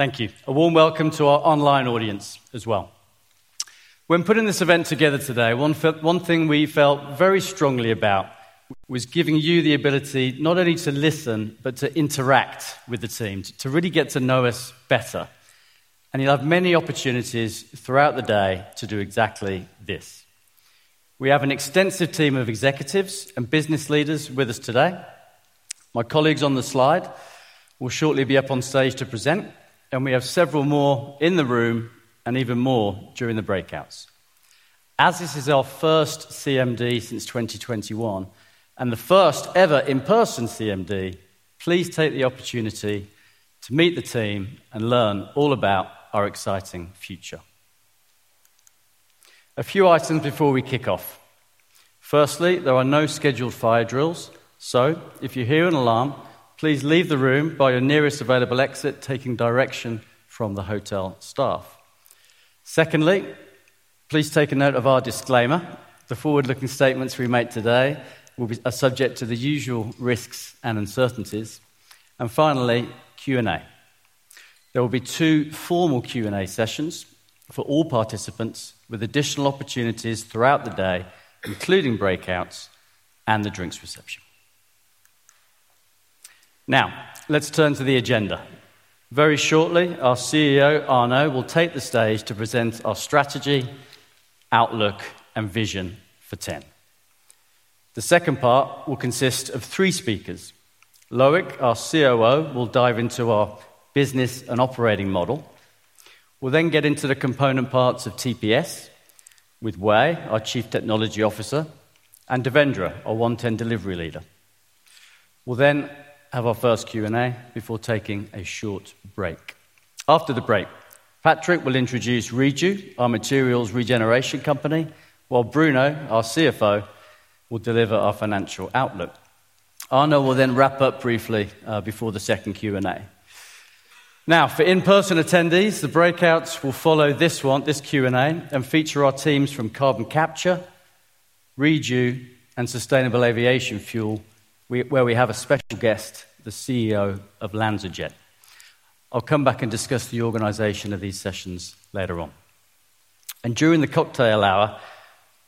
Thank you. A warm welcome to our online audience as well. When putting this event together today, one thing we felt very strongly about was giving you the ability not only to listen, but to interact with the team, to really get to know us better. And you'll have many opportunities throughout the day to do exactly this. We have an extensive team of executives and business leaders with us today. My colleagues on the slide will shortly be up on stage to present, and we have several more in the room and even more during the breakouts. As this is our first CMD since 2021 and the first ever in-person CMD, please take the opportunity to meet the team and learn all about our exciting future. A few items before we kick off. Firstly, there are no scheduled fire drills, so if you hear an alarm, please leave the room by your nearest available exit, taking direction from the hotel staff. Secondly, please take a note of our disclaimer. The forward-looking statements we make today will be subject to the usual risks and uncertainties, and finally, Q&A. There will be two formal Q&A sessions for all participants, with additional opportunities throughout the day, including breakouts and the drinks reception. Now, let's turn to the agenda. Very shortly, our CEO, Arnaud, will take the stage to present our strategy, outlook, and vision for T.EN. The second part will consist of three speakers. Loïc, our COO, will dive into our business and operating model. We'll then get into the component parts of TPS with Wei, our Chief Technology Officer, and Davendra, our One T.EN Delivery Leader. We'll then have our first Q&A before taking a short break. After the break, Patrik will introduce Reju, our materials regeneration company, while Bruno, our CFO, will deliver our financial outlook. Arnaud will then wrap up briefly before the second Q&A. Now, for in-person attendees, the breakouts will follow this Q&A and feature our teams from Carbon Capture, Reju, and Sustainable Aviation Fuel, where we have a special guest, the CEO of LanzaJet. I'll come back and discuss the organization of these sessions later on. And during the cocktail hour,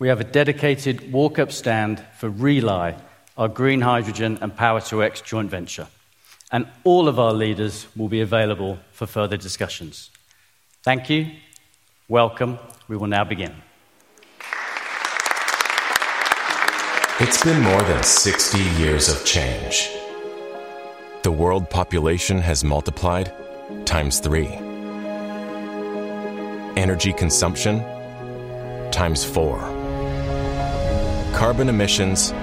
we have a dedicated walk-up stand for Rely, our green hydrogen and Power-to-X joint venture. And all of our leaders will be available for further discussions. Thank you. Welcome. We will now begin. It's been more than 60 years of change. The world population has multiplied times three. Energy consumption times four. Carbon emissions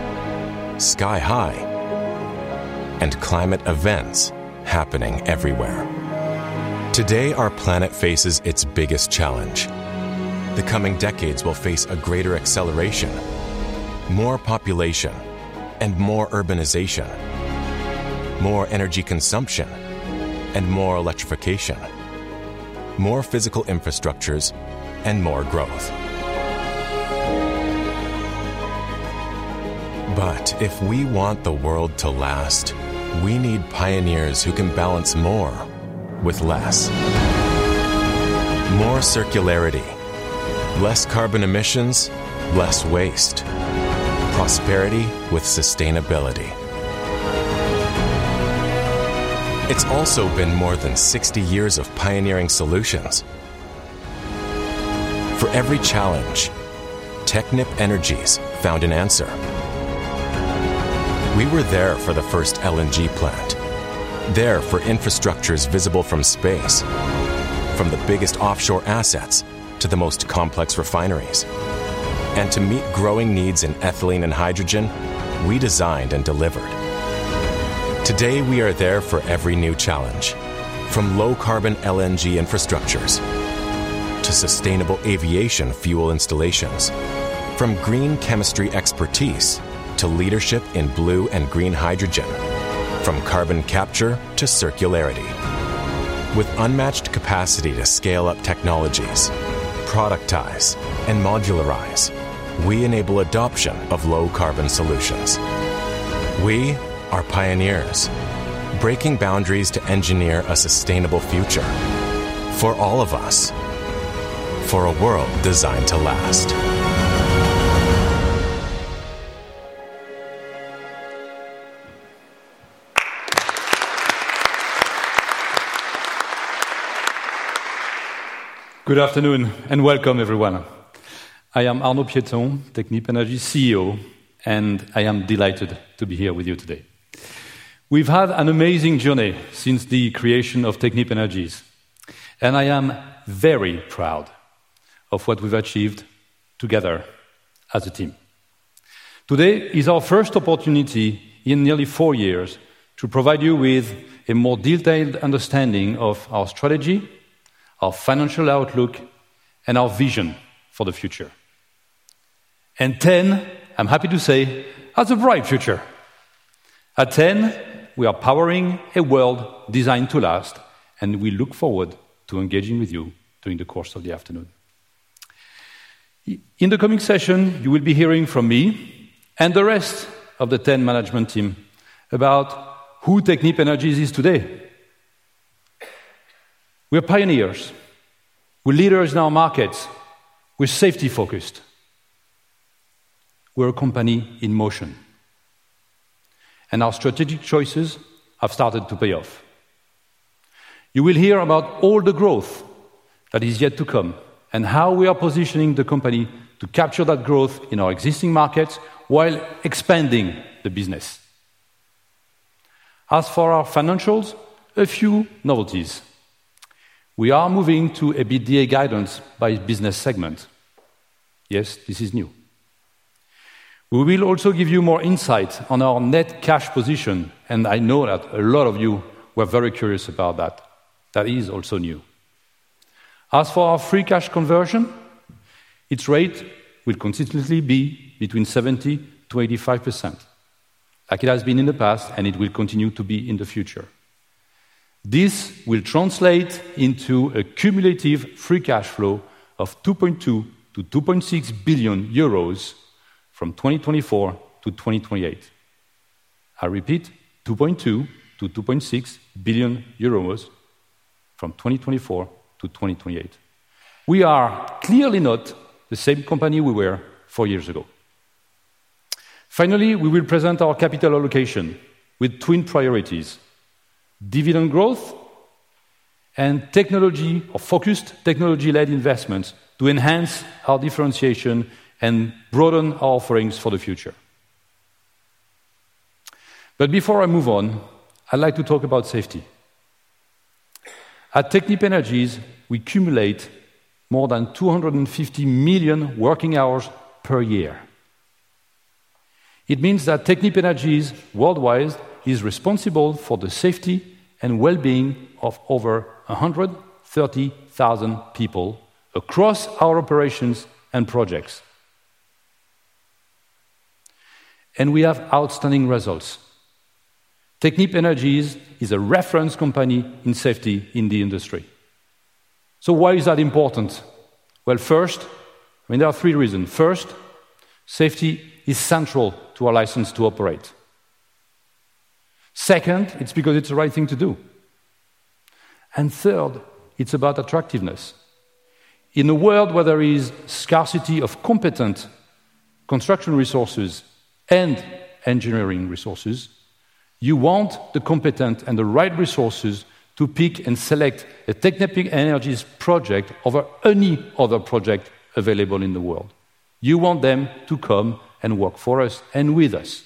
sky-high, and climate events happening everywhere. Today, our planet faces its biggest challenge. The coming decades will face a greater acceleration, more population, and more urbanization, more energy consumption, and more electrification, more physical infrastructures, and more growth. But if we want the world to last, we need pioneers who can balance more with less. More circularity. Less carbon emissions, less waste. Prosperity with sustainability. It's also been more than 60 years of pioneering solutions. For every challenge, Technip Energies found an answer. We were there for the first LNG plant, there for infrastructures visible from space, from the biggest offshore assets to the most complex refineries, and to meet growing needs in ethylene and hydrogen, we designed and delivered. Today, we are there for every new challenge, from low-carbon LNG infrastructures to sustainable aviation fuel installations, from green chemistry expertise to leadership in blue and green hydrogen, from carbon capture to circularity. With unmatched capacity to scale up technologies, productize, and modularize, we enable adoption of low-carbon solutions. We are pioneers, breaking boundaries to engineer a sustainable future for all of us, for a world designed to last. Good afternoon and welcome, everyone. I am Arnaud Pieton, Technip Energies CEO, and I am delighted to be here with you today. We've had an amazing journey since the creation of Technip Energies, and I am very proud of what we've achieved together as a team. Today is our first opportunity in nearly four years to provide you with a more detailed understanding of our strategy, our financial outlook, and our vision for the future, and T.EN, I'm happy to say, has a bright future. At T.EN, we are powering a world designed to last, and we look forward to engaging with you during the course of the afternoon. In the coming session, you will be hearing from me and the rest of the T.EN management team about who Technip Energies is today. We are pioneers. We're leaders in our markets. We're safety-focused. We're a company in motion. Our strategic choices have started to pay off. You will hear about all the growth that is yet to come and how we are positioning the company to capture that growth in our existing markets while expanding the business. As for our financials, a few novelties. We are moving to an EBITDA guidance by business segment. Yes, this is new. We will also give you more insight on our net cash position, and I know that a lot of you were very curious about that. That is also new. As for our free cash conversion, its rate will consistently be between 70%-85%, like it has been in the past, and it will continue to be in the future. This will translate into a cumulative free cash flow of 2.2 billion-2.6 billion euros from 2024 to 2028. I repeat, 2.2 billion-2.6 billion euros from 2024 to 2028. We are clearly not the same company we were four years ago. Finally, we will present our capital allocation with twin priorities: dividend growth and technology or focused technology-led investments to enhance our differentiation and broaden our offerings for the future. But before I move on, I'd like to talk about safety. At Technip Energies, we accumulate more than 250 million working hours per year. It means that Technip Energies, worldwide, is responsible for the safety and well-being of over 130,000 people across our operations and projects. And we have outstanding results. Technip Energies is a reference company in safety in the industry. So why is that important? Well, first, I mean, there are three reasons. First, safety is central to our license to operate. Second, it's because it's the right thing to do. And third, it's about attractiveness. In a world where there is scarcity of competent construction resources and engineering resources, you want the competent and the right resources to pick and select a Technip Energies project over any other project available in the world. You want them to come and work for us and with us.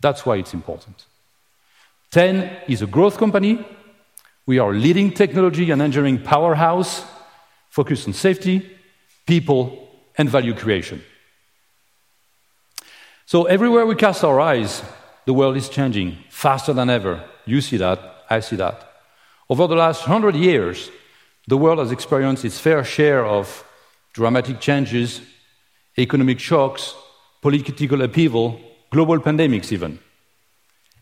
That's why it's important. T.EN is a growth company. We are a leading technology and engineering powerhouse focused on safety, people, and value creation. So everywhere we cast our eyes, the world is changing faster than ever. You see that. I see that. Over the last 100 years, the world has experienced its fair share of dramatic changes, economic shocks, political upheaval, global pandemics even.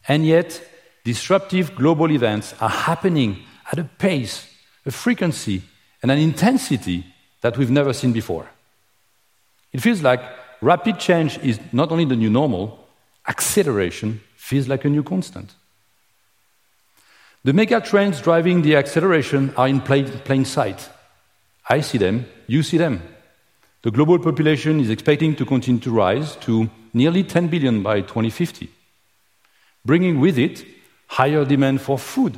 And yet, disruptive global events are happening at a pace, a frequency, and an intensity that we've never seen before. It feels like rapid change is not only the new normal. Acceleration feels like a new constant. The mega trends driving the acceleration are in plain sight. I see them. You see them. The global population is expecting to continue to rise to nearly 10 billion by 2050, bringing with it higher demand for food,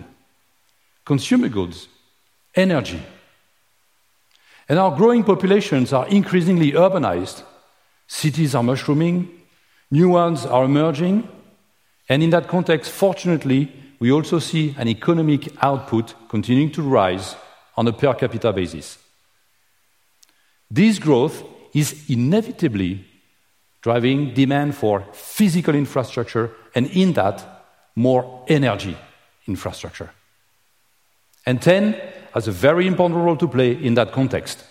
consumer goods, energy. And our growing populations are increasingly urbanized. Cities are mushrooming. New ones are emerging. And in that context, fortunately, we also see an economic output continuing to rise on a per-capita basis. This growth is inevitably driving demand for physical infrastructure and, in that, more energy infrastructure. And T.EN has a very important role to play in that context.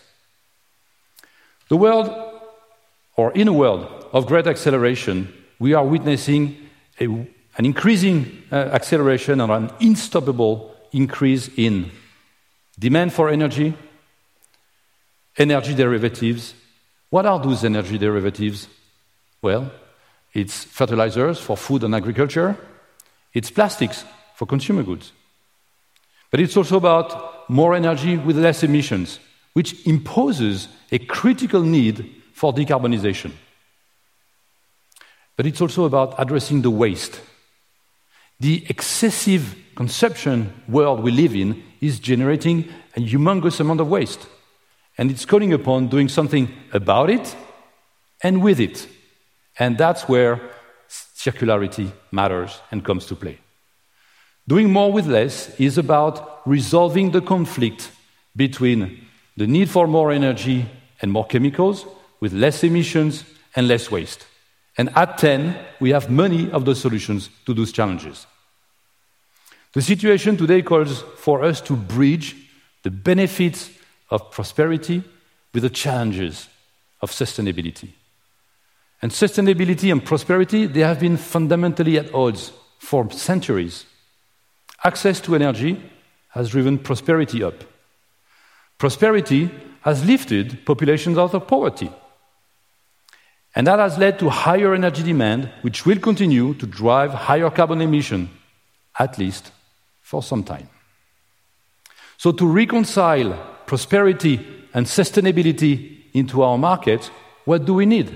The world, or in a world of great acceleration, we are witnessing an increasing acceleration and an unstoppable increase in demand for energy, energy derivatives. What are those energy derivatives? It's fertilizers for food and agriculture. It's plastics for consumer goods. But it's also about more energy with less emissions, which imposes a critical need for decarbonization. But it's also about addressing the waste. The excessive consumption world we live in is generating a humongous amount of waste, and it's calling upon doing something about it and with it. And that's where circularity matters and comes to play. Doing more with less is about resolving the conflict between the need for more energy and more chemicals with less emissions and less waste. And at T.EN, we have many of the solutions to those challenges. The situation today calls for us to bridge the benefits of prosperity with the challenges of sustainability. And sustainability and prosperity, they have been fundamentally at odds for centuries. Access to energy has driven prosperity up. Prosperity has lifted populations out of poverty. And that has led to higher energy demand, which will continue to drive higher carbon emissions, at least for some time. So to reconcile prosperity and sustainability into our markets, what do we need?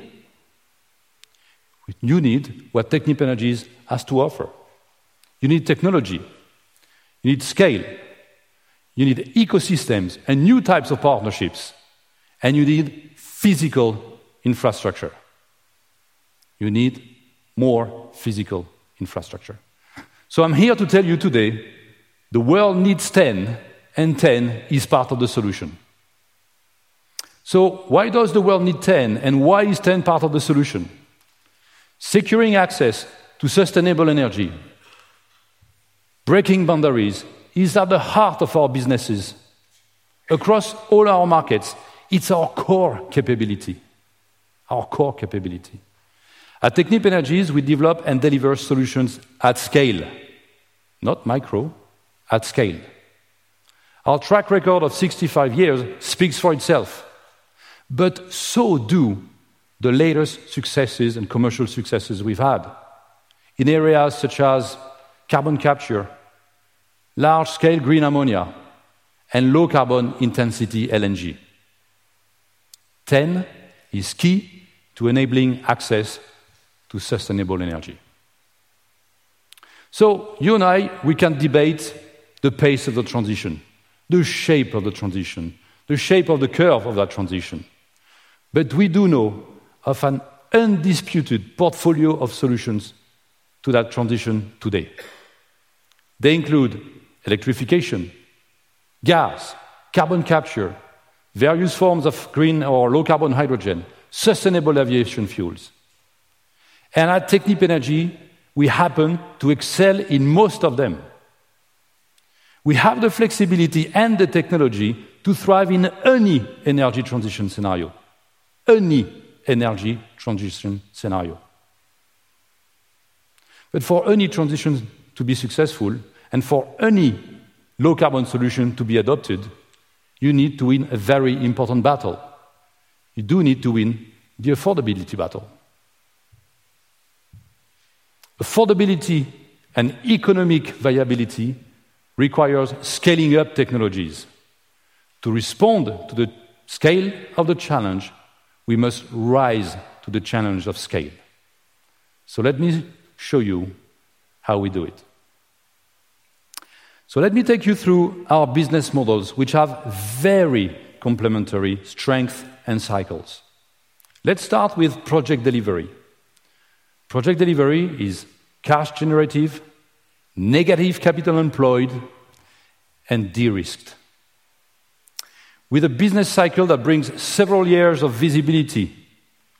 You need what Technip Energies has to offer. You need technology. You need scale. You need ecosystems and new types of partnerships. And you need physical infrastructure. You need more physical infrastructure. So I'm here to tell you today, the world needs T.EN, and T.EN is part of the solution. So why does the world need T.EN, and why is T.EN part of the solution? Securing access to sustainable energy, breaking boundaries is at the heart of our businesses. Across all our markets, it's our core capability, our core capability. At Technip Energies, we develop and deliver solutions at scale. Not micro, at scale. Our track record of 65 years speaks for itself, but so do the latest successes and commercial successes we've had in areas such as carbon capture, large-scale green ammonia, and low-carbon intensity LNG. T.EN is key to enabling access to sustainable energy. So you and I, we can debate the pace of the transition, the shape of the transition, the shape of the curve of that transition. But we do know of an undisputed portfolio of solutions to that transition today. They include electrification, gas, carbon capture, various forms of green or low-carbon hydrogen, sustainable aviation fuels. And at Technip Energies, we happen to excel in most of them. We have the flexibility and the technology to thrive in any energy transition scenario, any energy transition scenario. But for any transition to be successful and for any low-carbon solution to be adopted, you need to win a very important battle. You do need to win the affordability battle. Affordability and economic viability require scaling up technologies. To respond to the scale of the challenge, we must rise to the challenge of scale. So let me show you how we do it. So let me take you through our business models, which have very complementary strengths and cycles. Let's start with Project Delivery. Project Delivery is cash-generative, negative capital employed, and de-risked, with a business cycle that brings several years of visibility,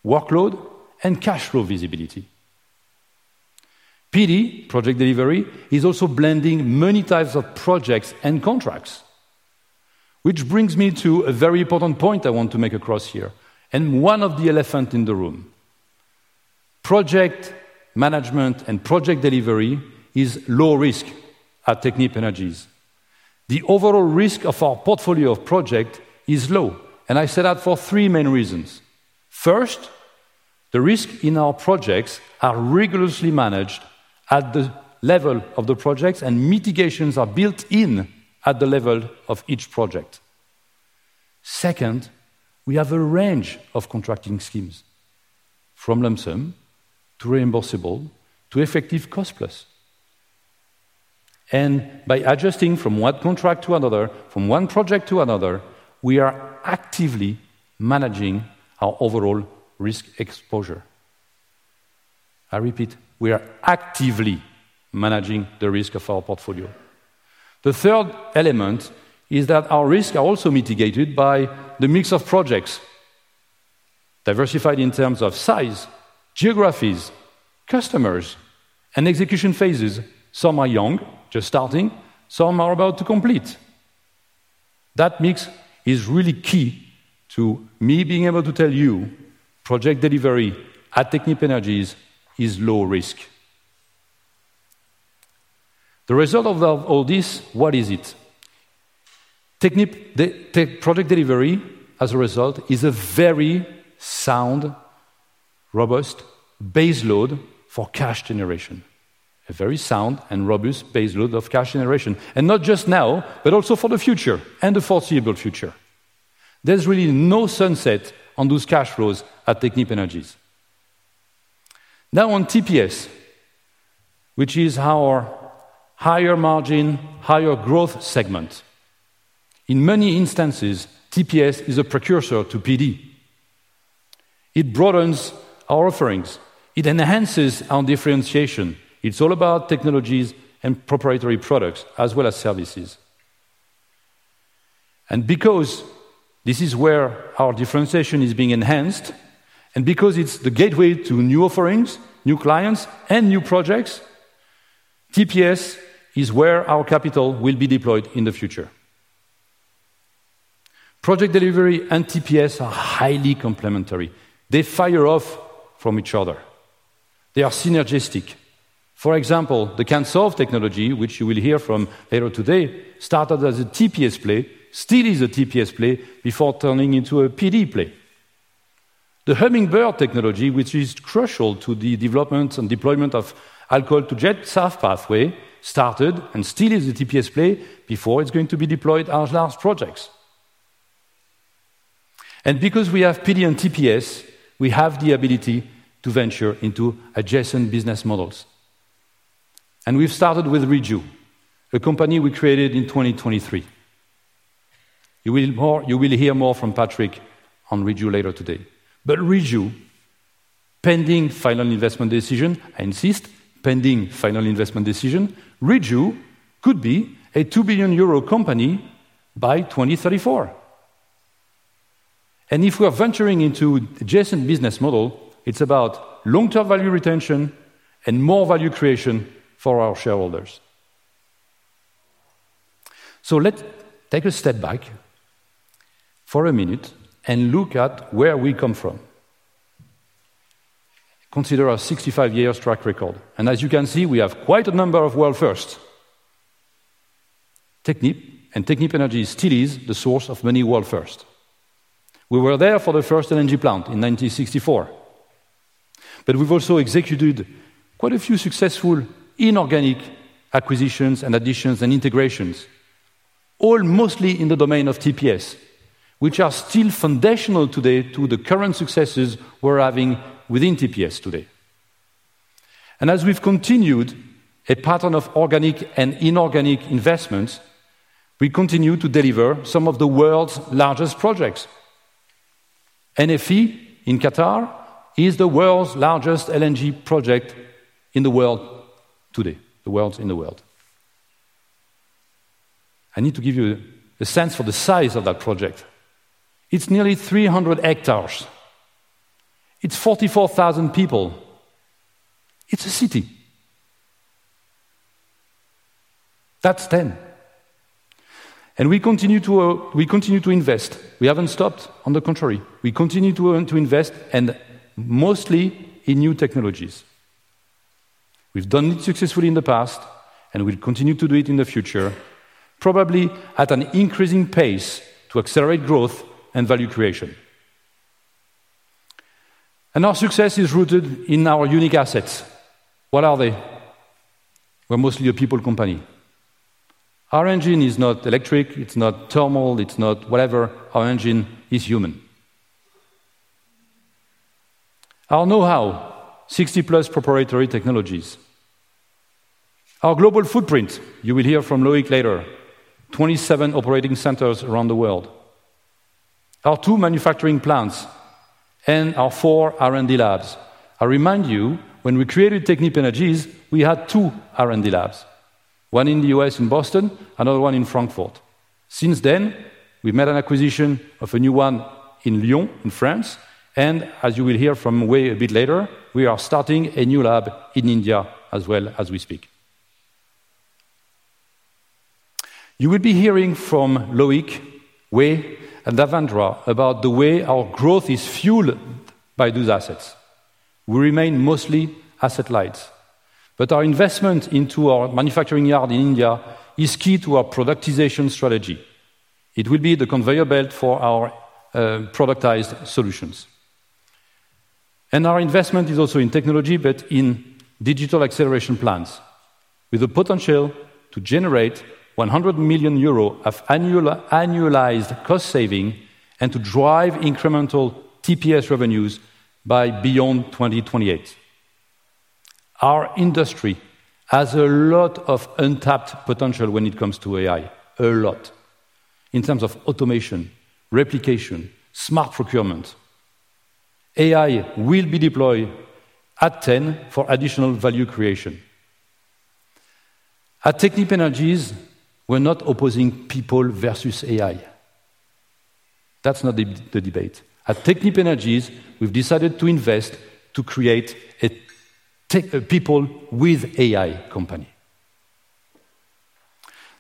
workload, and cash flow visibility. PD, Project Delivery, is also blending many types of projects and contracts, which brings me to a very important point I want to make across here, and one of the elephants in the room. Project management and Project Delivery is low risk at Technip Energies. The overall risk of our portfolio of projects is low, and I said that for three main reasons. First, the risks in our projects are rigorously managed at the level of the projects, and mitigations are built in at the level of each project. Second, we have a range of contracting schemes, from lump sum to reimbursable to effective cost-plus. And by adjusting from one contract to another, from one project to another, we are actively managing our overall risk exposure. I repeat, we are actively managing the risk of our portfolio. The third element is that our risks are also mitigated by the mix of projects, diversified in terms of size, geographies, customers, and execution phases. Some are young, just starting. Some are about to complete. That mix is really key to me being able to tell you Project Delivery at Technip Energies is low risk. The result of all this, what is it? Project Delivery, as a result, is a very sound, robust baseload for cash generation, a very sound and robust baseload of cash generation, and not just now, but also for the future and the foreseeable future. There's really no sunset on those cash flows at Technip Energies. Now on TPS, which is our higher margin, higher growth segment. In many instances, TPS is a precursor to PD. It broadens our offerings. It enhances our differentiation. It's all about technologies and proprietary products as well as services, and because this is where our differentiation is being enhanced, and because it's the gateway to new offerings, new clients, and new projects, TPS is where our capital will be deployed in the future. Project Delivery and TPS are highly complementary. They fire off from each other. They are synergistic. For example, the CANSOLV technology, which you will hear from later today, started as a TPS play, still is a TPS play before turning into a PD play. The Hummingbird technology, which is crucial to the development and deployment of alcohol-to-jet SAF pathway, started and still is a TPS play before it's going to be deployed on large projects. And because we have PD and TPS, we have the ability to venture into adjacent business models. And we've started with Reju, a company we created in 2023. You will hear more from Patrick on Reju later today. But Reju, pending final investment decision, I insist, pending final investment decision, Reju could be a 2 billion euro company by 2034. And if we are venturing into an adjacent business model, it's about long-term value retention and more value creation for our shareholders. So let's take a step back for a minute and look at where we come from. Consider our 65-year track record. And as you can see, we have quite a number of world firsts. Technip Energies still is the source of many world firsts. We were there for the first energy plant in 1964. But we've also executed quite a few successful inorganic acquisitions and additions and integrations, all mostly in the domain of TPS, which are still foundational today to the current successes we're having within TPS today. And as we've continued a pattern of organic and inorganic investments, we continue to deliver some of the world's largest projects. NFE in Qatar is the world's largest LNG project in the world today. I need to give you a sense for the size of that project. It's nearly 300 hectares. It's 44,000 people. It's a city. That's T.EN. And we continue to invest. We haven't stopped, on the contrary. We continue to invest, and mostly in new technologies. We've done it successfully in the past, and we'll continue to do it in the future, probably at an increasing pace to accelerate growth and value creation. And our success is rooted in our unique assets. What are they? We're mostly a people company. Our engine is not electric. It's not thermal. It's not whatever. Our engine is human. Our know-how, 60+ proprietary technologies. Our global footprint, you will hear from Loïc later, 27 operating centers around the world. Our two manufacturing plants and our four R&D labs. I remind you, when we created Technip Energies, we had two R&D labs, one in the U.S. in Boston, another one in Frankfurt. Since then, we made an acquisition of a new one in Lyon, in France. As you will hear from Wei a bit later, we are starting a new lab in India as well as we speak. You will be hearing from Loïc, Wei, and Davendra about the way our growth is fueled by those assets. We remain mostly asset-light, but our investment into our manufacturing yard in India is key to our productization strategy. It will be the conveyor belt for our productized solutions. Our investment is also in technology, but in digital acceleration plants with the potential to generate 100 million euros of annualized cost saving and to drive incremental TPS revenues by beyond 2028. Our industry has a lot of untapped potential when it comes to AI, a lot, in terms of automation, replication, smart procurement. AI will be deployed at T.EN for additional value creation. At Technip Energies, we're not opposing people versus AI. That's not the debate. At Technip Energies, we've decided to invest to create a people with AI company.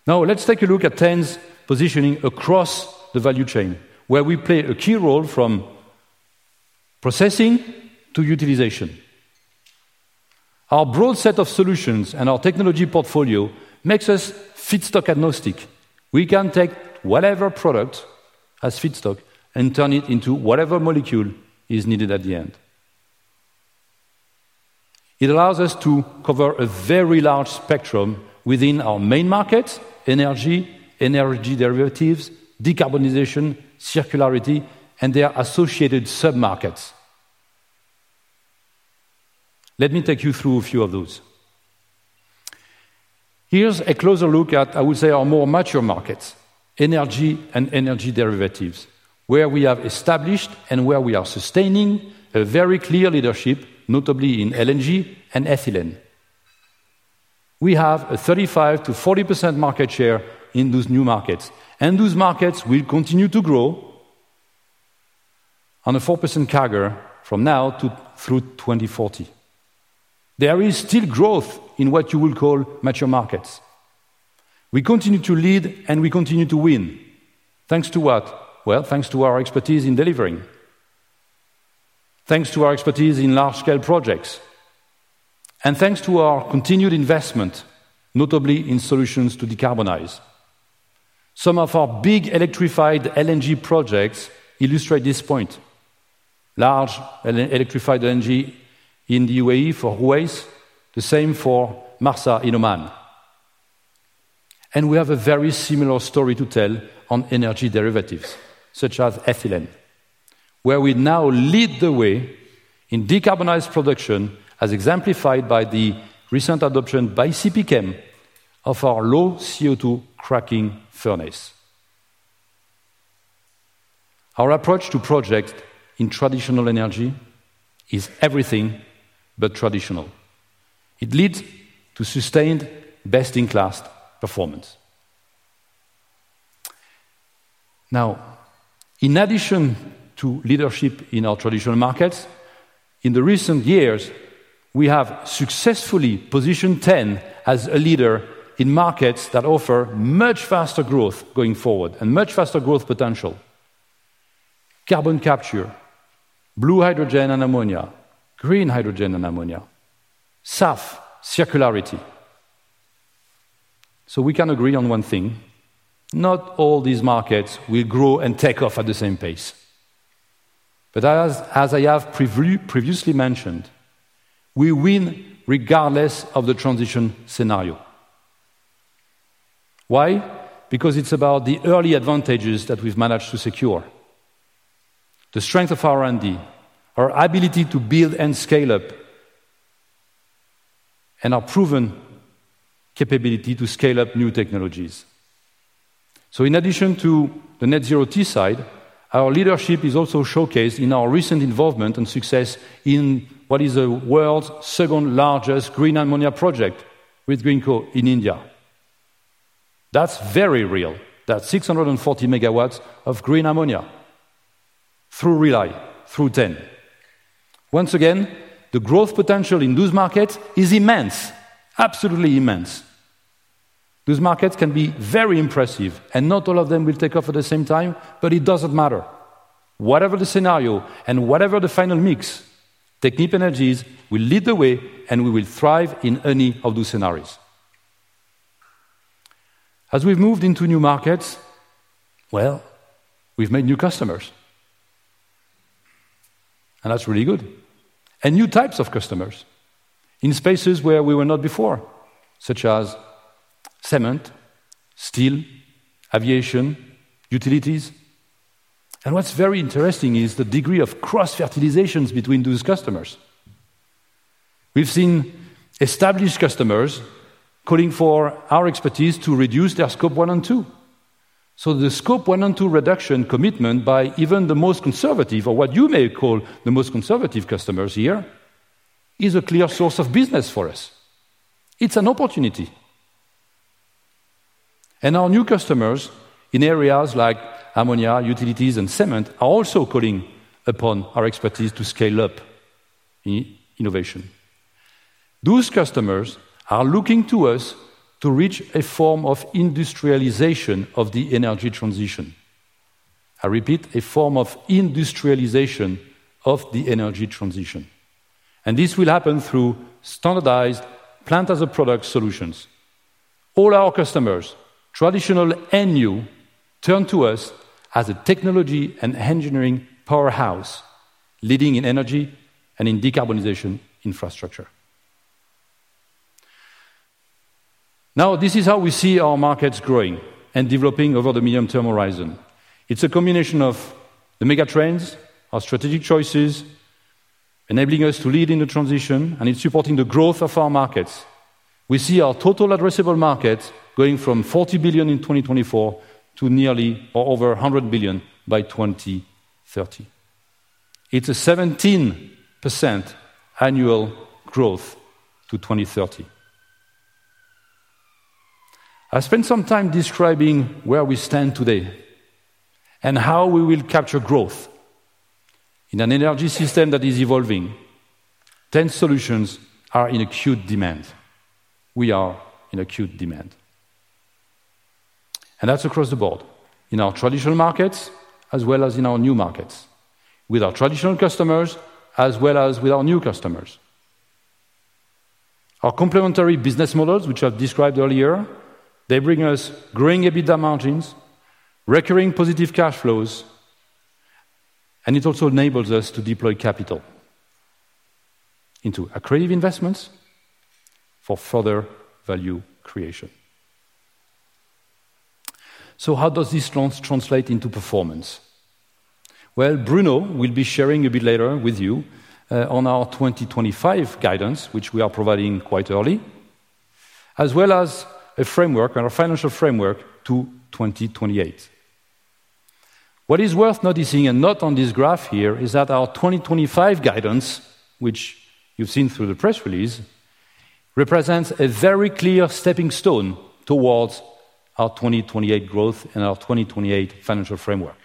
Now, let's take a look at T.EN's positioning across the value chain, where we play a key role from processing to utilization. Our broad set of solutions and our technology portfolio makes us feedstock agnostic. We can take whatever product as feedstock and turn it into whatever molecule is needed at the end. It allows us to cover a very large spectrum within our main markets, energy, energy derivatives, decarbonization, circularity, and their associated sub-markets. Let me take you through a few of those. Here's a closer look at, I would say, our more mature markets, energy and energy derivatives, where we have established and where we are sustaining a very clear leadership, notably in LNG and ethylene. We have a 35%-40% market share in those new markets, and those markets will continue to grow on a 4% CAGR from now through 2040. There is still growth in what you will call mature markets. We continue to lead, and we continue to win. Thanks to what? Well, thanks to our expertise in delivering. Thanks to our expertise in large-scale projects. And thanks to our continued investment, notably in solutions to decarbonize. Some of our big electrified LNG projects illustrate this point. Large electrified LNG in the UAE for ADNOC, the same for Marsa in Oman. And we have a very similar story to tell on energy derivatives, such as ethylene, where we now lead the way in decarbonized production, as exemplified by the recent adoption by CPChem of our low-CO2 cracking furnace. Our approach to projects in traditional energy is everything but traditional. It leads to sustained best-in-class performance. Now, in addition to leadership in our traditional markets, in the recent years, we have successfully positioned T.EN as a leader in markets that offer much faster growth going forward and much faster growth potential: carbon capture, blue hydrogen and ammonia, green hydrogen and ammonia, SAF circularity. So we can agree on one thing: not all these markets will grow and take off at the same pace. But as I have previously mentioned, we win regardless of the transition scenario. Why? Because it's about the early advantages that we've managed to secure, the strength of our R&D, our ability to build and scale up, and our proven capability to scale up new technologies. So in addition to the Net Zero Teesside, our leadership is also showcased in our recent involvement and success in what is the world's second largest green ammonia project with Greenko in India. That's very real. That's 640 MW of green ammonia through Rely, through T.EN. Once again, the growth potential in those markets is immense, absolutely immense. Those markets can be very impressive, and not all of them will take off at the same time, but it doesn't matter. Whatever the scenario and whatever the final mix, Technip Energies will lead the way, and we will thrive in any of those scenarios. As we've moved into new markets, well, we've made new customers. And that's really good. And new types of customers in spaces where we were not before, such as cement, steel, aviation, utilities. And what's very interesting is the degree of cross-fertilizations between those customers. We've seen established customers calling for our expertise to reduce their Scope 1 and 2. So the Scope 1 and 2 reduction commitment by even the most conservative, or what you may call the most conservative customers here, is a clear source of business for us. It's an opportunity. And our new customers in areas like ammonia, utilities, and cement are also calling upon our expertise to scale up innovation. Those customers are looking to us to reach a form of industrialization of the energy transition. I repeat, a form of industrialization of the energy transition. And this will happen through standardized plant-as-a-product solutions. All our customers, traditional and new, turn to us as a technology and engineering powerhouse leading in energy and in decarbonization infrastructure. Now, this is how we see our markets growing and developing over the medium-term horizon. It's a combination of the mega trends, our strategic choices, enabling us to lead in the transition, and it's supporting the growth of our markets. We see our total addressable market going from 40 billion in 2024 to nearly or over 100 billion by 2030. It's a 17% annual growth to 2030. I spent some time describing where we stand today and how we will capture growth in an energy system that is evolving. T.EN solutions are in acute demand. We are in acute demand. And that's across the board in our traditional markets as well as in our new markets, with our traditional customers as well as with our new customers. Our complementary business models, which I've described earlier, they bring us growing EBITDA margins, recurring positive cash flows, and it also enables us to deploy capital into accretive investments for further value creation. So how does this launch translate into performance? Well, Bruno will be sharing a bit later with you on our 2025 guidance, which we are providing quite early, as well as a framework, our financial framework to 2028. What is worth noticing, and not on this graph here, is that our 2025 guidance, which you've seen through the press release, represents a very clear stepping stone towards our 2028 growth and our 2028 financial framework.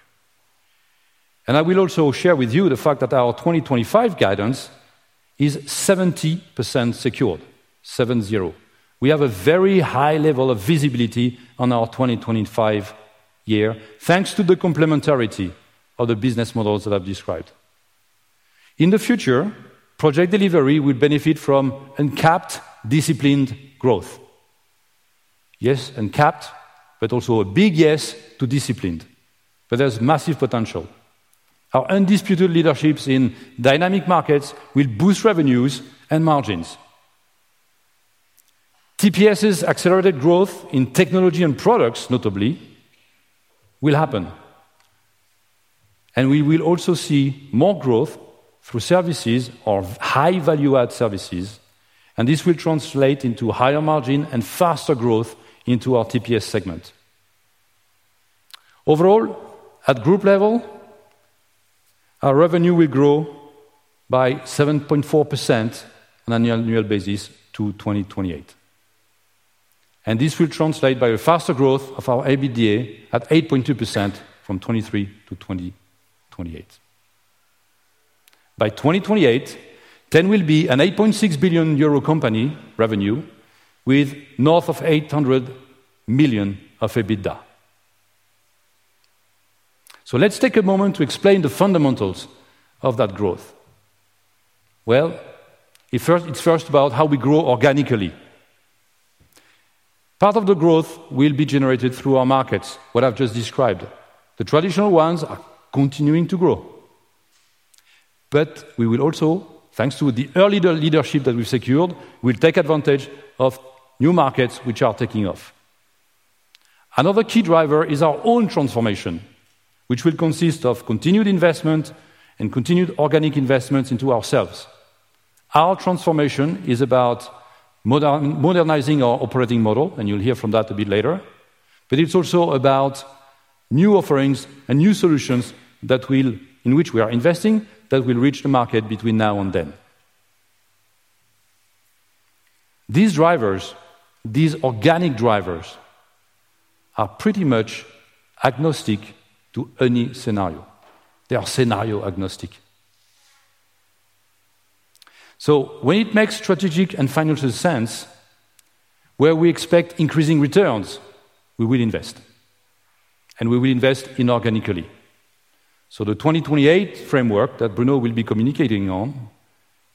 And I will also share with you the fact that our 2025 guidance is 70% secured, seven-zero. We have a very high level of visibility on our 2025 year thanks to the complementarity of the business models that I've described. In the future, Project Delivery will benefit from uncapped, disciplined growth. Yes, uncapped, but also a big yes to disciplined, but there's massive potential. Our undisputed leaderships in dynamic markets will boost revenues and margins. TPS' accelerated growth in technology and products, notably, will happen. And we will also see more growth through services or high-value-add services, and this will translate into higher margin and faster growth into our TPS segment. Overall, at group level, our revenue will grow by 7.4% on an annual basis to 2028. And this will translate by a faster growth of our EBITDA at 8.2% from 2023 to 2028. By 2028, T.EN will be an 8.6 billion euro company revenue with north of 800 million of EBITDA. So let's take a moment to explain the fundamentals of that growth. Well, it's first about how we grow organically. Part of the growth will be generated through our markets, what I've just described. The traditional ones are continuing to grow. But we will also, thanks to the early leadership that we've secured, take advantage of new markets which are taking off. Another key driver is our own transformation, which will consist of continued investment and continued organic investments into ourselves. Our transformation is about modernizing our operating model, and you'll hear from that a bit later. But it's also about new offerings and new solutions in which we are investing that will reach the market between now and then. These drivers, these organic drivers, are pretty much agnostic to any scenario. They are scenario-agnostic. So when it makes strategic and financial sense where we expect increasing returns, we will invest. And we will invest inorganically. So the 2028 framework that Bruno will be communicating on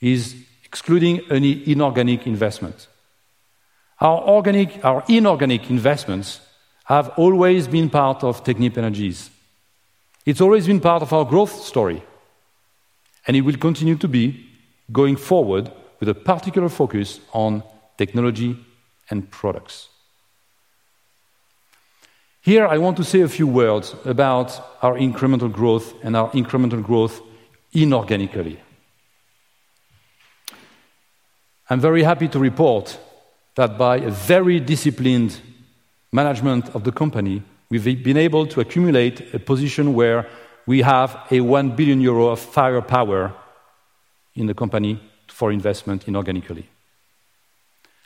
is excluding any inorganic investments. Our inorganic investments have always been part of Technip Energies. It's always been part of our growth story. And it will continue to be going forward with a particular focus on technology and products. Here, I want to say a few words about our incremental growth and our incremental growth inorganically. I'm very happy to report that by a very disciplined management of the company, we've been able to accumulate a position where we have 1 billion euro of firepower in the company for investment inorganically.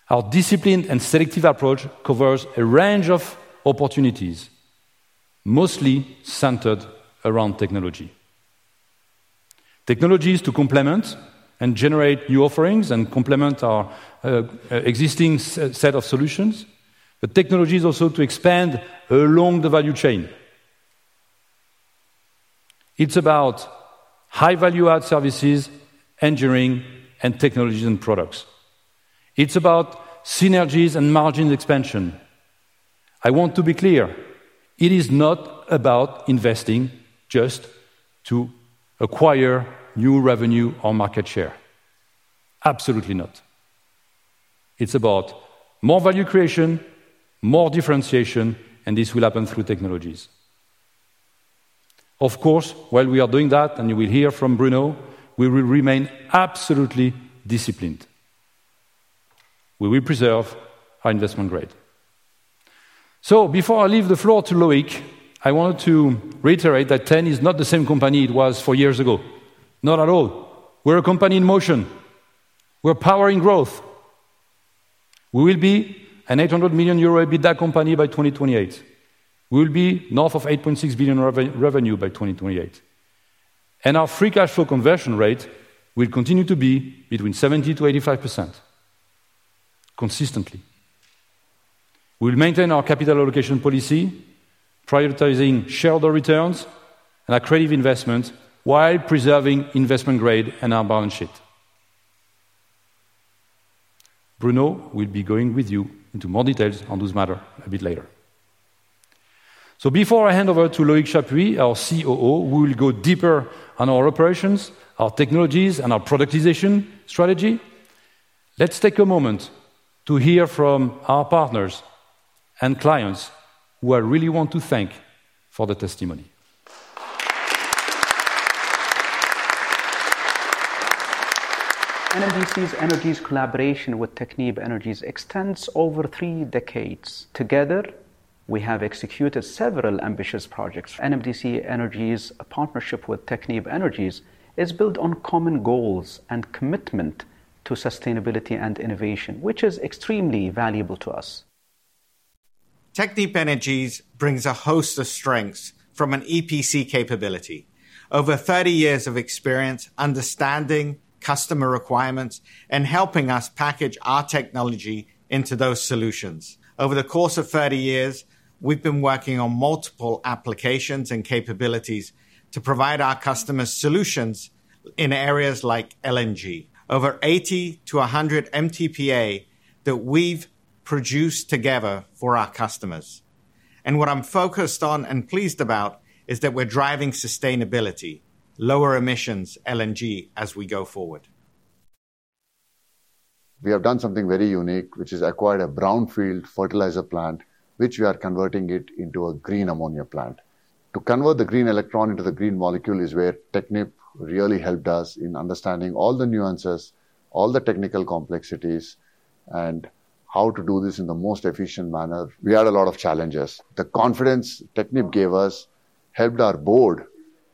Our disciplined and selective approach covers a range of opportunities, mostly centered around technology. Technologies to complement and generate new offerings and complement our existing set of solutions, but technologies also to expand along the value chain. It's about high-value-add services, engineering, and technologies and products. It's about synergies and margin expansion. I want to be clear. It is not about investing just to acquire new revenue or market share. Absolutely not. It's about more value creation, more differentiation, and this will happen through technologies. Of course, while we are doing that, and you will hear from Bruno, we will remain absolutely disciplined. We will preserve our investment grade. So before I leave the floor to Loïc, I wanted to reiterate that T.EN is not the same company it was four years ago. Not at all. We're a company in motion. We're powering growth. We will be an 800 million euro EBITDA company by 2028. We will be north of 8.6 billion revenue by 2028. And our free cash flow conversion rate will continue to be between 70%-85% consistently. We'll maintain our capital allocation policy, prioritizing shareholder returns and accretive investments while preserving investment grade and our balance sheet. Bruno will be going with you into more details on those matters a bit later. So before I hand over to Loïc Chapuis, our COO, we will go deeper on our operations, our technologies, and our productization strategy. Let's take a moment to hear from our partners and clients who I really want to thank for the testimony. NMDC Energy's collaboration with Technip Energies extends over three decades. Together, we have executed several ambitious projects. NMDC Energy's partnership with Technip Energies is built on common goals and commitment to sustainability and innovation, which is extremely valuable to us. Technip Energies brings a host of strengths from an EPC capability. Over 30 years of experience understanding customer requirements and helping us package our technology into those solutions. Over the course of 30 years, we've been working on multiple applications and capabilities to provide our customers solutions in areas like LNG. Over 80-100 MTPA that we've produced together for our customers. And what I'm focused on and pleased about is that we're driving sustainability, lower emissions, LNG as we go forward. We have done something very unique, which is acquired a brownfield fertilizer plant, which we are converting into a green ammonia plant. To convert the green electron into the green molecule is where Technip really helped us in understanding all the nuances, all the technical complexities, and how to do this in the most efficient manner. We had a lot of challenges. The confidence Technip gave us helped our board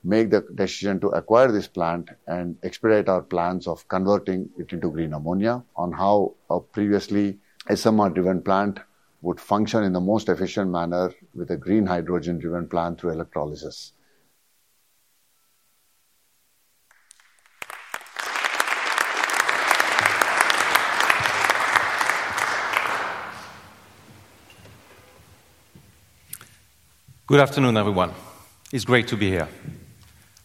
make the decision to acquire this plant and expedite our plans of converting it into green ammonia on how a previously SMR-driven plant would function in the most efficient manner with a green hydrogen-driven plant through electrolysis. Good afternoon, everyone. It's great to be here.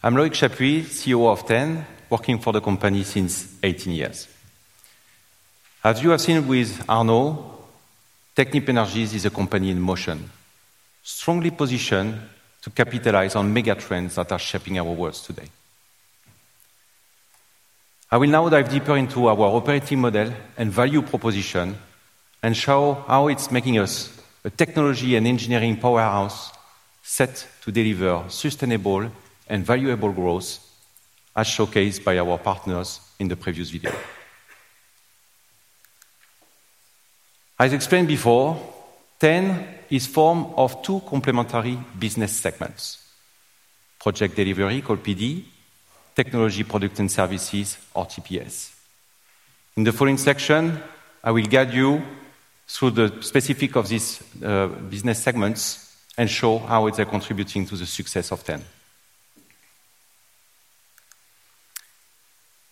I'm Loïc Chapuis, COO of T.EN, working for the company since 18 years. As you have seen with Arnaud, Technip Energies is a company in motion, strongly positioned to capitalize on mega trends that are shaping our world today. I will now dive deeper into our operating model and value proposition and show how it's making us a technology and engineering powerhouse set to deliver sustainable and valuable growth, as showcased by our partners in the previous video. As explained before, T.EN is formed of two complementary business segments: Project Delivery, called PD, technology products and services, or TPS. In the following section, I will guide you through the specifics of these business segments and show how it's contributing to the success of T.EN.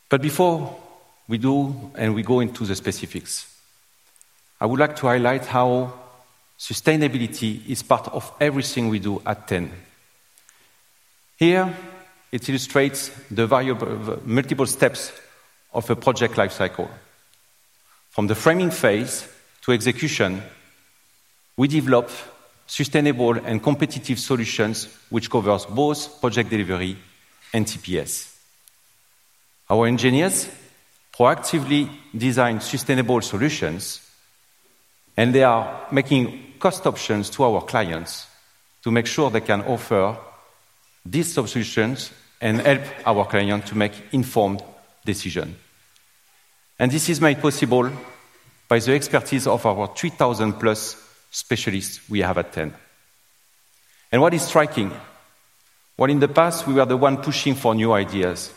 But before we do and we go into the specifics, I would like to highlight how sustainability is part of everything we do at T.EN. Here, it illustrates the multiple steps of a project lifecycle. From the framing phase to execution, we develop sustainable and competitive solutions which cover both Project Delivery and TPS. Our engineers proactively design sustainable solutions, and they are making cost options to our clients to make sure they can offer these solutions and help our clients to make informed decisions. And this is made possible by the expertise of our 3,000+ specialists we have at T.EN. And what is striking? While in the past, we were the ones pushing for new ideas,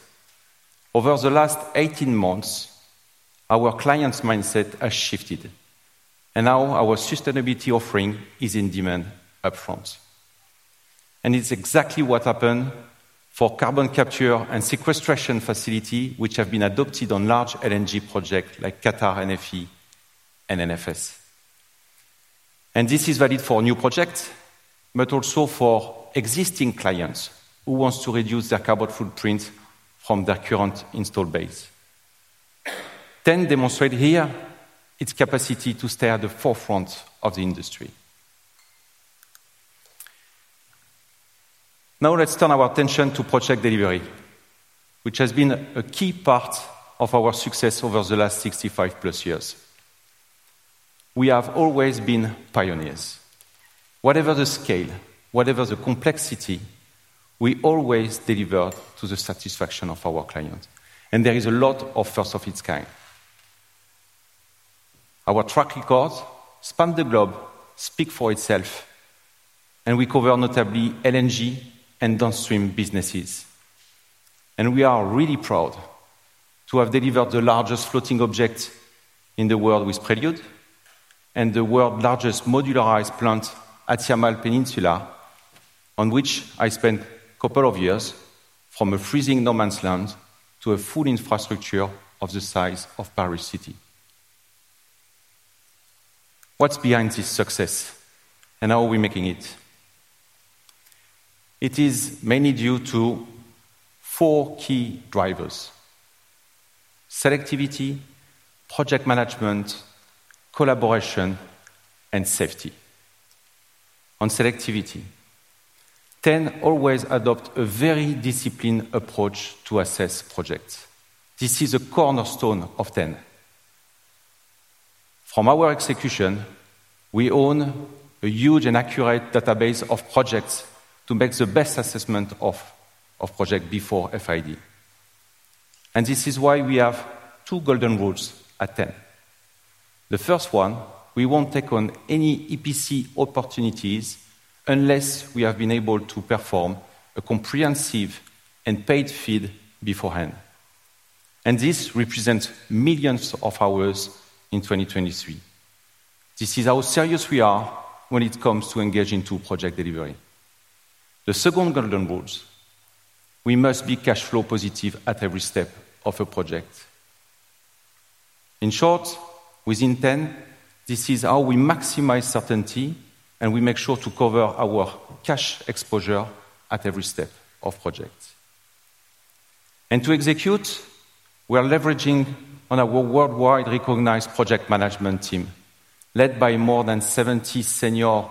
over the last 18 months, our clients' mindset has shifted. And now our sustainability offering is in demand upfront. And it's exactly what happened for carbon capture and sequestration facilities, which have been adopted on large LNG projects like Qatar, NFE, and NFS. And this is valid for new projects, but also for existing clients who want to reduce their carbon footprint from their current installed base. T.EN demonstrated here its capacity to stay at the forefront of the industry. Now let's turn our attention to Project Delivery, which has been a key part of our success over the last 65+ years. We have always been pioneers. Whatever the scale, whatever the complexity, we always deliver to the satisfaction of our clients. And there is a lot of firsts of its kind. Our track record spans the globe, speaks for itself. And we cover notably LNG and downstream businesses. And we are really proud to have delivered the largest floating object in the world with Prelude and the world's largest modularized plant at the Yamal Peninsula, on which I spent a couple of years from a freezing no-man's land to a full infrastructure of the size of Paris City. What's behind this success, and how are we making it? It is mainly due to four key drivers: selectivity, project management, collaboration, and safety. On selectivity, T.EN always adopts a very disciplined approach to assess projects. This is a cornerstone of T.EN. From our execution, we own a huge and accurate database of projects to make the best assessment of projects before FID, and this is why we have two golden rules at T.EN. The first one, we won't take on any EPC opportunities unless we have been able to perform a comprehensive and paid FEED beforehand, and this represents millions of hours in 2023. This is how serious we are when it comes to engaging in Project Delivery. The second golden rule: we must be cash flow positive at every step of a project. In short, within T.EN, this is how we maximize certainty and we make sure to cover our cash exposure at every step of projects. To execute, we are leveraging our worldwide-recognized project management team led by more than 70 senior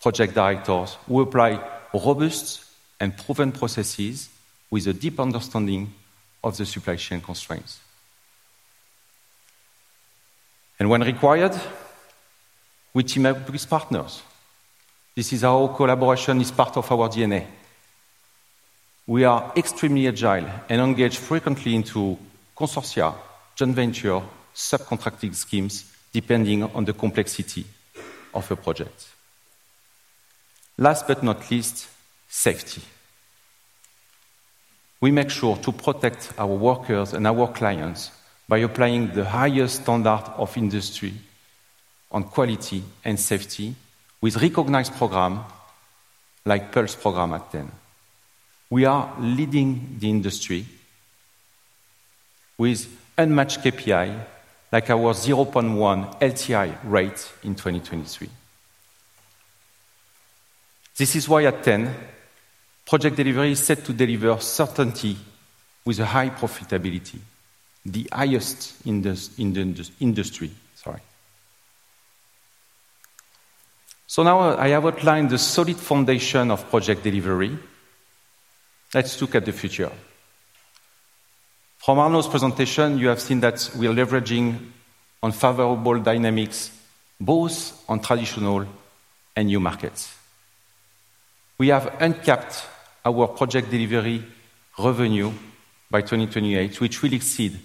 project directors who apply robust and proven processes with a deep understanding of the supply chain constraints. When required, we team up with partners. This is how collaboration is part of our DNA. We are extremely agile and engage frequently into consortia, joint ventures, subcontracting schemes, depending on the complexity of a project. Last but not least, safety. We make sure to protect our workers and our clients by applying the highest standard of industry on quality and safety with recognized programs like Pulse programme at T.EN. We are leading the industry with unmatched KPIs like our 0.1 LTI rate in 2023. This is why at T.EN, Project Delivery is set to deliver certainty with a high profitability, the highest in the industry. Sorry. So now I have outlined the solid foundation of Project Delivery. Let's look at the future. From Arnaud's presentation, you have seen that we are leveraging unfavorable dynamics both on traditional and new markets. We have uncapped our Project Delivery revenue by 2028, which will exceed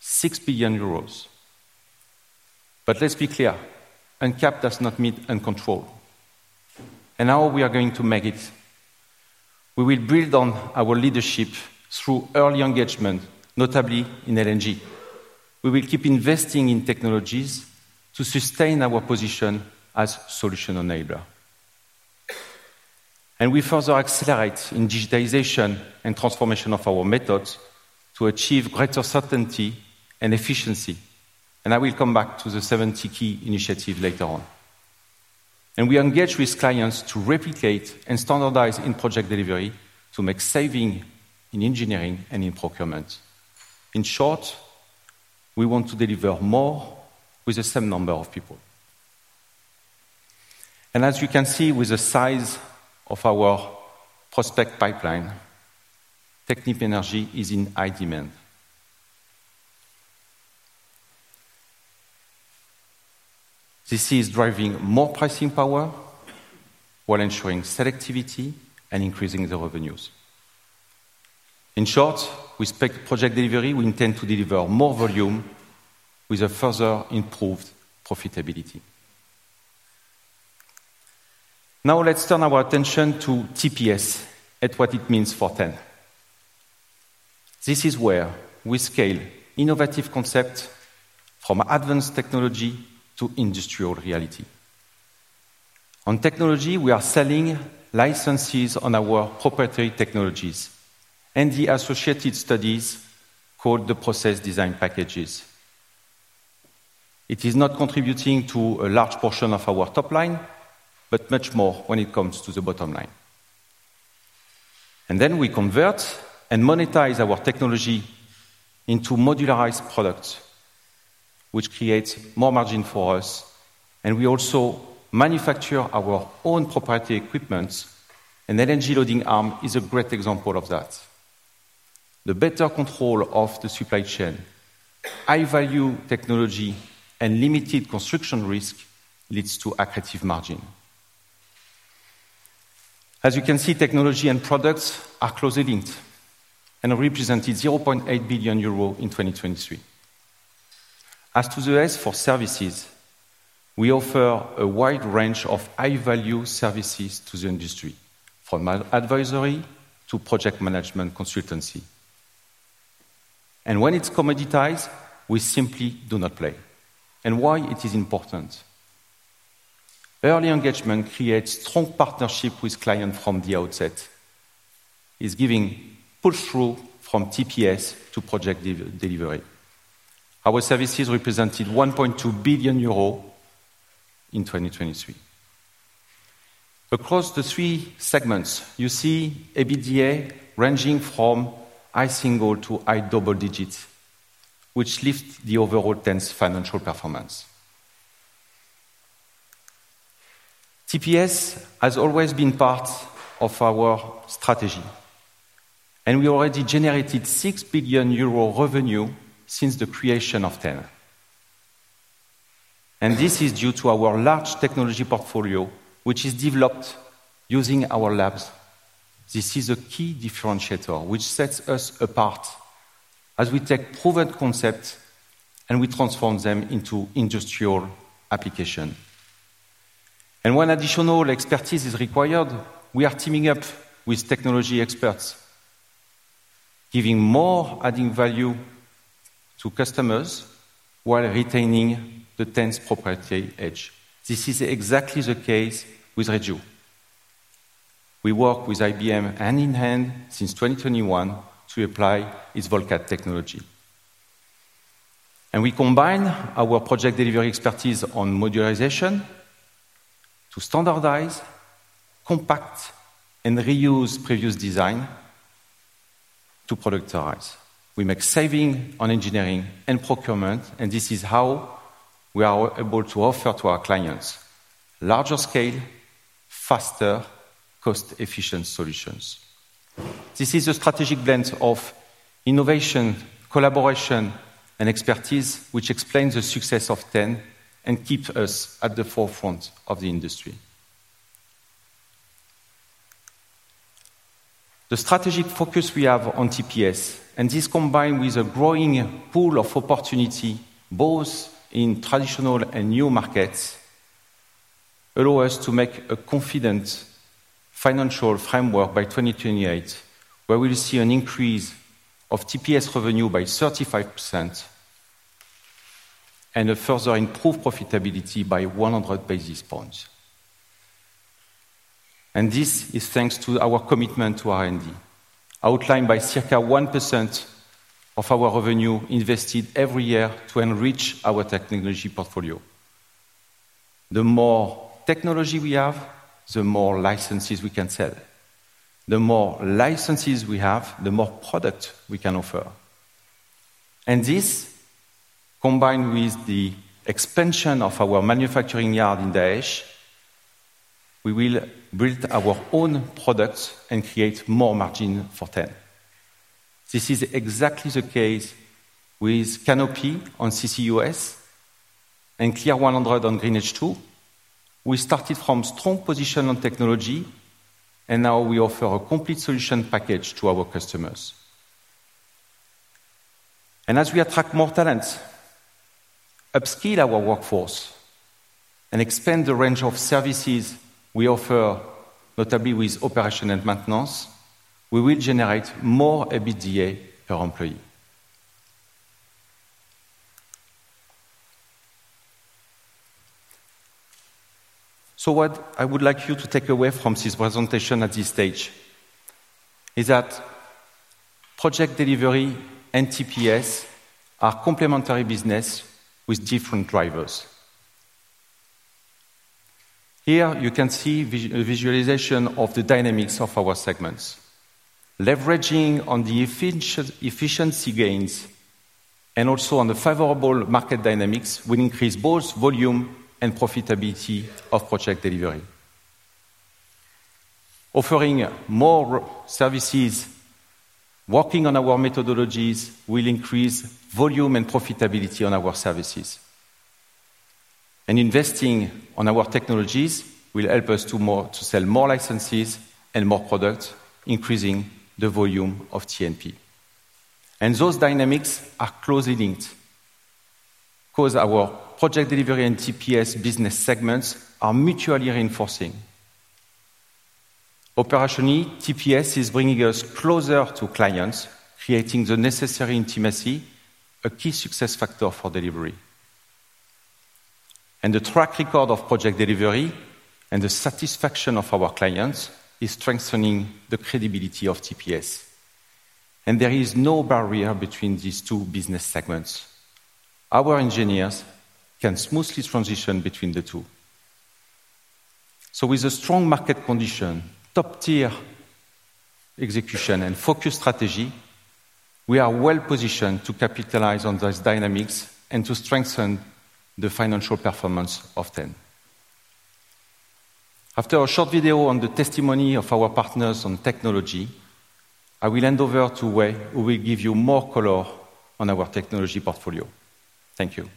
6 billion euros. But let's be clear. Uncapped does not mean uncontrolled. And how are we going to make it? We will build on our leadership through early engagement, notably in LNG. We will keep investing in technologies to sustain our position as solution enabler. And we further accelerate in digitalization and transformation of our methods to achieve greater certainty and efficiency. And I will come back to the 70 key initiatives later on. And we engage with clients to replicate and standardize in Project Delivery to make savings in engineering and in procurement. In short, we want to deliver more with the same number of people. And as you can see with the size of our prospect pipeline, Technip Energies is in high demand. This is driving more pricing power while ensuring selectivity and increasing the revenues. In short, with Project Delivery, we intend to deliver more volume with a further improved profitability. Now let's turn our attention to TPS and what it means for T.EN. This is where we scale innovative concepts from advanced technology to industrial reality. On technology, we are selling licenses on our proprietary technologies and the associated studies called the process design packages. It is not contributing to a large portion of our top line, but much more when it comes to the bottom line. And then we convert and monetize our technology into modularized products, which creates more margin for us. We also manufacture our own proprietary equipment. An LNG loading arm is a great example of that. The better control of the supply chain, high-value technology, and limited construction risk leads to accretive margin. As you can see, technology and products are closely linked and represented 0.8 billion euro in 2023. As to the rest for services, we offer a wide range of high-value services to the industry, from advisory to project management consultancy. And when it's commoditized, we simply do not play. And why is it important? Early engagement creates strong partnerships with clients from the outset. It's giving push-through from TPS to Project Delivery. Our services represented 1.2 billion euros in 2023. Across the three segments, you see EBITDA ranging from high single to high double digits, which lifts the overall T.EN's financial performance. TPS has always been part of our strategy. We already generated 6 billion euro revenue since the creation of T.EN. This is due to our large technology portfolio, which is developed using our labs. This is a key differentiator which sets us apart as we take proven concepts and we transform them into industrial applications. When additional expertise is required, we are teaming up with technology experts, giving more added value to customers while retaining the T.EN's proprietary edge. This is exactly the case with Reju. We work with IBM hand in hand since 2021 to apply its VolCat technology. We combine our Project Delivery expertise on modularization to standardize, compact, and reuse previous design to productize. We make savings on engineering and procurement, and this is how we are able to offer to our clients larger scale, faster, cost-efficient solutions. This is a strategic blend of innovation, collaboration, and expertise, which explains the success of T.EN and keeps us at the forefront of the industry. The strategic focus we have on TPS, and this combined with a growing pool of opportunities both in traditional and new markets, allows us to make a confident financial framework by 2028, where we will see an increase of TPS revenue by 35% and a further improved profitability by 100 basis points, and this is thanks to our commitment to R&D, outlined by circa 1% of our revenue invested every year to enrich our technology portfolio. The more technology we have, the more licenses we can sell. The more licenses we have, the more products we can offer, and this, combined with the expansion of our manufacturing yard in Dahej, we will build our own products and create more margin for T.EN. This is exactly the case with Canopy on CCUS and Clear100 on Green H2. We started from a strong position on technology, and now we offer a complete solution package to our customers, and as we attract more talent, upscale our workforce, and expand the range of services we offer, notably with operation and maintenance, we will generate more EBITDA per employee. So what I would like you to take away from this presentation at this stage is that Project Delivery and TPS are complementary businesses with different drivers. Here you can see a visualization of the dynamics of our segments. Leveraging on the efficiency gains and also on the favorable market dynamics, we increase both volume and profitability of Project Delivery. Offering more services, working on our methodologies will increase volume and profitability on our services. Investing in our technologies will help us to sell more licenses and more products, increasing the volume of TPS. Those dynamics are closely linked because our Project Delivery and TPS business segments are mutually reinforcing. Operationally, TPS is bringing us closer to clients, creating the necessary intimacy, a key success factor for delivery. The track record of Project Delivery and the satisfaction of our clients is strengthening the credibility of TPS. There is no barrier between these two business segments. Our engineers can smoothly transition between the two. With a strong market condition, top-tier execution, and focused strategy, we are well positioned to capitalize on those dynamics and to strengthen the financial performance of T.EN. After a short video on the testimony of our partners on technology, I will hand over to Wei who will give you more color on our technology portfolio. Thank you.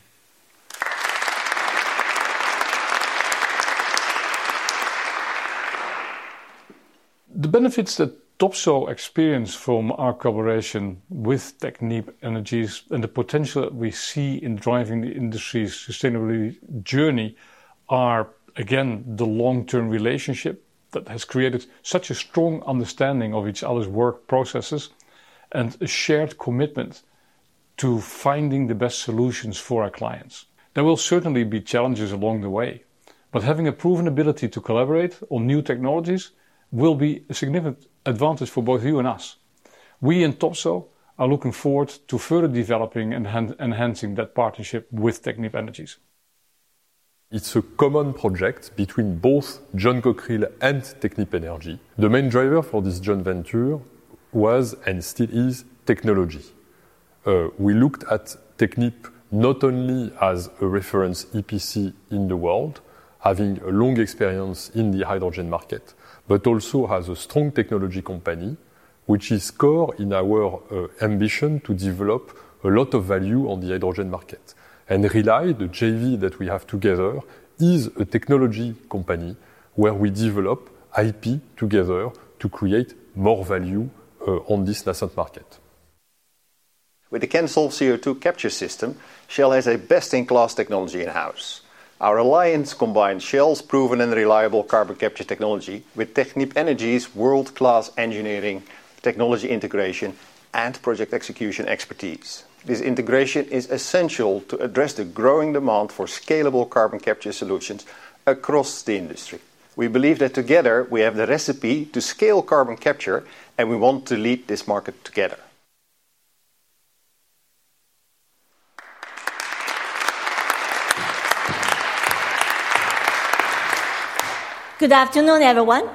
The benefits that Topsoe experienced from our collaboration with Technip Energies and the potential that we see in driving the industry's sustainability journey are, again, the long-term relationship that has created such a strong understanding of each other's work processes and a shared commitment to finding the best solutions for our clients. There will certainly be challenges along the way, but having a proven ability to collaborate on new technologies will be a significant advantage for both you and us. We in Topsoe are looking forward to further developing and enhancing that partnership with Technip Energies. It's a common project between both John Cockerill and Technip Energies. The main driver for this joint venture was and still is technology. We looked at Technip Energies not only as a reference EPC in the world, having a long experience in the hydrogen market, but also as a strong technology company, which is core in our ambition to develop a lot of value on the hydrogen market, and Rely, the JV that we have together, is a technology company where we develop IP together to create more value on this nascent market. With the CANSOLV CO2 capture system, Shell has a best-in-class technology in-house. Our alliance combines Shell's proven and reliable carbon capture technology with Technip Energies' world-class engineering, technology integration, and project execution expertise. This integration is essential to address the growing demand for scalable carbon capture solutions across the industry. We believe that together we have the recipe to scale carbon capture, and we want to lead this market together. Good afternoon, everyone.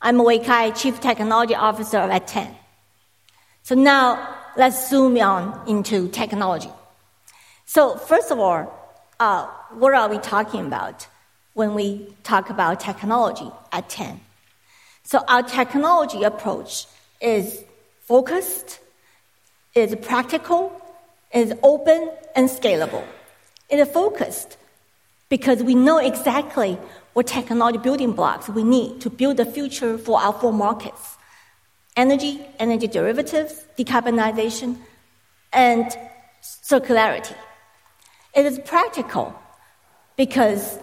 I'm Wei Cai, Chief Technology Officer at T.EN. So now let's zoom in on technology. So first of all, what are we talking about when we talk about technology at T.EN? So our technology approach is focused, is practical, is open, and scalable. It is focused because we know exactly what technology building blocks we need to build the future for our four markets: energy, energy derivatives, decarbonization, and circularity. It is practical because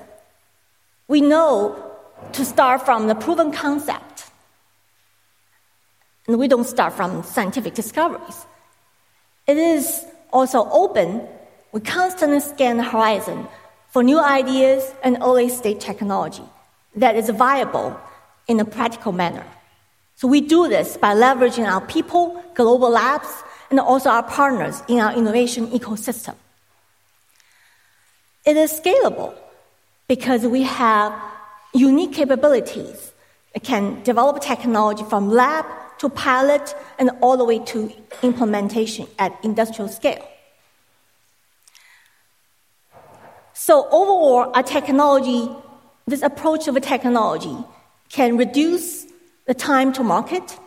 we know to start from the proven concept, and we don't start from scientific discoveries. It is also open. We constantly scan the horizon for new ideas and early-stage technology that is viable in a practical manner. So we do this by leveraging our people, global labs, and also our partners in our innovation ecosystem. It is scalable because we have unique capabilities. It can develop technology from lab to pilot and all the way to implementation at industrial scale. Overall, our technology, this approach of technology can reduce the time to market,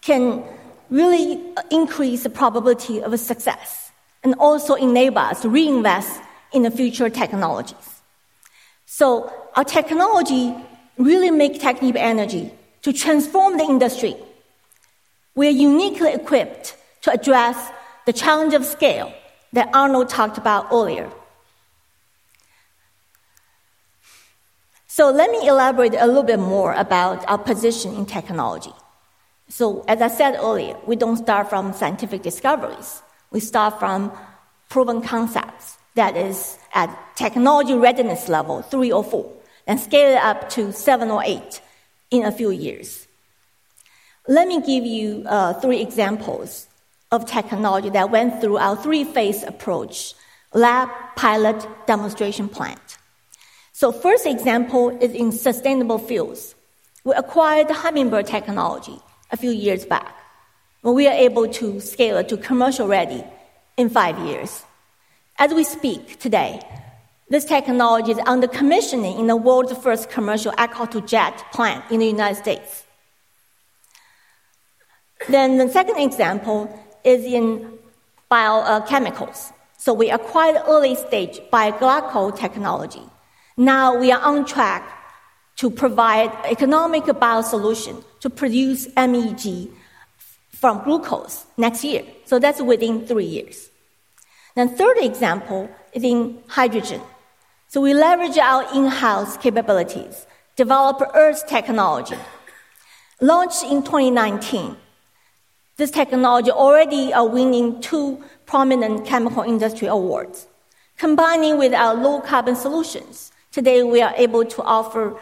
can really increase the probability of success, and also enable us to reinvest in the future technologies. So our technology really makes Technip Energies to transform the industry. We are uniquely equipped to address the challenge of scale that Arnaud talked about earlier. So let me elaborate a little bit more about our position in technology. So as I said earlier, we don't start from scientific discoveries. We start from proven concepts that are at technology readiness level three or four and scale it up to seven or eight in a few years. Let me give you three examples of technology that went through our three-phase approach: lab, pilot, demonstration plant. So the first example is in sustainable fuels. We acquired Hummingbird technology a few years back, and we are able to scale it to commercial ready in five years. As we speak today, this technology is under commissioning in the world's first commercial alcohol-to-jet plant in the United States. Then the second example is in biochemicals. So we acquired early-stage bioglycol technology. Now we are on track to provide an economical bio-solution to produce MEG from glucose next year. So that's within three years. The third example is in hydrogen. So we leverage our in-house capabilities, developed EARTH technology, launched in 2019. This technology already is winning two prominent chemical industry awards. Combining with our low-carbon solutions, today we are able to offer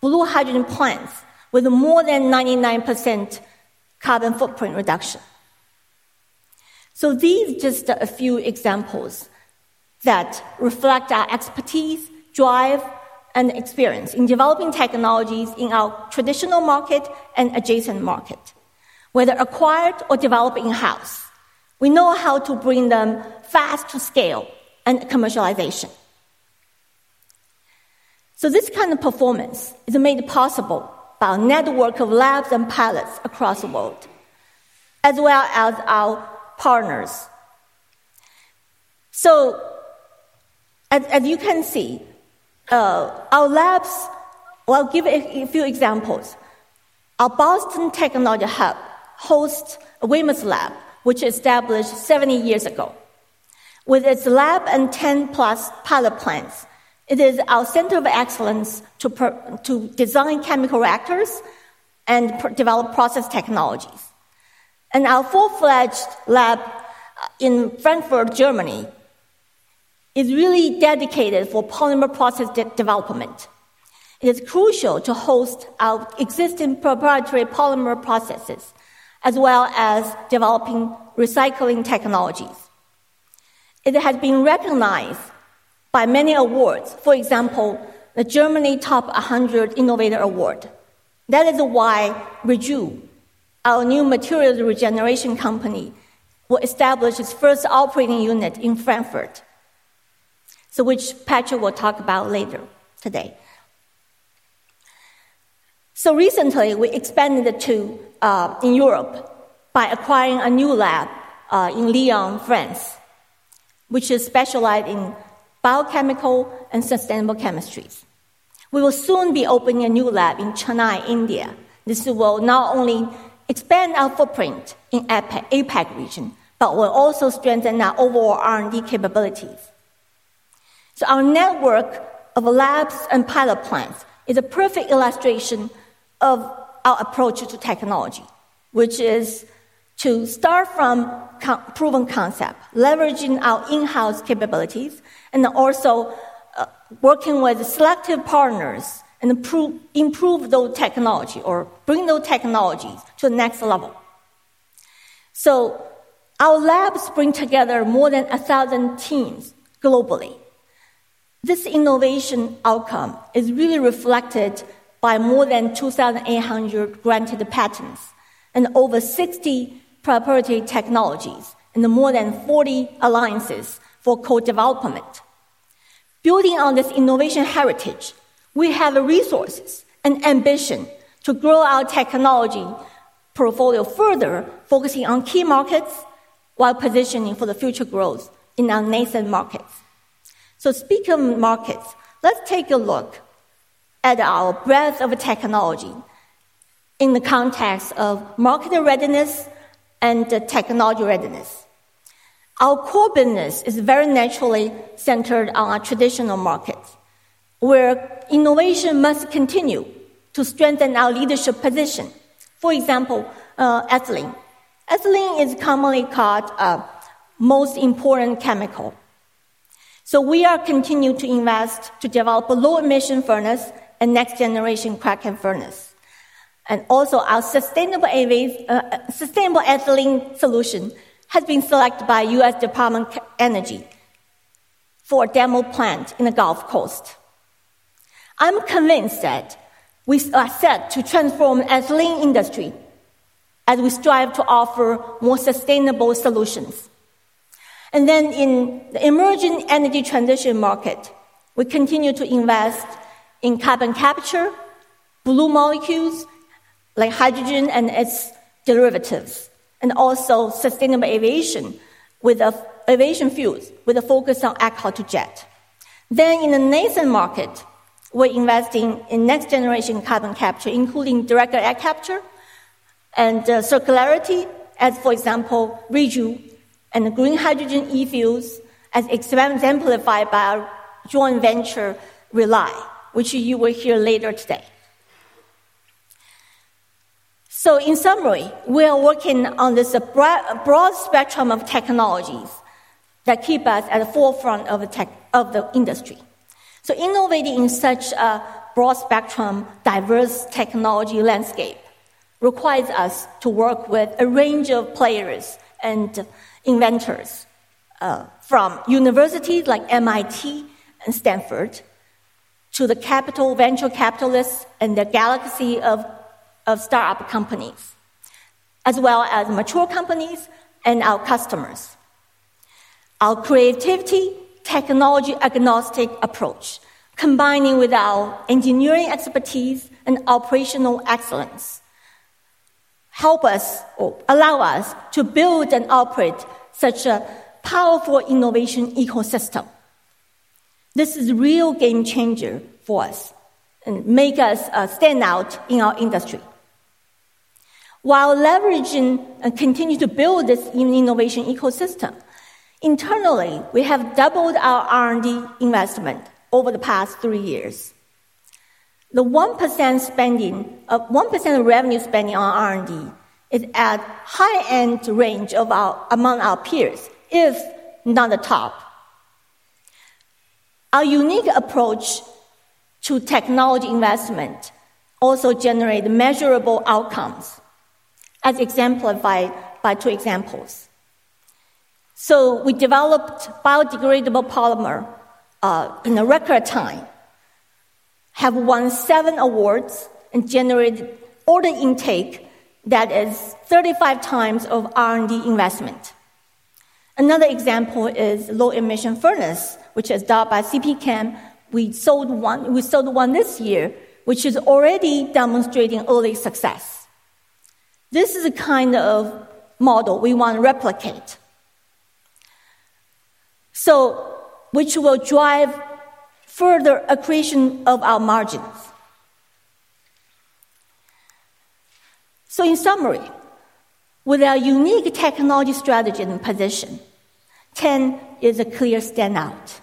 blue hydrogen plants with more than 99% carbon footprint reduction. So these are just a few examples that reflect our expertise, drive, and experience in developing technologies in our traditional market and adjacent market. Whether acquired or developed in-house, we know how to bring them fast to scale and commercialization, so this kind of performance is made possible by a network of labs and pilots across the world, as well as our partners, so as you can see, our labs, well, I'll give a few examples. Our Boston Technology Hub hosts a Weymouth Lab, which was established 70 years ago, with its lab and 10+ pilot plants, it is our center of excellence to design chemical reactors and develop process technologies, and our full-fledged lab in Frankfurt, Germany, is really dedicated to polymer process development. It is crucial to host our existing proprietary polymer processes, as well as developing recycling technologies. It has been recognized by many awards, for example, the German Top 100 Innovator Award. That is why Reju, our new materials regeneration company, will establish its first operating unit in Frankfurt, which Patrick will talk about later today, so recently, we expanded to Europe by acquiring a new lab in Lyon, France, which is specialized in biochemical and sustainable chemistries. We will soon be opening a new lab in Chennai, India. This will not only expand our footprint in the APAC region, but will also strengthen our overall R&D capabilities, so our network of labs and pilot plants is a perfect illustration of our approach to technology, which is to start from proven concept, leveraging our in-house capabilities, and also working with selective partners and improve those technologies or bring those technologies to the next level, so our labs bring together more than 1,000 teams globally. This innovation outcome is really reflected by more than 2,800 granted patents and over 60 proprietary technologies and more than 40 alliances for co-development. Building on this innovation heritage, we have the resources and ambition to grow our technology portfolio further, focusing on key markets while positioning for the future growth in our nascent markets. So speaking of markets, let's take a look at our breadth of technology in the context of market readiness and technology readiness. Our core business is very naturally centered on our traditional markets, where innovation must continue to strengthen our leadership position. For example, ethylene. Ethylene is commonly called the most important chemical. So we are continuing to invest to develop a low-emission furnace and next-generation cracking furnace. And also, our sustainable ethylene solution has been selected by U.S. Department of Energy for a demo plant in the Gulf Coast. I'm convinced that we are set to transform the ethylene industry as we strive to offer more sustainable solutions, and then in the emerging energy transition market, we continue to invest in carbon capture, blue molecules like hydrogen and its derivatives, and also sustainable aviation with aviation fuels with a focus on alcohol-to-jet, then in the nascent market, we're investing in next-generation carbon capture, including direct air capture and circularity, as, for example, Reju, and the green hydrogen e-fuels as exemplified by our joint venture, Rely, which you will hear later today, so in summary, we are working on this broad spectrum of technologies that keep us at the forefront of the industry. So innovating in such a broad spectrum, diverse technology landscape requires us to work with a range of players and inventors from universities like MIT and Stanford to the capital venture capitalists and the galaxy of startup companies, as well as mature companies and our customers. Our creativity, technology-agnostic approach, combining with our engineering expertise and operational excellence, helps us or allows us to build and operate such a powerful innovation ecosystem. This is a real game changer for us and makes us stand out in our industry. While leveraging and continuing to build this innovation ecosystem, internally, we have doubled our R&D investment over the past three years. The 1% spending, 1% of revenue spending on R&D is at a high-end range among our peers, if not the top. Our unique approach to technology investment also generates measurable outcomes, as exemplified by two examples. We developed biodegradable polymer in record time, have won seven awards, and generated order intake that is 35x of R&D investment. Another example is low-emission furnace, which is developed by CPChem. We sold one this year, which is already demonstrating early success. This is the kind of model we want to replicate, which will drive further accretion of our margins. In summary, with our unique technology strategy and position, T.EN is a clear standout.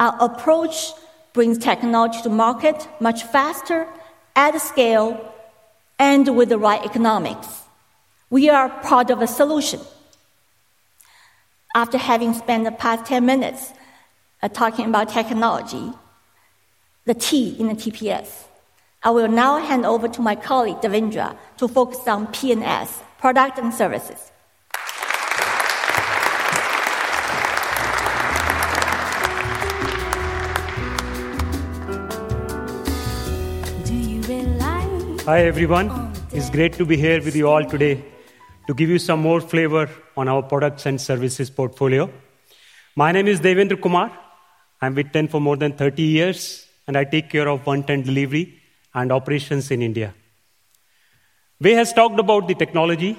Our approach brings technology to market much faster, at a scale, and with the right economics. We are part of a solution. After having spent the past 10 minutes talking about technology, the T in the TPS, I will now hand over to my colleague, Davendra, to focus on P&S, product and services. Hi everyone. It's great to be here with you all today to give you some more flavor on our products and services portfolio. My name is Davendra Kumar. I'm with T.EN for more than 30 years, and I take care of One T.EN delivery and operations in India. We have talked about the technology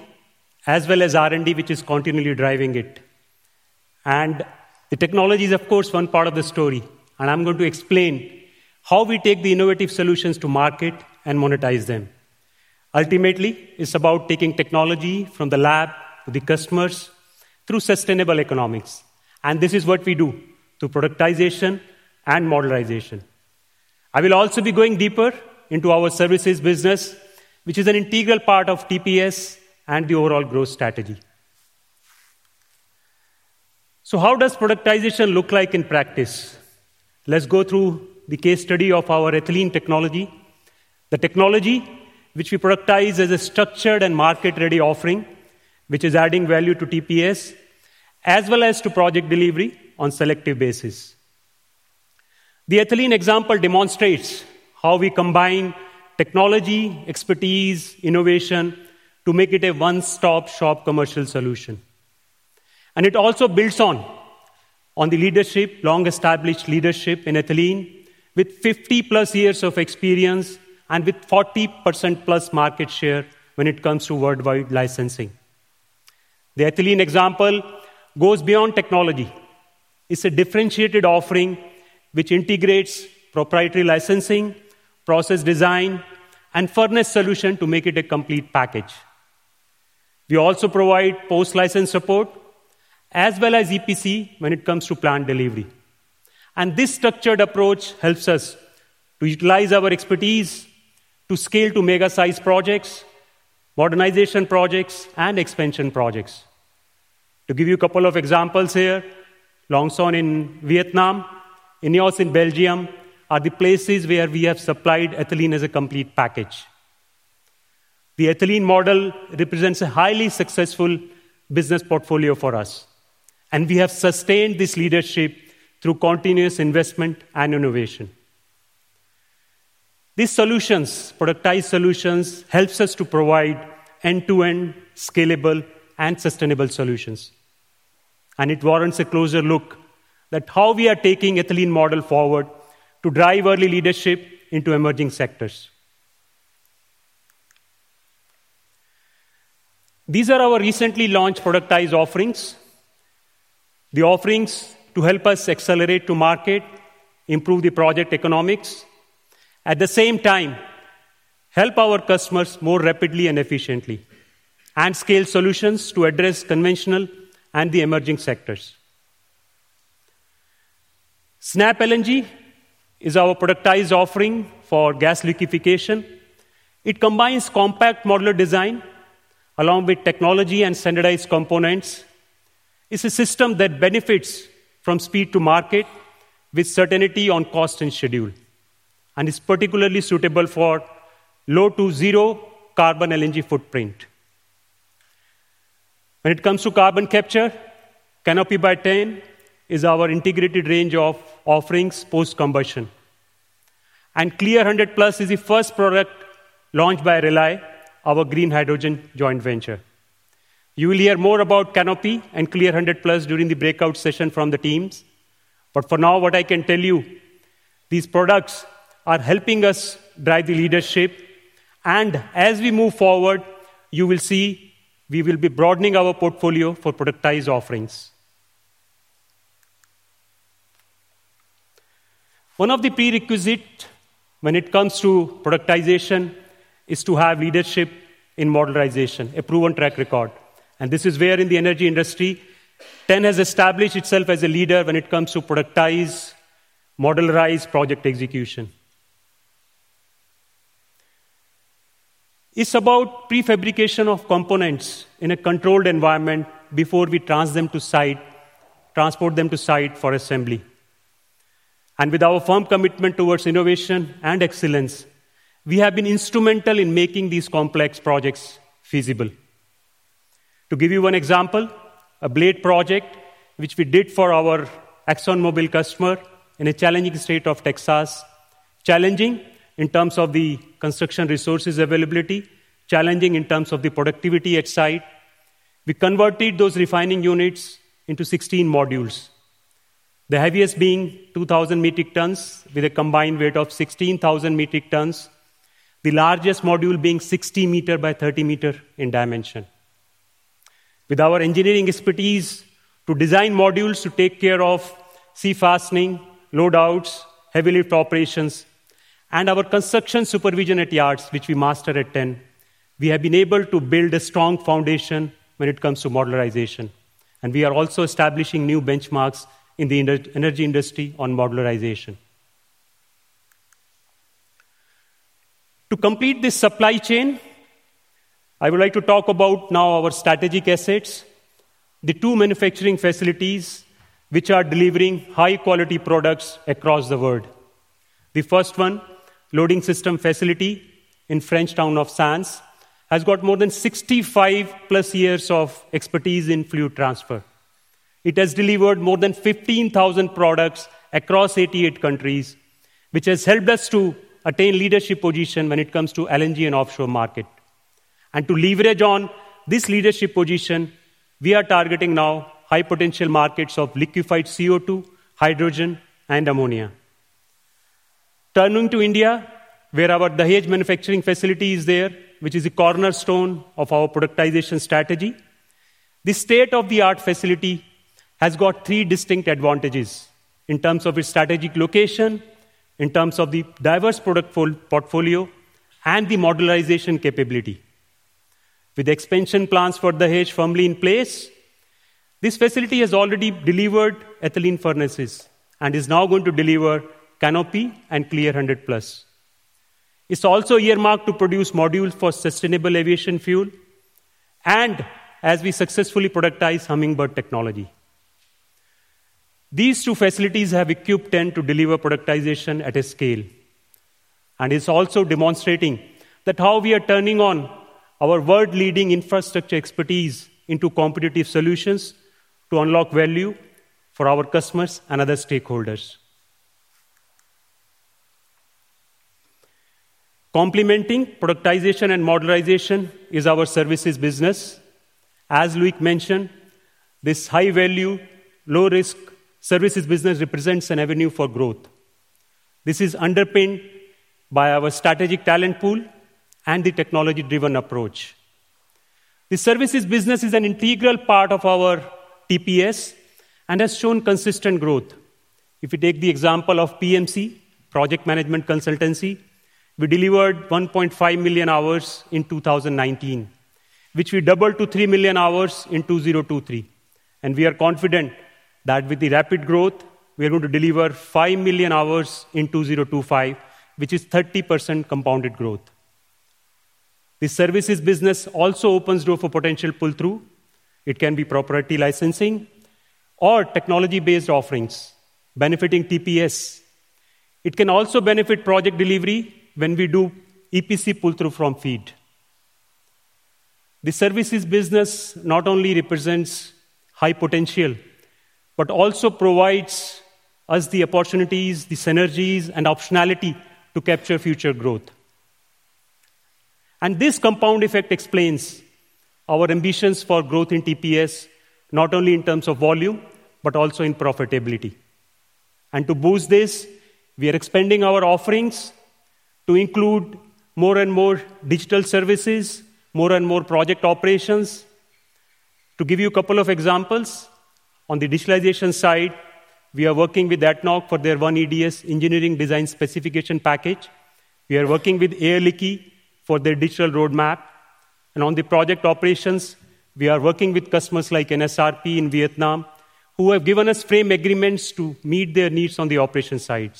as well as R&D, which is continually driving it. And the technology is, of course, one part of the story. And I'm going to explain how we take the innovative solutions to market and monetize them. Ultimately, it's about taking technology from the lab to the customers through sustainable economics. And this is what we do through productization and modernization. I will also be going deeper into our services business, which is an integral part of TPS and the overall growth strategy. So how does productization look like in practice? Let's go through the case study of our ethylene technology, the technology which we productize as a structured and market-ready offering, which is adding value to TPS as well as to Project Delivery on a selective basis. The ethylene example demonstrates how we combine technology, expertise, and innovation to make it a one-stop-shop commercial solution, and it also builds on the leadership, long-established leadership in ethylene, with 50+ years of experience and with 40%+ market share when it comes to worldwide licensing. The ethylene example goes beyond technology. It's a differentiated offering which integrates proprietary licensing, process design, and furnace solution to make it a complete package. We also provide post-license support as well as EPC when it comes to plant delivery, and this structured approach helps us to utilize our expertise to scale to mega-sized projects, modernization projects, and expansion projects. To give you a couple of examples here, Long Son in Vietnam, INEOS in Belgium are the places where we have supplied ethylene as a complete package. The ethylene model represents a highly successful business portfolio for us, and we have sustained this leadership through continuous investment and innovation. These solutions, productized solutions, help us to provide end-to-end scalable and sustainable solutions. And it warrants a closer look at how we are taking the ethylene model forward to drive early leadership into emerging sectors. These are our recently launched productized offerings, the offerings to help us accelerate to market, improve the project economics, at the same time, help our customers more rapidly and efficiently, and scale solutions to address conventional and the emerging sectors. SnapLNG is our productized offering for gas liquefaction. It combines compact modular design along with technology and standardized components. It's a system that benefits from speed to market with certainty on cost and schedule, and it's particularly suitable for low to zero carbon LNG footprint. When it comes to carbon capture, Canopy by T.EN is our integrated range of offerings post-combustion. And Clear100+ is the first product launched by Rely, our green hydrogen joint venture. You will hear more about Canopy and Clear100+ during the breakout session from the teams. But for now, what I can tell you, these products are helping us drive the leadership. And as we move forward, you will see we will be broadening our portfolio for productized offerings. One of the prerequisites when it comes to productization is to have leadership in modernization, a proven track record. And this is where in the energy industry, T.EN has established itself as a leader when it comes to productized, modularized project execution. It's about prefabrication of components in a controlled environment before we transfer them to site, transport them to site for assembly. And with our firm commitment towards innovation and excellence, we have been instrumental in making these complex projects feasible. To give you one example, a Baytown project which we did for our ExxonMobil customer in a challenging state of Texas, challenging in terms of the construction resources availability, challenging in terms of the productivity at site, we converted those refining units into 16 modules, the heaviest being 2,000 metric tons with a combined weight of 16,000 metric tons, the largest module being 60 m by 30 m in dimension. With our engineering expertise to design modules to take care of sea fastening, load outs, heavy lift operations, and our construction supervision at yards, which we master at T.EN, we have been able to build a strong foundation when it comes to modernization, and we are also establishing new benchmarks in the energy industry on modernization. To complete this supply chain, I would like to talk about now our strategic assets, the two manufacturing facilities which are delivering high-quality products across the world. The first one, Loading Systems Facility in the French town of Sens, has got more than 65+ years of expertise in fluid transfer. It has delivered more than 15,000 products across 88 countries, which has helped us to attain leadership position when it comes to LNG and offshore market. To leverage on this leadership position, we are targeting now high-potential markets of liquefied CO2, hydrogen, and ammonia. Turning to India, where our Dahej Manufacturing Facility is there, which is a cornerstone of our productization strategy, the state-of-the-art facility has got three distinct advantages in terms of its strategic location, in terms of the diverse product portfolio, and the modernization capability. With expansion plans for Dahej firmly in place, this facility has already delivered ethylene furnaces and is now going to deliver Canopy and Clear100+. It's also earmarked to produce modules for sustainable aviation fuel and as we successfully productize Hummingbird technology. These two facilities have equipped T.EN to deliver productization at a scale, and it's also demonstrating how we are turning on our world-leading infrastructure expertise into competitive solutions to unlock value for our customers and other stakeholders. Complementing productization and modernization is our services business. As Loïc mentioned, this high-value, low-risk services business represents an avenue for growth. This is underpinned by our strategic talent pool and the technology-driven approach. The services business is an integral part of our TPS and has shown consistent growth. If we take the example of PMC, Project Management Consultancy, we delivered 1.5 million hours in 2019, which we doubled to 3 million hours in 2023, and we are confident that with the rapid growth, we are going to deliver 5 million hours in 2025, which is 30% compounded growth. The services business also opens doors for potential pull-through. It can be proprietary licensing or technology-based offerings benefiting TPS. It can also benefit Project Delivery when we do EPC pull-through from feed. The services business not only represents high potential, but also provides us the opportunities, the synergies, and optionality to capture future growth. This compound effect explains our ambitions for growth in TPS, not only in terms of volume, but also in profitability. To boost this, we are expanding our offerings to include more and more digital services, more and more project operations. To give you a couple of examples, on the digitalization side, we are working with ADNOC for their One EDS engineering design specification package. We are working with Air Liquide for their digital roadmap. On the project operations, we are working with customers like NSRP in Vietnam, who have given us frame agreements to meet their needs on the operations side.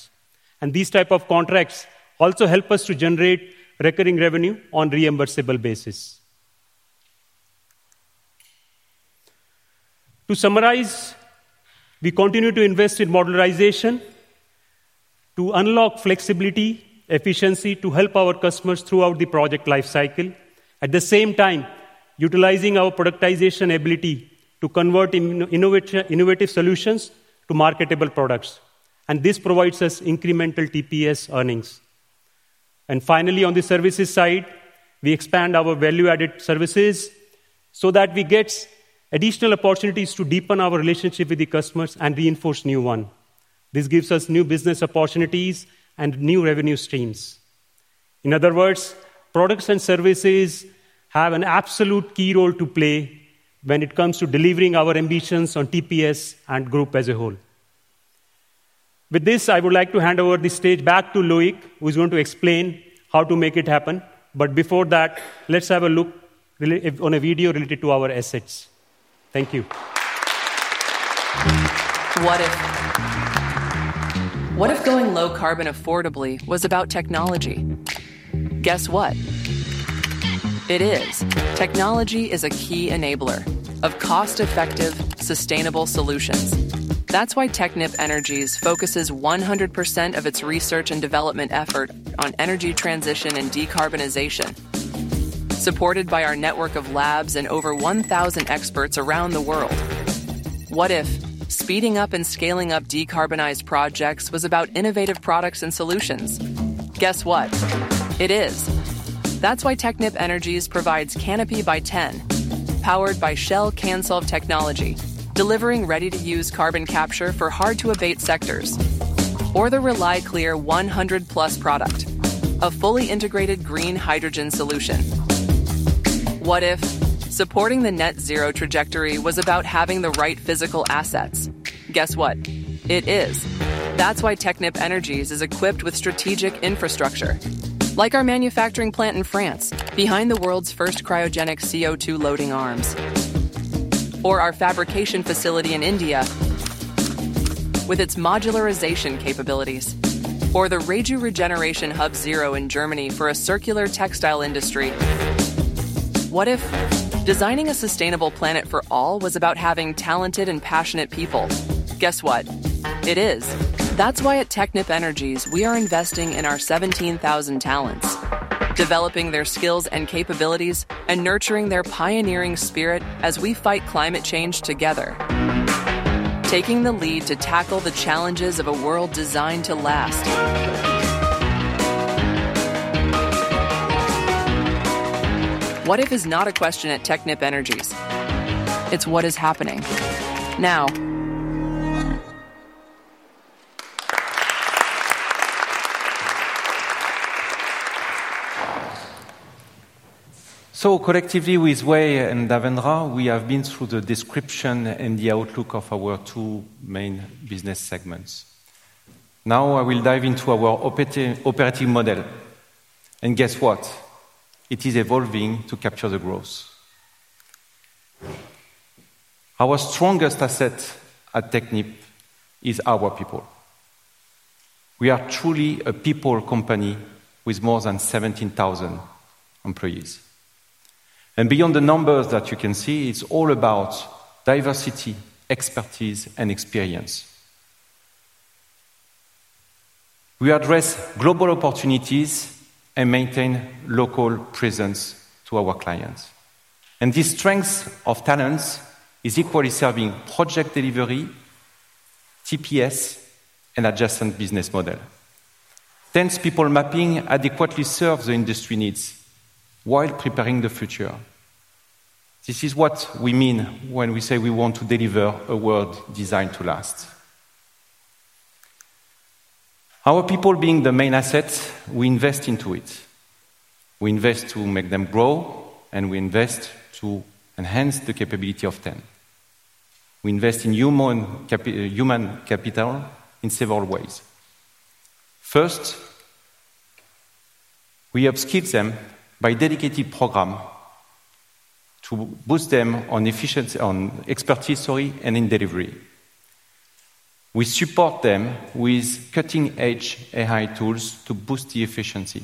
These types of contracts also help us to generate recurring revenue on a reimbursable basis. To summarize, we continue to invest in modernization to unlock flexibility, efficiency to help our customers throughout the project lifecycle, at the same time utilizing our productization ability to convert innovative solutions to marketable products. This provides us incremental TPS earnings. Finally, on the services side, we expand our value-added services so that we get additional opportunities to deepen our relationship with the customers and reinforce new ones. This gives us new business opportunities and new revenue streams. In other words, products and services have an absolute key role to play when it comes to delivering our ambitions on TPS and group as a whole. With this, I would like to hand over the stage back to Loïc, who is going to explain how to make it happen. Before that, let's have a look on a video related to our assets. Thank you. What if going low carbon affordably was about technology? Guess what? It is. Technology is a key enabler of cost-effective, sustainable solutions. That's why Technip Energies focuses 100% of its research and development effort on energy transition and decarbonization, supported by our network of labs and over 1,000 experts around the world. What if speeding up and scaling up decarbonized projects was about innovative products and solutions? Guess what? It is. That's why Technip Energies provides Canopy by T.EN, powered by Shell CANSOLV technology, delivering ready-to-use carbon capture for hard-to-abate sectors, or the Rely Clear100+ product, a fully integrated green hydrogen solution. What if supporting the net-zero trajectory was about having the right physical assets? Guess what? It is. That's why Technip Energies is equipped with strategic infrastructure, like our manufacturing plant in France, behind the world's first cryogenic CO2 loading arms, or our fabrication facility in India with its modularization capabilities, or the Reju Regeneration Hub Zero in Germany for a circular textile industry. What if designing a sustainable planet for all was about having talented and passionate people? Guess what? It is. That's why at Technip Energies, we are investing in our 17,000 talents, developing their skills and capabilities, and nurturing their pioneering spirit as we fight climate change together, taking the lead to tackle the challenges of a world designed to last. What if is not a question at Technip Energies? It's what is happening now. Collectively, with Wei and Davendra, we have been through the description and the outlook of our two main business segments. Now, I will dive into our operating model. And guess what? It is evolving to capture the growth. Our strongest asset at Technip is our people. We are truly a people company with more than 17,000 employees. And beyond the numbers that you can see, it's all about diversity, expertise, and experience. We address global opportunities and maintain local presence to our clients. And this strength of talents is equally serving Project Delivery, TPS, and adjacent business model. T.EN's people mapping adequately serves the industry needs while preparing the future. This is what we mean when we say we want to deliver a world designed to last. Our people being the main asset, we invest into it. We invest to make them grow, and we invest to enhance the capability of T.EN. We invest in human capital in several ways. First, we upskill them by dedicated programs to boost them on expertise and in delivery. We support them with cutting-edge AI tools to boost the efficiency,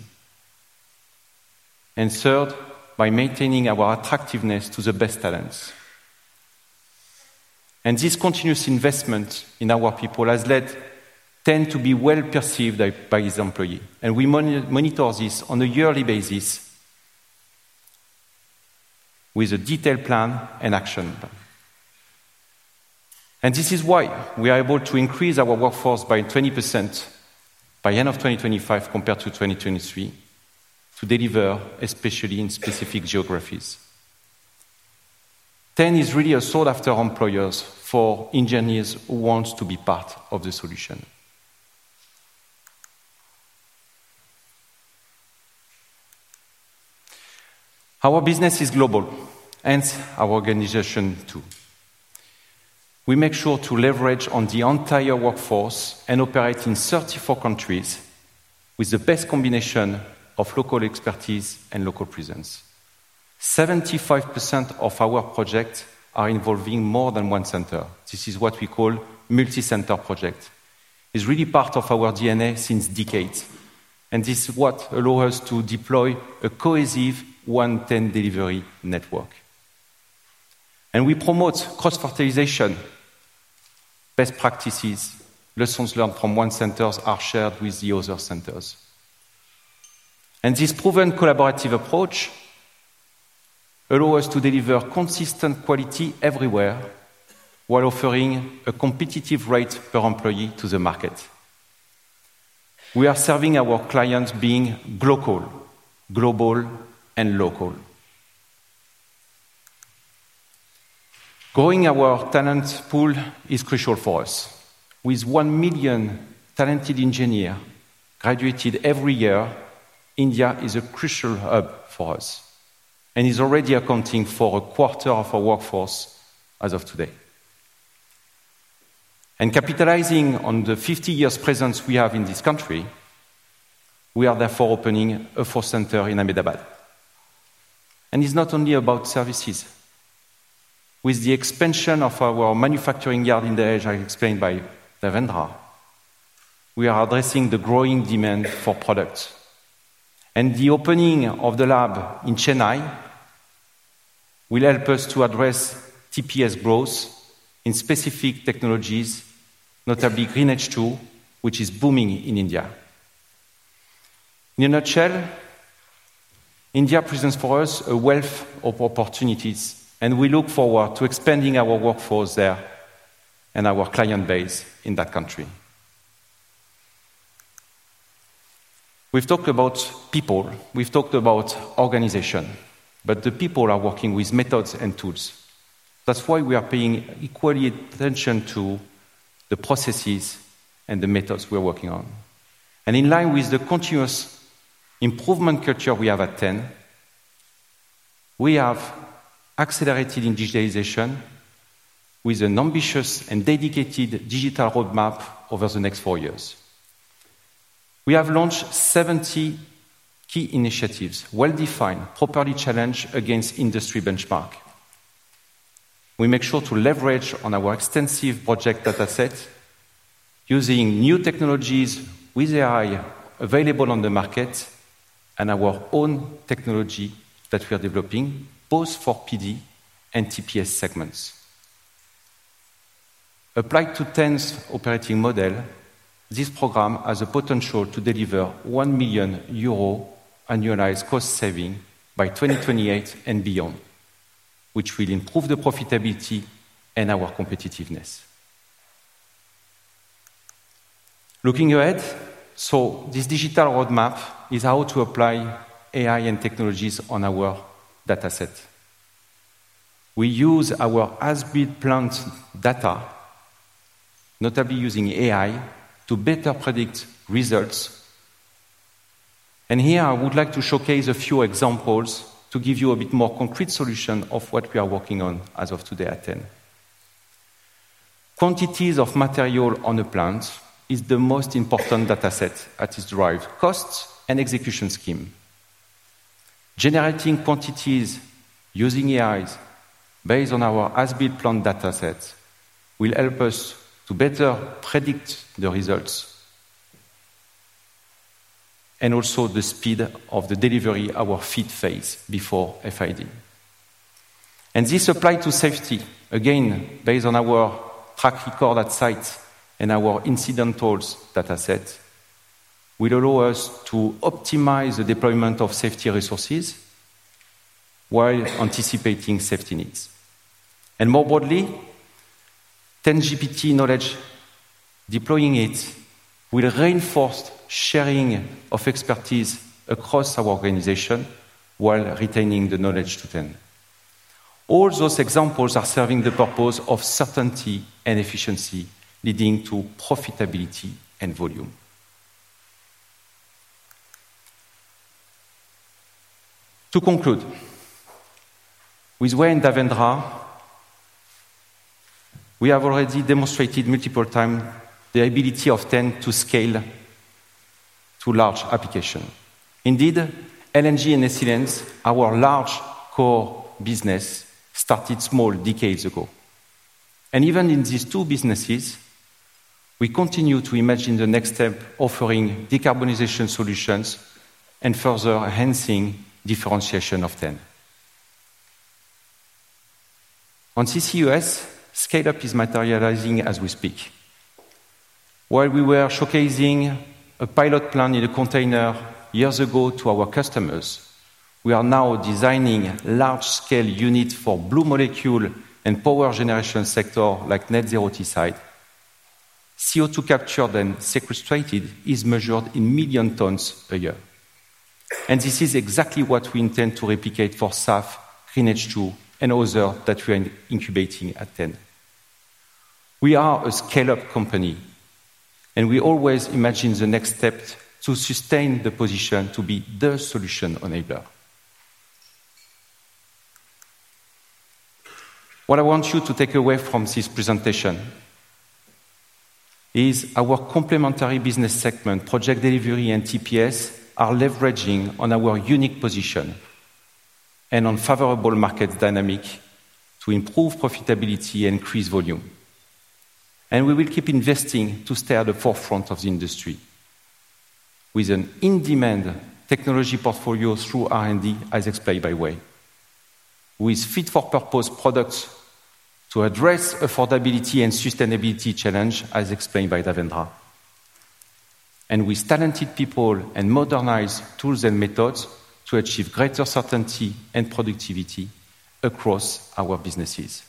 and third, by maintaining our attractiveness to the best talents. This continuous investment in our people has led T.EN to be well perceived by its employees. We monitor this on a yearly basis with a detailed plan and action. This is why we are able to increase our workforce by 20% by the end of 2025 compared to 2023, to deliver especially in specific geographies. T.EN is really a sought-after employer for engineers who want to be part of the solution. Our business is global, and our organization too. We make sure to leverage on the entire workforce and operate in 34 countries with the best combination of local expertise and local presence. 75% of our projects are involving more than one center. This is what we call multi-center projects. It's really part of our DNA since decades. And this is what allows us to deploy a cohesive One T.EN delivery network. And we promote cross-fertilization. Best practices, lessons learned from one center are shared with the other centers. And this proven collaborative approach allows us to deliver consistent quality everywhere while offering a competitive rate per employee to the market. We are serving our clients being local, global, and local. Growing our talent pool is crucial for us. With one million talented engineers graduating every year, India is a crucial hub for us and is already accounting for a quarter of our workforce as of today. Capitalizing on the 50-year presence we have in this country, we are therefore opening a fourth center in Ahmedabad. And it's not only about services. With the expansion of our manufacturing yard in Dahej, as explained by Davendra, we are addressing the growing demand for products, and the opening of the lab in Chennai will help us to address TPS growth in specific technologies, notably Green H2, which is booming in India. In a nutshell, India presents for us a wealth of opportunities, and we look forward to expanding our workforce there and our client base in that country. We've talked about people. We've talked about organization, but the people are working with methods and tools. That's why we are paying equally attention to the processes and the methods we are working on, and in line with the continuous improvement culture we have at T.EN, we have accelerated in digitalization with an ambitious and dedicated digital roadmap over the next four years. We have launched 70 key initiatives, well-defined, properly challenged against industry benchmarks. We make sure to leverage on our extensive project dataset using new technologies with AI available on the market and our own technology that we are developing both for PD and TPS segments. Applied to T.EN's operating model, this program has the potential to deliver 1 million euro annualized cost savings by 2028 and beyond, which will improve the profitability and our competitiveness. Looking ahead, so this digital roadmap is how to apply AI and technologies on our dataset. We use our as-built plant data, notably using AI to better predict results. And here, I would like to showcase a few examples to give you a bit more concrete solution of what we are working on as of today at T.EN. Quantities of material on the plant is the most important dataset that is derived: costs and execution scheme. Generating quantities using AIs based on our as-built plant dataset will help us to better predict the results and also the speed of the delivery of our FEED phase before FID. This applies to safety. Again, based on our track record at site and our incidents dataset will allow us to optimize the deployment of safety resources while anticipating safety needs. More broadly, T.EN GPT knowledge deploying it will reinforce sharing of expertise across our organization while retaining the knowledge to T.EN. All those examples are serving the purpose of certainty and efficiency, leading to profitability and volume. To conclude, with Wei and Davendra, we have already demonstrated multiple times the ability of T.EN to scale to large applications. Indeed, LNG and ethylene, our large core business, started small decades ago. And even in these two businesses, we continue to imagine the next step, offering decarbonization solutions and further enhancing differentiation of T.EN. On CCUS, scale-up is materializing as we speak. While we were showcasing a pilot plant in a container years ago to our customers, we are now designing large-scale units for blue molecule and power generation sectors like Net Zero Teesside. CO2 captured and sequestered is measured in million tons a year. This is exactly what we intend to replicate for SAF, Green H2, and others that we are incubating at T.EN. We are a scale-up company, and we always imagine the next step to sustain the position to be the solution enabler. What I want you to take away from this presentation is our complementary business segments, Project Delivery and TPS, are leveraging on our unique position and favorable market dynamic to improve profitability and increase volume. We will keep investing to stay at the forefront of the industry with an in-demand technology portfolio through R&D, as explained by Wei, with fit-for-purpose products to address affordability and sustainability challenges, as explained by Davendra, and with talented people and modernized tools and methods to achieve greater certainty and productivity across our businesses.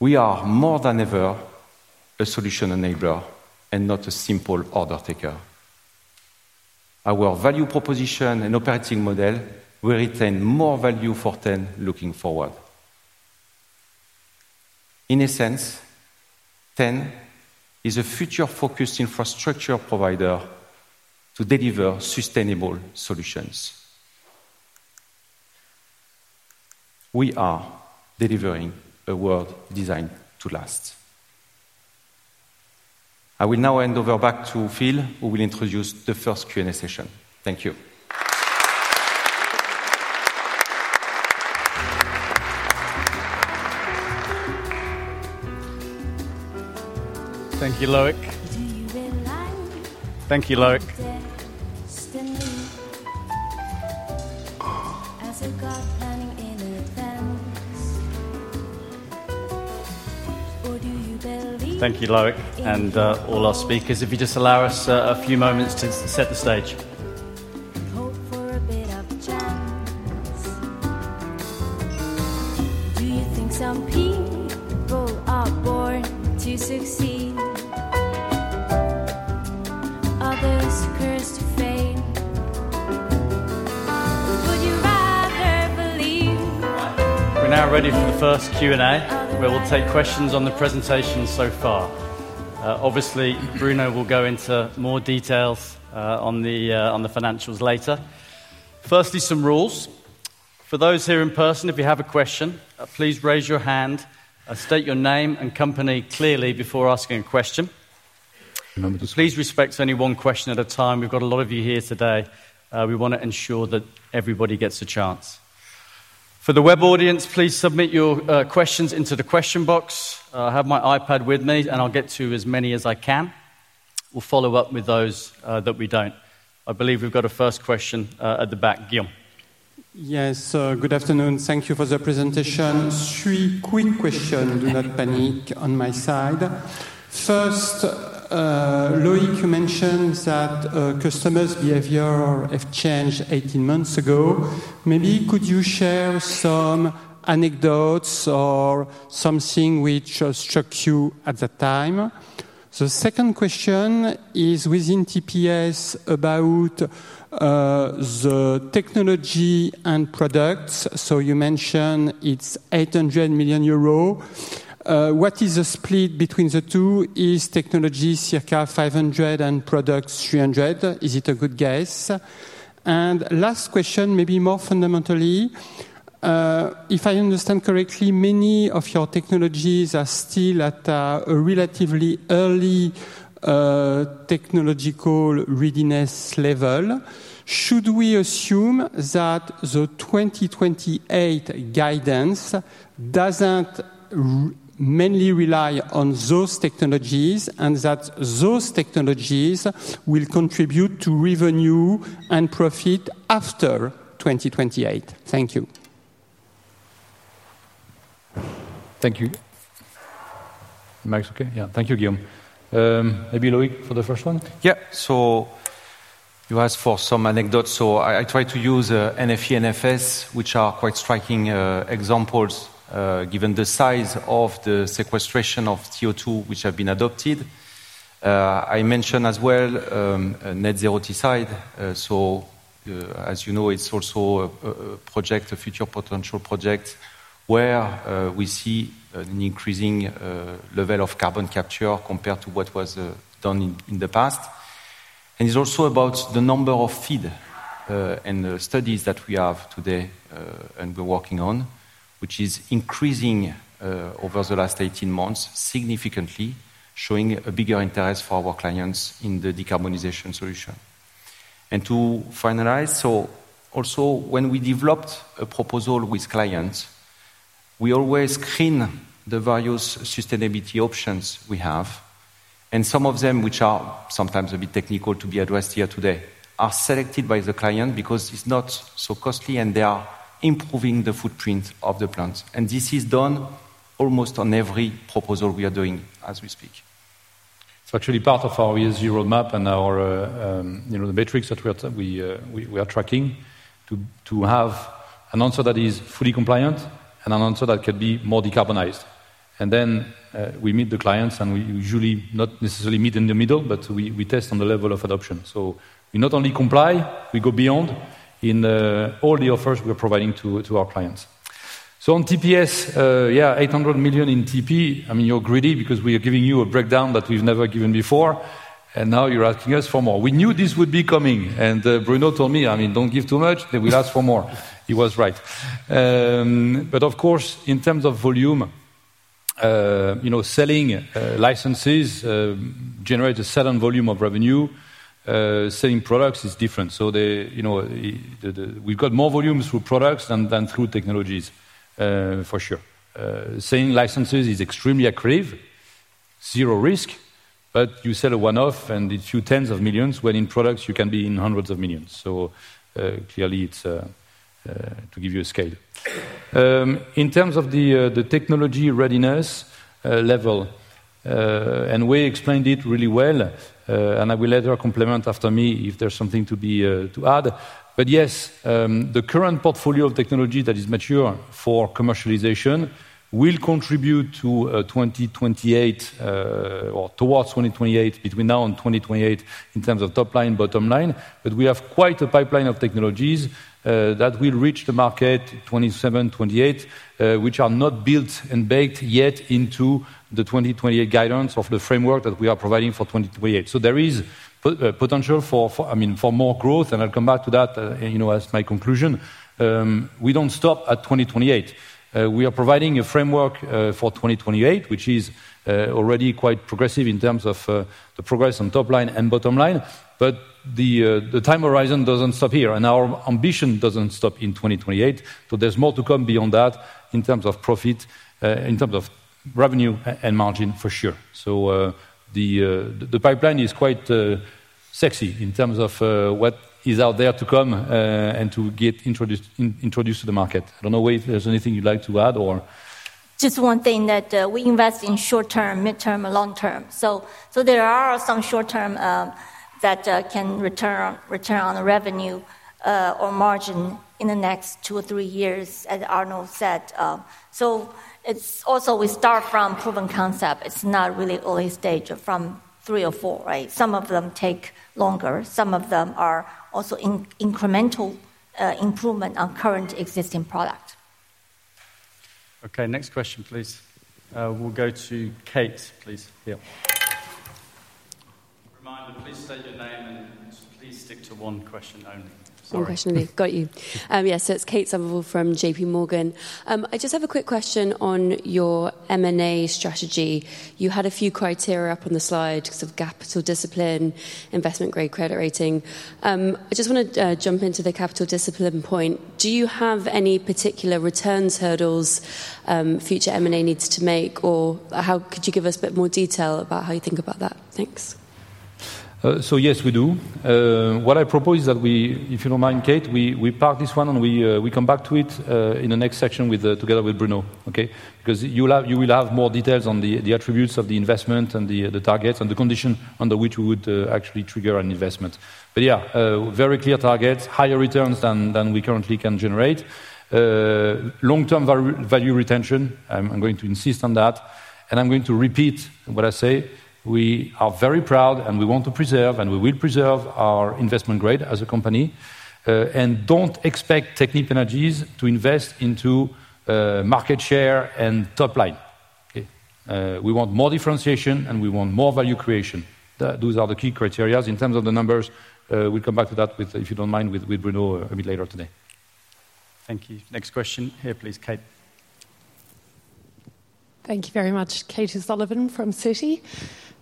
We are more than ever a solution enabler and not a simple order taker. Our value proposition and operating model will retain more value for T.EN looking forward. In a sense, T.EN is a future-focused infrastructure provider to deliver sustainable solutions. We are delivering a world designed to last. I will now hand over back to Phil, who will introduce the first Q&A session. Thank you. Thank you, Loïc. Thank you, Loïc and all our speakers. If you just allow us a few moments to set the stage. Hope for a bit of chance. Do you think some people are born to succeed? Others cursed to fail. Would you rather believe? We're now ready for the first Q&A, where we'll take questions on the presentation so far. Obviously, Bruno will go into more details on the financials later. Firstly, some rules. For those here in person, if you have a question, please raise your hand. State your name and company clearly before asking a question. Please respect only one question at a time. We've got a lot of you here today. We want to ensure that everybody gets a chance. For the web audience, please submit your questions into the question box. I have my iPad with me, and I'll get to as many as I can. We'll follow up with those that we don't. I believe we've got a first question at the back. Guilherme? Yes, good afternoon. Thank you for the presentation. Three quick questions. Do not panic on my side. First, Loïc, you mentioned that customers' behavior has changed 18 months ago. Maybe could you share some anecdotes or something which struck you at that time? The second question is within TPS about the technology and products. So you mentioned it's 800 million euros. What is the split between the two? Is technology circa 500 and products 300? Is it a good guess? And last question, maybe more fundamentally. If I understand correctly, many of your technologies are still at a relatively early technological readiness level. Should we assume that the 2028 guidance doesn't mainly rely on those technologies and that those technologies will contribute to revenue and profit after 2028? Thank you. Thank you. Mic's okay? Yeah. Thank you, Guilherme. Maybe Loïc for the first one? Yeah. So you asked for some anecdotes. So I tried to use NFE and NFS, which are quite striking examples given the size of the sequestration of CO2 which have been adopted. I mentioned as well Net Zero Teesside. So as you know, it's also a project, a future potential project where we see an increasing level of carbon capture compared to what was done in the past. And it's also about the number of FEED and studies that we have today and we're working on, which is increasing over the last 18 months significantly, showing a bigger interest for our clients in the decarbonization solution. And to finalize, so also when we developed a proposal with clients, we always screen the various sustainability options we have. Some of them, which are sometimes a bit technical to be addressed here today, are selected by the client because it's not so costly and they are improving the footprint of the plants. This is done almost on every proposal we are doing as we speak. It's actually part of our ESG roadmap and our metrics that we are tracking to have an answer that is fully compliant and an answer that could be more decarbonized. Then we meet the clients and we usually not necessarily meet in the middle, but we test on the level of adoption. We not only comply, we go beyond in all the offers we are providing to our clients. On TPS, yeah, 800 million in TP. I mean, you're greedy because we are giving you a breakdown that we've never given before. Now you're asking us for more. We knew this would be coming. And Bruno told me, I mean, don't give too much. They will ask for more. He was right. But of course, in terms of volume, selling licenses generates a sudden volume of revenue. Selling products is different. So we've got more volume through products than through technologies, for sure. Selling licenses is extremely accurate, zero risk, but you sell a one-off and it's a few tens of millions when in products you can be in hundreds of millions. So clearly, it's to give you a scale. In terms of the technology readiness level, and we explained it really well, and I will let her complement after me if there's something to add. But yes, the current portfolio of technology that is mature for commercialization will contribute to 2028 or towards 2028, between now and 2028, in terms of top line, bottom line. But we have quite a pipeline of technologies that will reach the market 2027, 2028, which are not built and baked yet into the 2028 guidance of the framework that we are providing for 2028. So there is potential for more growth, and I'll come back to that as my conclusion. We don't stop at 2028. We are providing a framework for 2028, which is already quite progressive in terms of the progress on top line and bottom line. But the time horizon doesn't stop here, and our ambition doesn't stop in 2028. So there's more to come beyond that in terms of profit, in terms of revenue and margin, for sure. So the pipeline is quite sexy in terms of what is out there to come and to get introduced to the market. I don't know, Wei if there's anything you'd like to add or. Just one thing that we invest in short term, mid term, long term. So there are some short term that can return on revenue or margin in the next two or three years, as Arnaud said. So it's also we start from proven concept. It's not really early stage from three or four, right? Some of them take longer. Some of them are also incremental improvement on current existing product. Okay, next question, please. We'll go to Kate, please. Here. Reminder, please state your name and please stick to one question only. One question only. Got you. Yes, so it's Kate Somerville from JP Morgan. I just have a quick question on your M&A strategy. You had a few criteria up on the slide, sort of capital discipline, investment grade credit rating. I just want to jump into the capital discipline point. Do you have any particular returns hurdles future M&A needs to make, or could you give us a bit more detail about how you think about that? Thanks. So yes, we do. What I propose is that we, if you don't mind, Kate, we park this one and we come back to it in the next session together with Bruno, okay? Because you will have more details on the attributes of the investment and the targets and the condition under which we would actually trigger an investment. But yeah, very clear targets, higher returns than we currently can generate. Long-term value retention, I'm going to insist on that. And I'm going to repeat what I say. We are very proud and we want to preserve and we will preserve our investment grade as a company. And don't expect Technip Energies to invest into market share and top line. We want more differentiation and we want more value creation. Those are the key criteria. In terms of the numbers, we'll come back to that, if you don't mind, with Bruno a bit later today. Thank you. Next question. Here, please, Kate. Thank you very much. Kate O'Sullivan from Citi.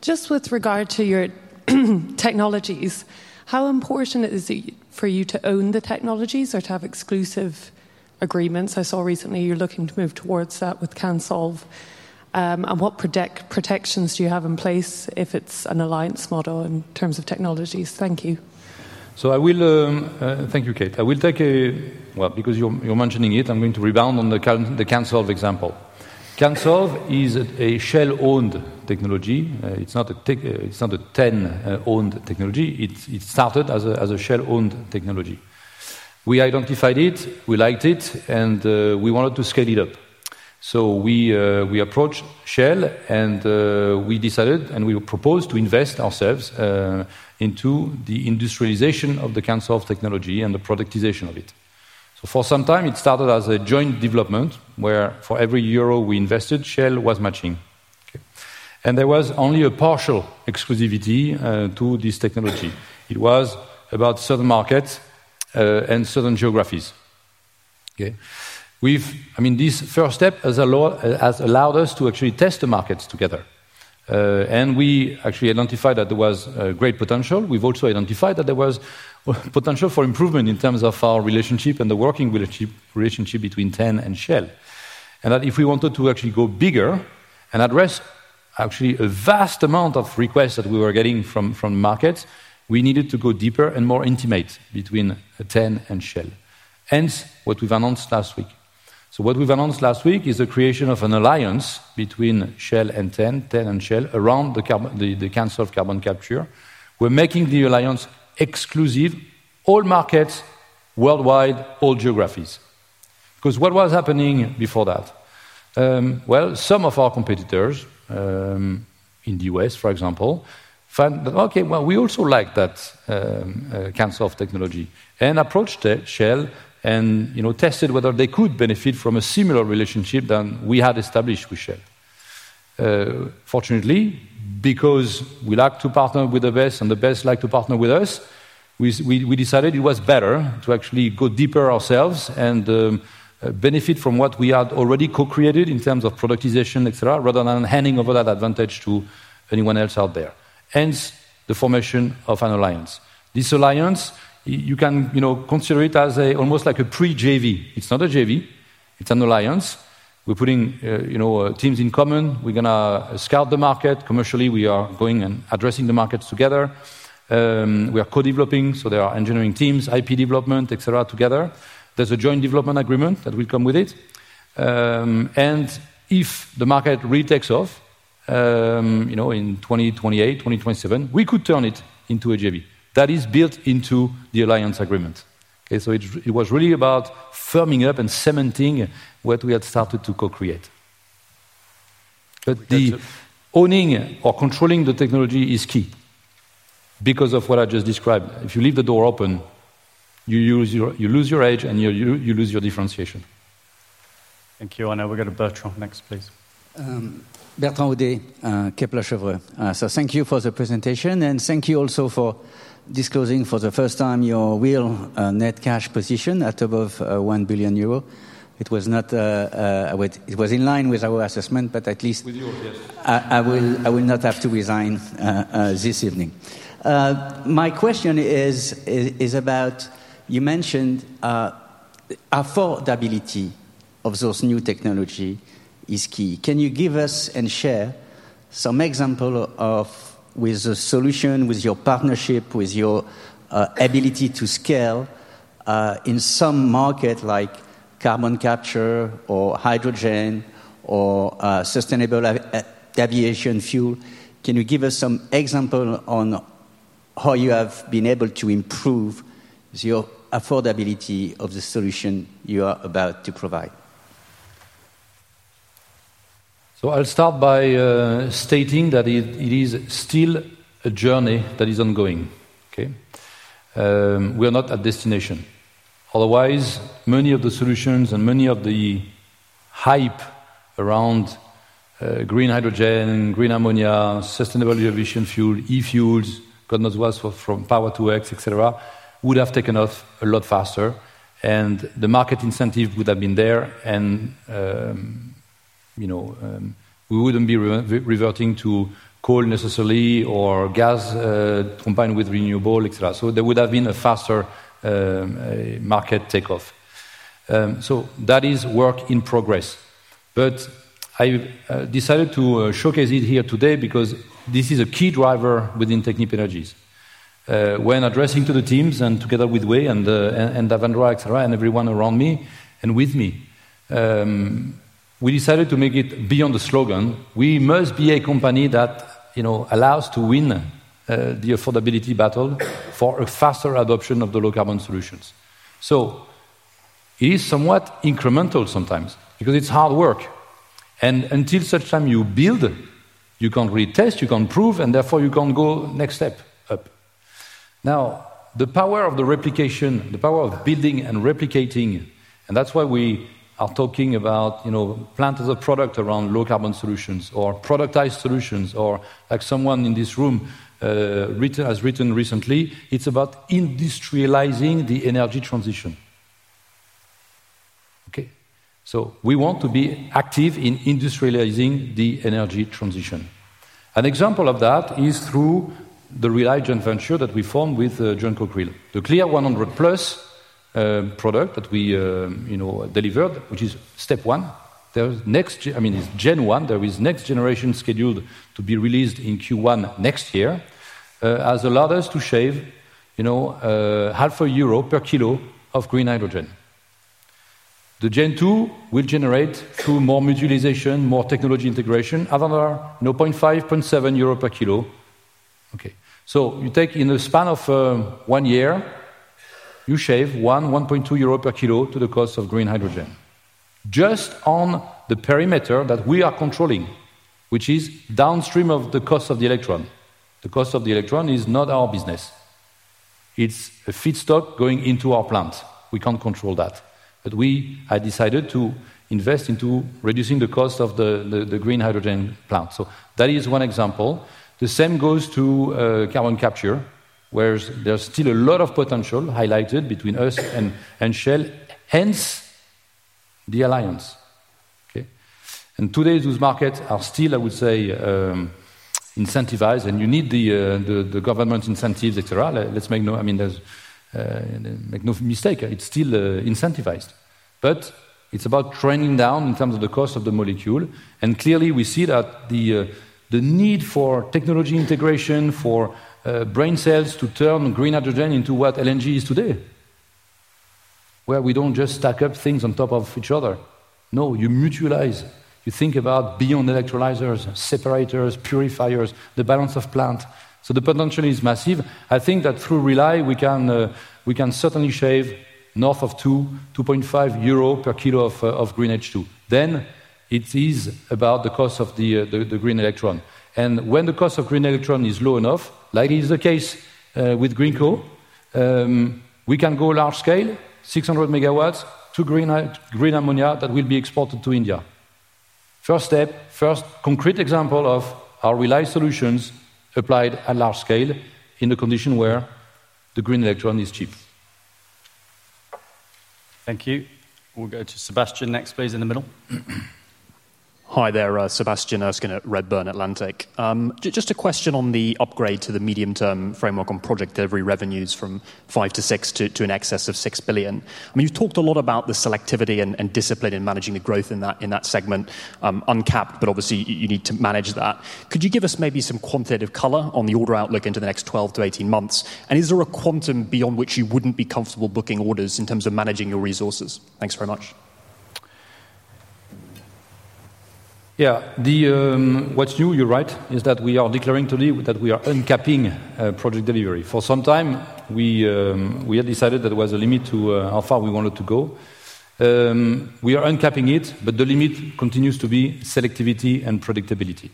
Just with regard to your technologies, how important is it for you to own the technologies or to have exclusive agreements? I saw recently you're looking to move towards that with CANSOLV. And what protections do you have in place if it's an alliance model in terms of technologies? Thank you. So I will thank you, Kate. I will take, well, because you're mentioning it, I'm going to rebound on the CANSOLV example. CANSOLV is a Shell-owned technology. It's not a T.EN-owned technology. It started as a Shell-owned technology. We identified it, we liked it, and we wanted to scale it up. We approached Shell and we decided and we proposed to invest ourselves into the industrialization of the CANSOLV technology and the productization of it. For some time, it started as a joint development where for every euro we invested, Shell was matching. There was only a partial exclusivity to this technology. It was about certain markets and certain geographies. I mean, this first step has allowed us to actually test the markets together. We actually identified that there was great potential. We've also identified that there was potential for improvement in terms of our relationship and the working relationship between T.EN and Shell. That if we wanted to actually go bigger and address actually a vast amount of requests that we were getting from markets, we needed to go deeper and more intimate between T.EN and Shell. Hence, what we've announced last week is the creation of an alliance between Shell and T.EN, T.EN and Shell around the CANSOLV carbon capture. We're making the alliance exclusive, all markets, worldwide, all geographies. Because what was happening before that? Well, some of our competitors in the U.S., for example, found that, okay, well, we also like that CANSOLV technology and approached Shell and tested whether they could benefit from a similar relationship than we had established with Shell. Fortunately, because we like to partner with the best and the best like to partner with us, we decided it was better to actually go deeper ourselves and benefit from what we had already co-created in terms of productization, etc., rather than handing over that advantage to anyone else out there. Hence the formation of an alliance. This alliance, you can consider it as almost like a pre-JV. It's not a JV. It's an alliance. We're putting teams in common. We're going to scout the market. Commercially, we are going and addressing the markets together. We are co-developing, so there are engineering teams, IP development, etc., together. There's a joint development agreement that will come with it. And if the market really takes off in 2028, 2027, we could turn it into a JV. That is built into the alliance agreement. It was really about firming up and cementing what we had started to co-create. But the owning or controlling the technology is key because of what I just described. If you leave the door open, you lose your edge and you lose your differentiation. Thank you. And now we'll go to Bertrand next, please. Bertrand Hodee, Kepler Cheuvreux. So thank you for the presentation. And thank you also for disclosing for the first time your real net cash position at above 1 billion euro. It was not in line with our assessment, but at least I will not have to resign this evening. My question is about you mentioned affordability of those new technologies is key. Can you give us and share some example of with the solution, with your partnership, with your ability to scale in some market like carbon capture or hydrogen or sustainable aviation fuel? Can you give us some example on how you have been able to improve your affordability of the solution you are about to provide? So I'll start by stating that it is still a journey that is ongoing. We are not at destination. Otherwise, many of the solutions and many of the hype around green hydrogen, green ammonia, sustainable aviation fuel, e-fuels, conduits from Power-to-X, etc., would have taken off a lot faster. And the market incentive would have been there. And we wouldn't be reverting to coal necessarily or gas combined with renewable, etc. So there would have been a faster market takeoff. So that is work in progress. But I decided to showcase it here today because this is a key driver within Technip Energies. When addressing to the teams and together with Wei and Davendra, etc., and everyone around me and with me, we decided to make it beyond the slogan. We must be a company that allows to win the affordability battle for a faster adoption of the low carbon solutions. So it is somewhat incremental sometimes because it's hard work. And until such time you build, you can't retest, you can't prove, and therefore you can't go next step up. Now, the power of the replication, the power of building and replicating, and that's why we are talking about plant as a product around low carbon solutions or productized solutions or like someone in this room has written recently, it's about industrializing the energy transition. So we want to be active in industrializing the energy transition. An example of that is through the Rely joint venture that we formed with John Cockerill. The Clear100+ product that we delivered, which is step one, I mean, is Gen 1, there is next generation scheduled to be released in Q1 next year, has allowed us to shave EUR 0.5 per kilo of green hydrogen. The Gen 2 will generate more utilization, more technology integration, around 0.50-0.70 euro per kilo. So you take in the span of one year, you shave 1, 1.20 euro per kilo to the cost of green hydrogen. Just on the perimeter that we are controlling, which is downstream of the cost of the electron. The cost of the electron is not our business. It's a feedstock going into our plant. We can't control that. But we have decided to invest into reducing the cost of the green hydrogen plant. That is one example. The same goes to carbon capture, where there's still a lot of potential highlighted between us and Shell. Hence the alliance. And today, those markets are still, I would say, incentivized, and you need the government incentives, etc. Let's make no mistake, it's still incentivized. But it's about trending down in terms of the cost of the molecule. And clearly, we see that the need for technology integration for the balance of plant to turn green hydrogen into what LNG is today, where we don't just stack up things on top of each other. No, you mutualize. You think about beyond electrolyzers, separators, purifiers, the balance of plant. So the potential is massive. I think that through Rely, we can certainly shave north of 2.50 euro per kilo of green H2. It is about the cost of the green electron. And when the cost of green electron is low enough, like it is the case with Greenko, we can go large scale, 600 MW to green ammonia that will be exported to India. First step, first concrete example of our Rely solutions applied at large scale in the condition where the green electron is cheap. Thank you. We'll go to Sebastian next, please, in the middle. Hi there, Sebastian Erskine at Redburn Atlantic. Just a question on the upgrade to the medium-term framework on Project Delivery revenues from 5 billion to 6 billion to an excess of 6 billion. I mean, you've talked a lot about the selectivity and discipline in managing the growth in that segment, uncapped, but obviously you need to manage that. Could you give us maybe some quantitative color on the order outlook into the next 12-18 months? And is there a quantum beyond which you wouldn't be comfortable booking orders in terms of managing your resources? Thanks very much. Yeah, what's new, you're right, is that we are declaring today that we are uncapping Project Delivery. For some time, we had decided that there was a limit to how far we wanted to go. We are uncapping it, but the limit continues to be selectivity and predictability.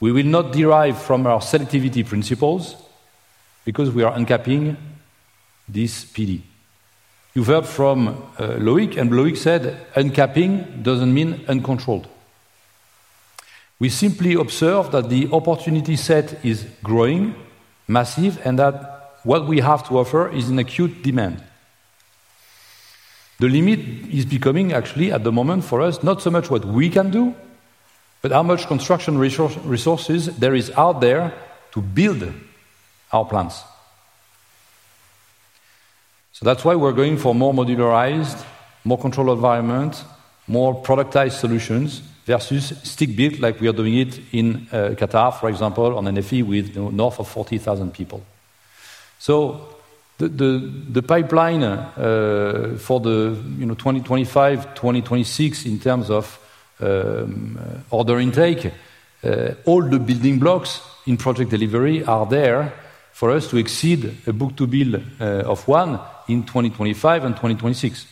We will not deviate from our selectivity principles because we are uncapping this PD. You heard from Loïc, and Loïc said uncapping doesn't mean uncontrolled. We simply observe that the opportunity set is growing, massive, and that what we have to offer is in acute demand. The limit is becoming, actually, at the moment for us, not so much what we can do, but how much construction resources there are out there to build our plants. So that's why we're going for more modularized, more controlled environments, more productized solutions versus stick-built like we are doing it in Qatar, for example, on NFE with north of 40,000 people. So the pipeline for the 2025, 2026 in terms of order intake, all the building blocks in Project Delivery are there for us to exceed a book-to-bill of one in 2025 and 2026.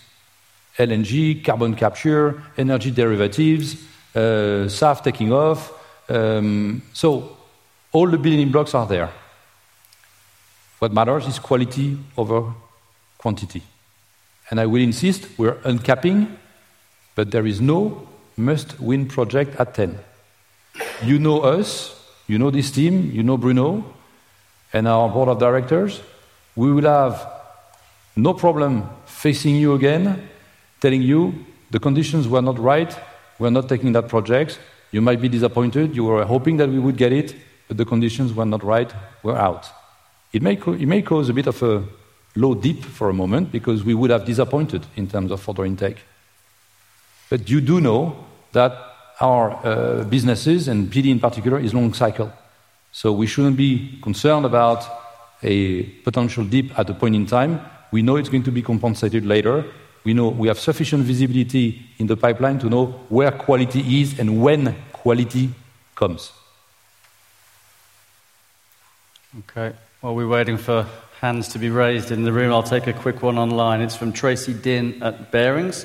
LNG, carbon capture, energy derivatives, SAF taking off. So all the building blocks are there. What matters is quality over quantity. And I will insist we're uncapping, but there is no must-win project at T.EN. You know us, you know this team, you know Bruno and our board of directors. We will have no problem facing you again, telling you the conditions were not right, we're not taking that project. You might be disappointed. You were hoping that we would get it, but the conditions were not right, we're out. It may cause a bit of a low dip for a moment because we would have disappointed in terms of order intake. But you do know that our businesses and PD in particular is long cycle. So we shouldn't be concerned about a potential dip at a point in time. We know it's going to be compensated later. We have sufficient visibility in the pipeline to know where quality is and when quality comes. Okay, while we're waiting for hands to be raised in the room, I'll take a quick one online. It's from Tracy Dinh at Barings.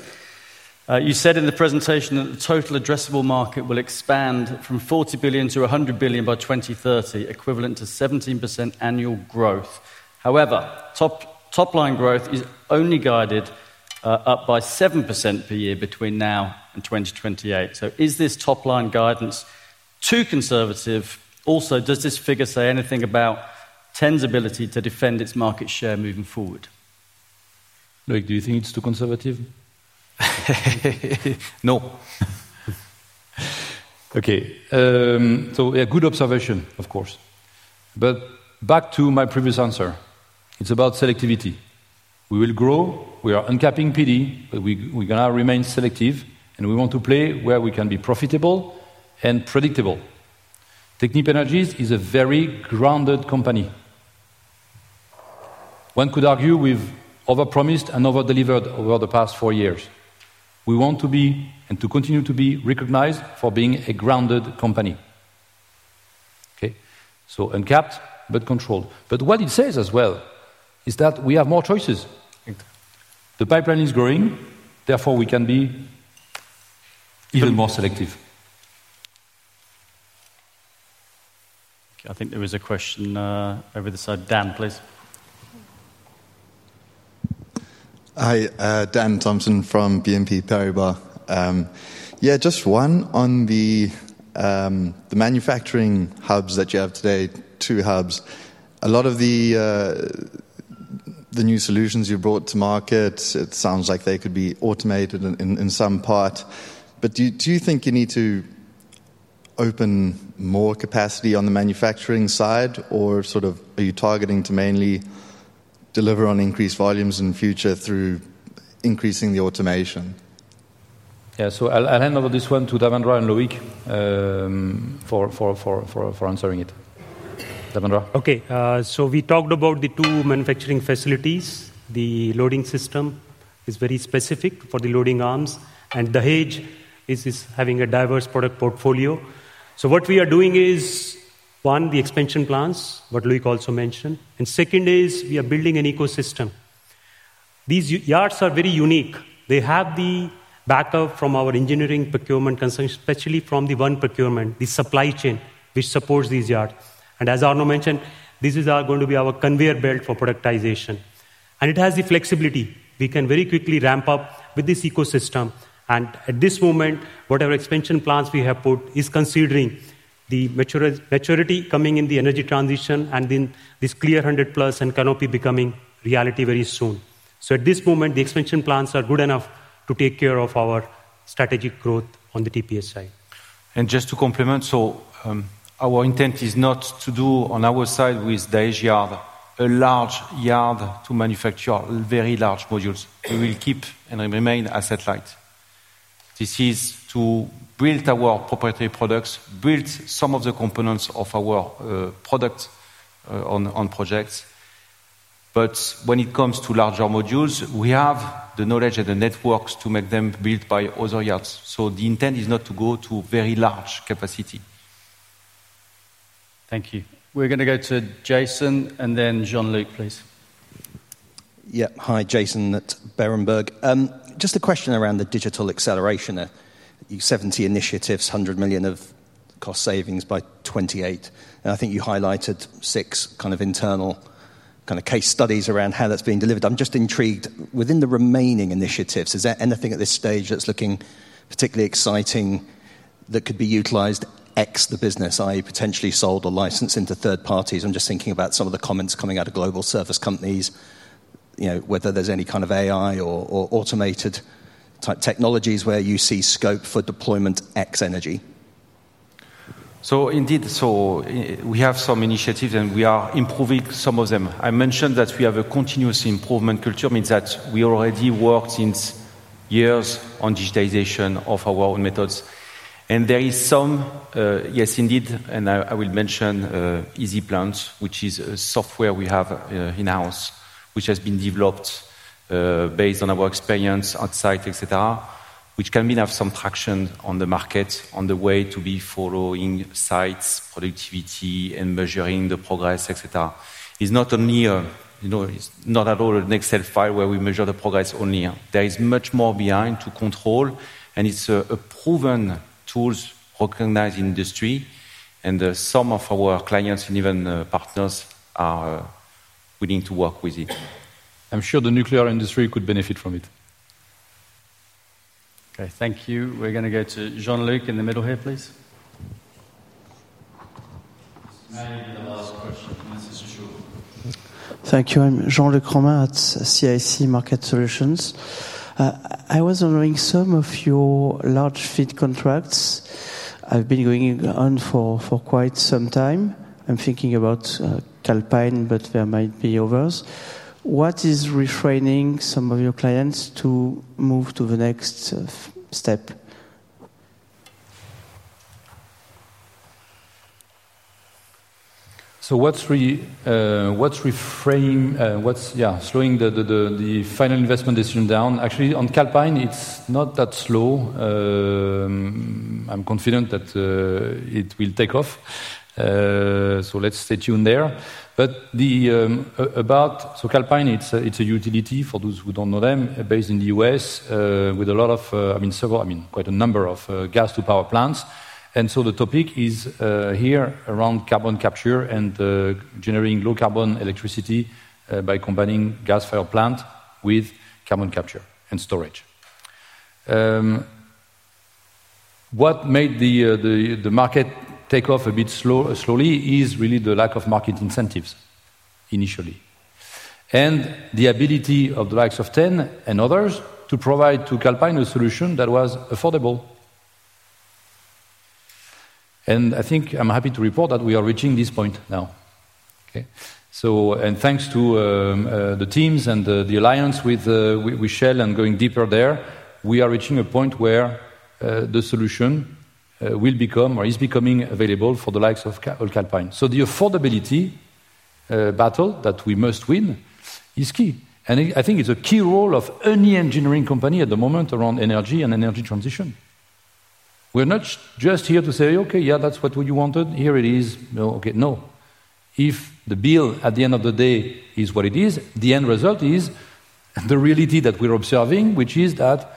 You said in the presentation that the total addressable market will expand from 40 billion to 100 billion by 2030, equivalent to 17% annual growth. However, topline growth is only guided up by 7% per year between now and 2028. So is this topline guidance too conservative? Also, does this figure say anything about T.EN's ability to defend its market share moving forward? Look, do you think it's too conservative? No. Okay, so a good observation, of course. But back to my previous answer. It's about selectivity. We will grow, we are uncapping PD, but we're going to remain selective, and we want to play where we can be profitable and predictable. Technip Energies is a very grounded company. One could argue we've overpromised and overdelivered over the past four years. We want to be and to continue to be recognized for being a grounded company. So uncapped, but controlled. But what it says as well is that we have more choices. The pipeline is growing, therefore we can be even more selective. I think there was a question over the side. Dan, please. Hi, Dan Thomson from BNP Paribas. Yeah, just one on the manufacturing hubs that you have today, two hubs. A lot of the new solutions you brought to market, it sounds like they could be automated in some part. But do you think you need to open more capacity on the manufacturing side, or are you targeting to mainly deliver on increased volumes in the future through increasing the automation? Yeah, so I'll hand over this one to Davendra and Loïc for answering it. Davendra? Okay. We talked about the two manufacturing facilities. The Loading Systems is very specific for the loading arms, and the hub is having a diverse product portfolio. What we are doing is one, the expansion plants what Loïc also mentioned, and second, we are building an ecosystem. These yards are very unique. They have the backup from our engineering procurement, especially from the One procurement, the supply chain, which supports these yards, and as Arnaud mentioned, this is going to be our conveyor belt for productization, and it has the flexibility. We can very quickly ramp up with this ecosystem, and at this moment, whatever expansion plants we have put is considering the maturity coming in the energy transition, and then this Clear100+ and Canopy becoming reality very soon, so at this moment, the expansion plants are good enough to take care of our strategic growth on the TPS side. Just to complement, so our intent is not to do on our side with the Dahej yard, a large yard to manufacture very large modules. We will keep and remain asset light. This is to build our proprietary products, build some of the components of our products on projects. But when it comes to larger modules, we have the knowledge and the networks to make them built by other yards. So the intent is not to go to very large capacity. Thank you. We're going to go to Jason and then Jean-Luc, please. Yeah, hi, Jason at Berenberg. Just a question around the digital acceleration, your 70 initiatives, 100 million of cost savings by 2028. And I think you highlighted six kind of internal kind of case studies around how that's being delivered. I'm just intrigued within the remaining initiatives. Is there anything at this stage that's looking particularly exciting that could be utilized in the business, i.e., potentially sold or licensed into third parties? I'm just thinking about some of the comments coming out of global service companies, whether there's any kind of AI or automated type technologies where you see scope for deployment in energy. So indeed, we have some initiatives and we are improving some of them. I mentioned that we have a continuous improvement culture, means that we already worked since years on digitization of our own methods. And there is some, yes, indeed, and I will mention EasyPlant, which is a software we have in-house, which has been developed based on our experience outside, etc., which can have some traction on the market, on the way to be following sites, productivity, and measuring the progress, etc. It's not only, it's not at all an Excel file where we measure the progress only. There is much more behind to control, and it's a proven tool recognized in industry, and some of our clients and even partners are willing to work with it. I'm sure the nuclear industry could benefit from it. Okay, thank you. We're going to go to Jean-Luc in the middle here, please. Thank you. I'm Jean-Luc Romain at CIC Market Solutions. I was wondering, some of your large FEED contracts, they've been going on for quite some time. I'm thinking about Calpine, but there might be others. What is prompting some of your clients to move to the next step? So what's prompting, what's slowing the final investment decision down? Actually, on Calpine, it's not that slow. I'm confident that it will take off. Let's stay tuned there. About Calpine, it's a utility for those who don't know them, based in the U.S., with a lot of, I mean, quite a number of gas-to-power plants. The topic is here around carbon capture and generating low carbon electricity by combining gas-fired plant with carbon capture and storage. What made the market take off a bit slowly is really the lack of market incentives initially, and the ability of the likes of T.EN and others to provide to Calpine a solution that was affordable. And I think I'm happy to report that we are reaching this point now. And thanks to the teams and the alliance with Shell and going deeper there, we are reaching a point where the solution will become or is becoming available for the likes of Calpine. So the affordability battle that we must win is key. I think it's a key role of any engineering company at the moment around energy and energy transition. We're not just here to say, okay, yeah, that's what you wanted. Here it is. No, okay, no. If the bill at the end of the day is what it is, the end result is the reality that we're observing, which is that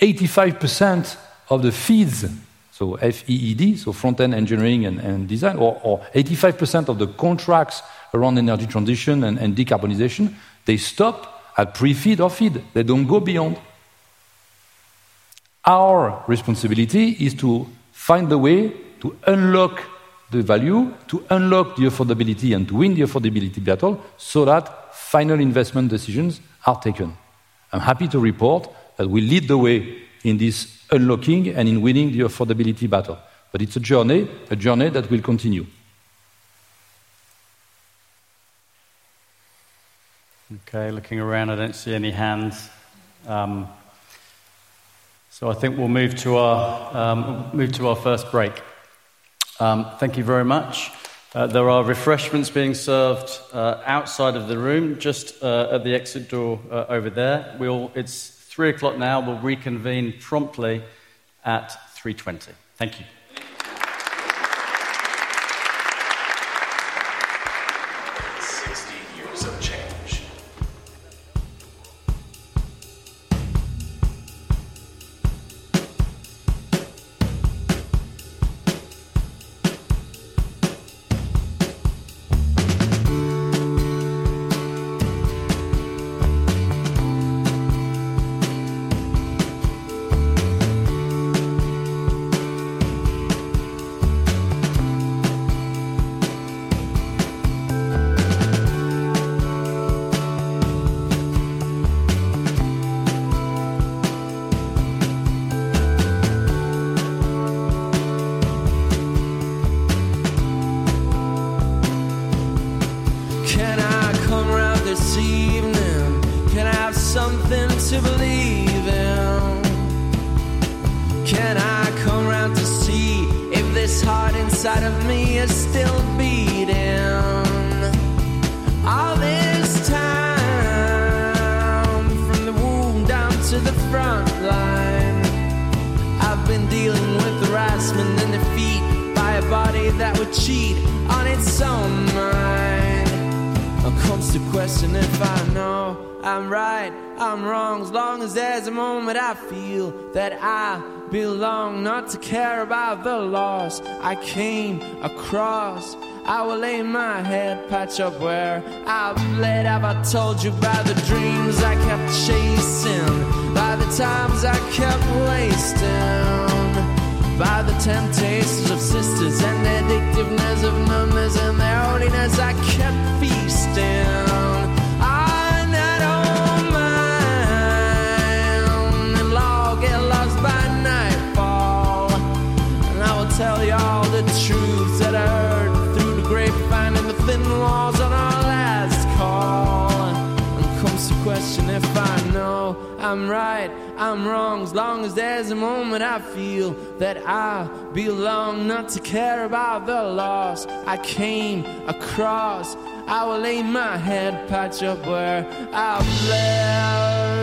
85% of the FEEDs, so FEED, so front-end engineering and design, or 85% of the contracts around energy transition and decarbonization, they stop at pre-FEED or FEED. They don't go beyond. Our responsibility is to find the way to unlock the value, to unlock the affordability, and to win the affordability battle so that final investment decisions are taken. I'm happy to report that we lead the way in this unlocking and in winning the affordability battle. But it's a journey, a journey that will continue. Okay, looking around, I don't see any hands. So I think we'll move to our first break. Thank you very much. There are refreshments being served outside of the room, just at the exit door over there. It's 3:00 P.M. now. We'll reconvene promptly at 3:20 P.M. Thank you. 60 years of change. Can I come round this evening? Can I have something to believe in? Can I come round to see if this heart inside of me is still beating? All this time, from the womb down to the front line, I've been dealing with harassment and defeat by a body that would cheat on its own mind. I'll come to question if I know I'm right, I'm wrong, as long as there's a moment I feel that I belong, not to care about the loss I came across. I will lay my head patch up where I've laid.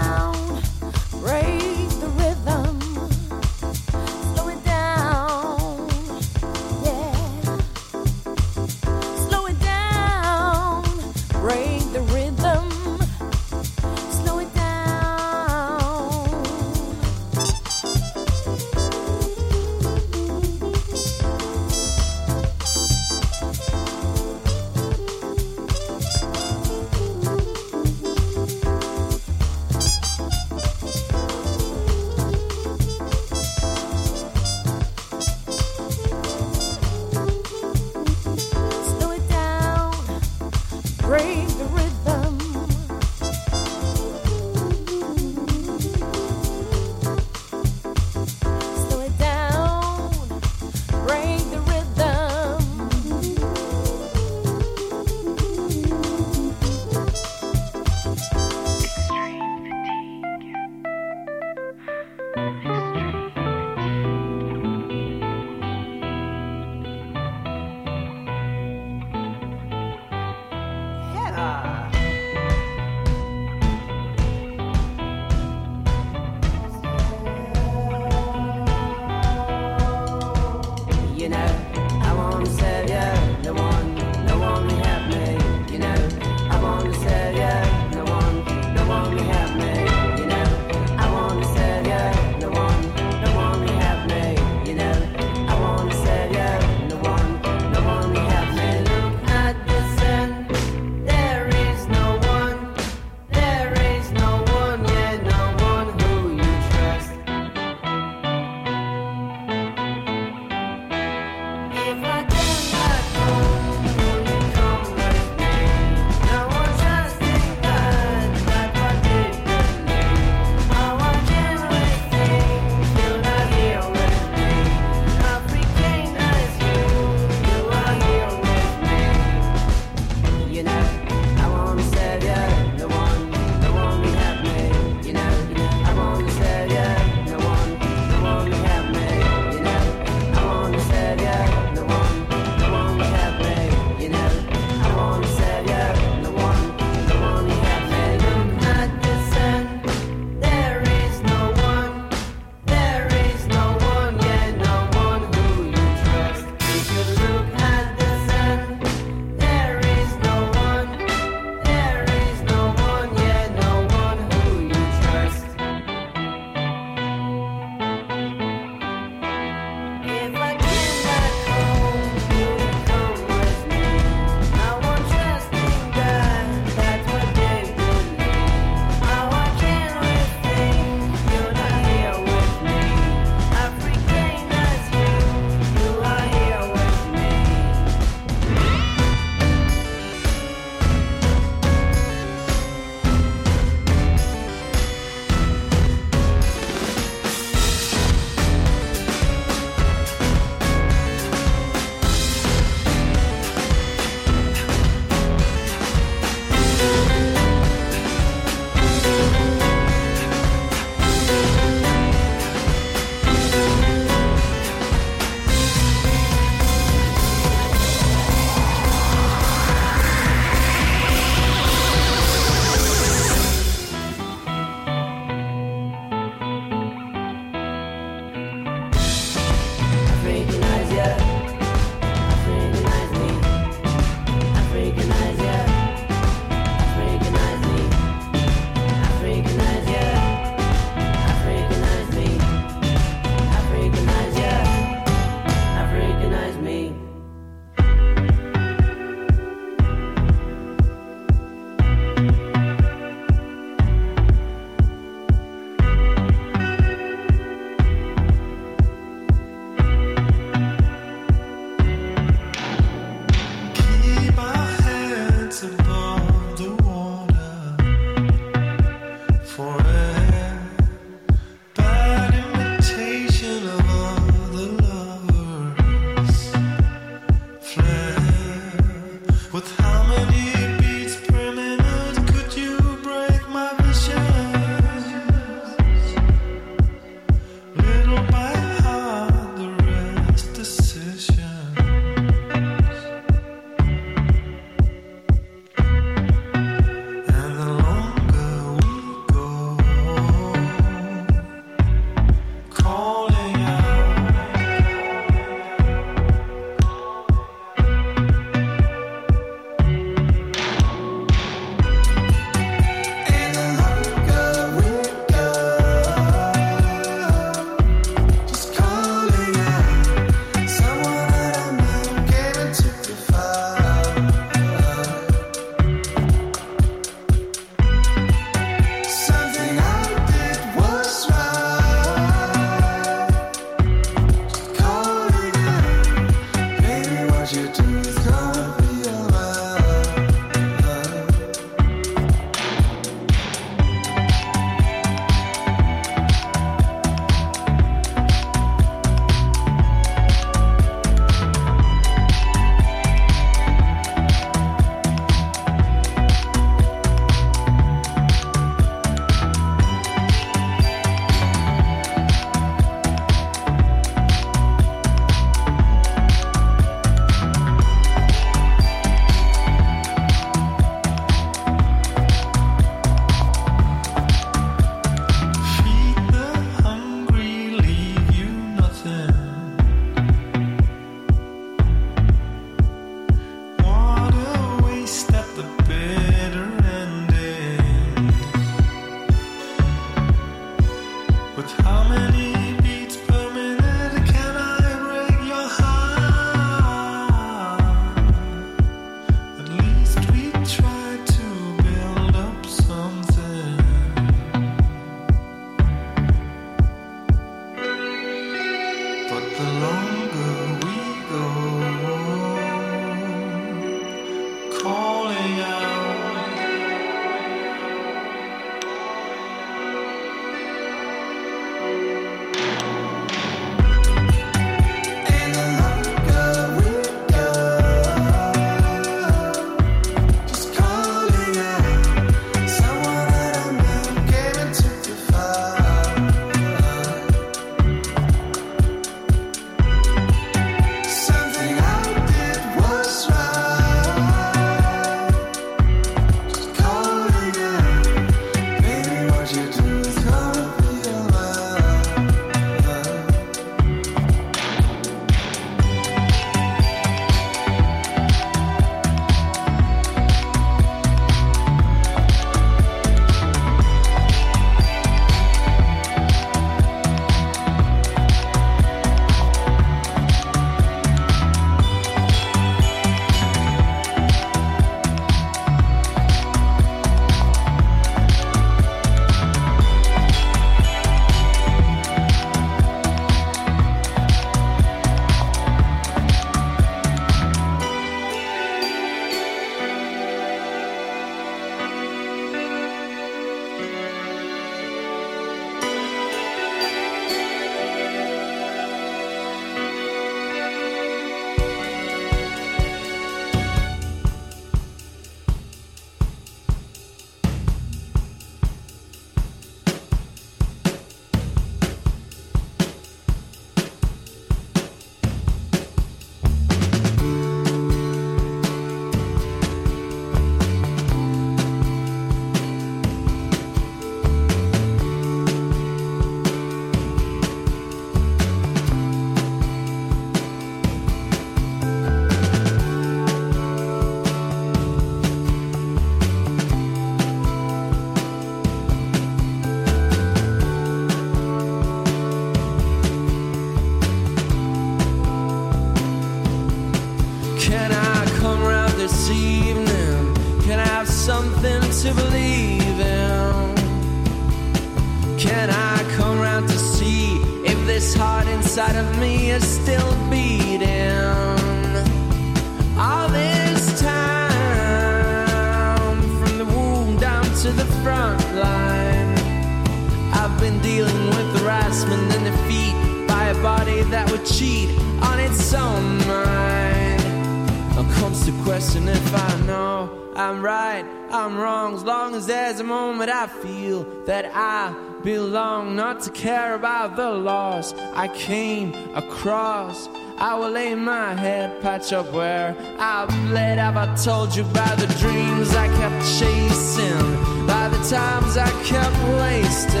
belong. Not to care about the loss I came across. I will lay my head patch up where I've laid up. I told you about the dreams I kept chasing, about the times I kept wasting,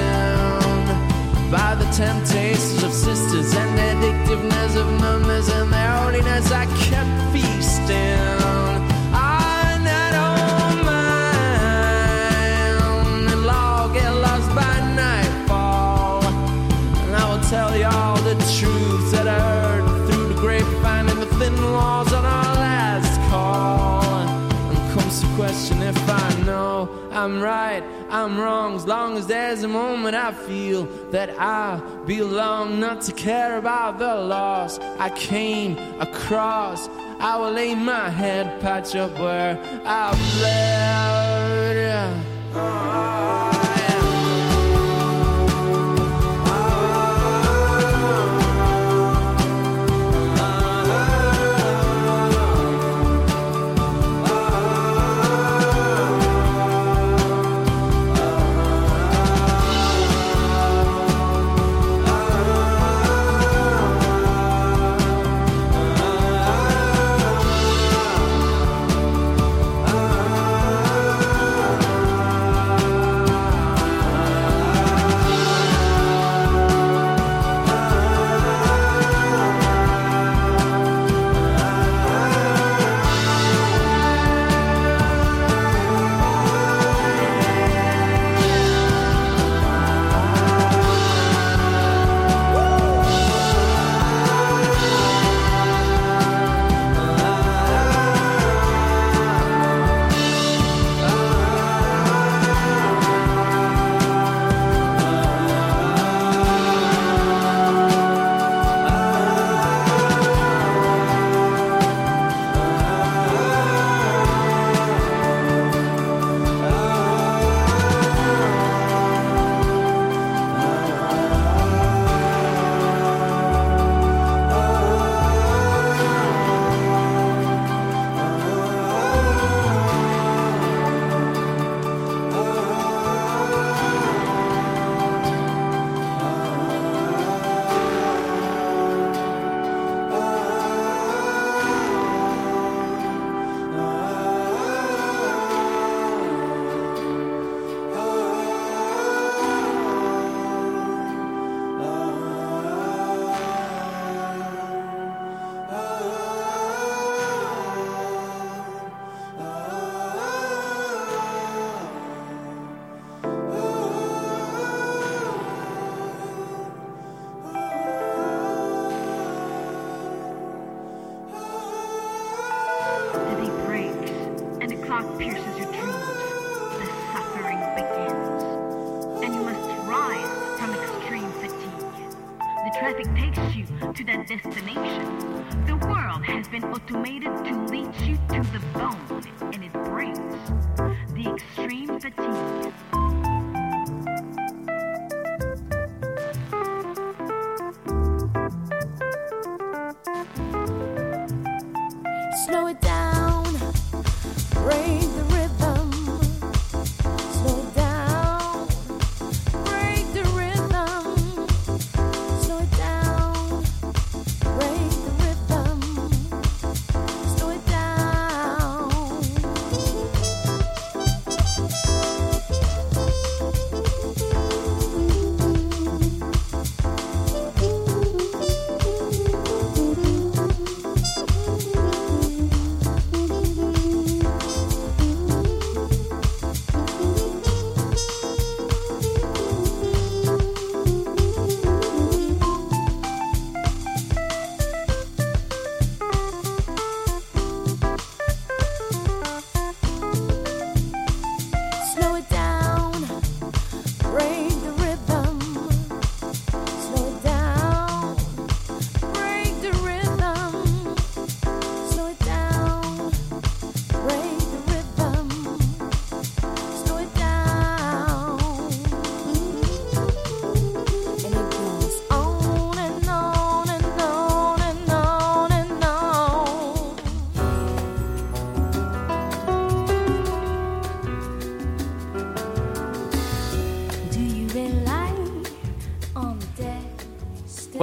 about the temptations of sisters and the addictiveness of numbers and their holiness I kept feasting.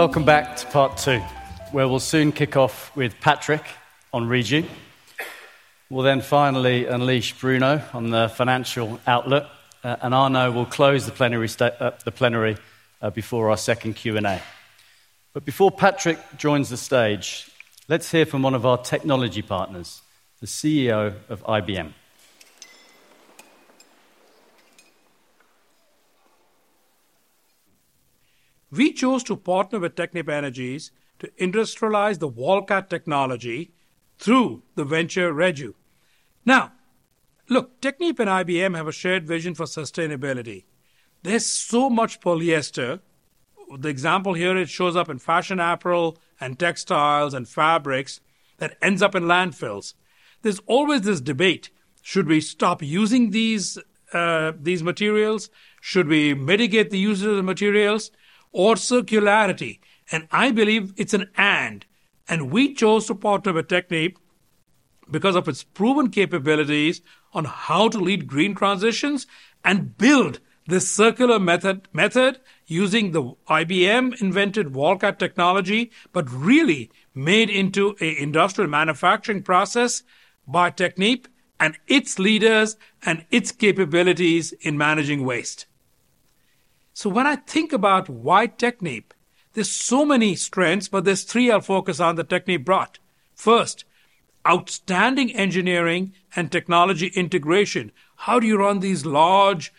Welcome back to part two, where we'll soon kick off with Patrick on Reju. We'll then finally unleash Bruno on the financial outlook, and Arnaud will close the plenary before our second Q&A, but before Patrick joins the stage, let's hear from one of our technology partners, the CEO of IBM. We chose to partner with Technip Energies to industrialize the VolCat technology through the venture Reju. Now, look, Technip and IBM have a shared vision for sustainability. There's so much polyester. The example here, it shows up in fashion apparel and textiles and fabrics that ends up in landfills. There's always this debate. Should we stop using these materials? Should we mitigate the use of the materials or circularity, and I believe it's an and. We chose to partner with Technip because of its proven capabilities on how to lead green transitions and build the circular method using the IBM-invented VolCat technology, but really made into an industrial manufacturing process by Technip and its leaders and its capabilities in managing waste. When I think about why Technip, there's so many strengths, but there's three I'll focus on that Technip brought. First, outstanding engineering and technology integration. How do you run these large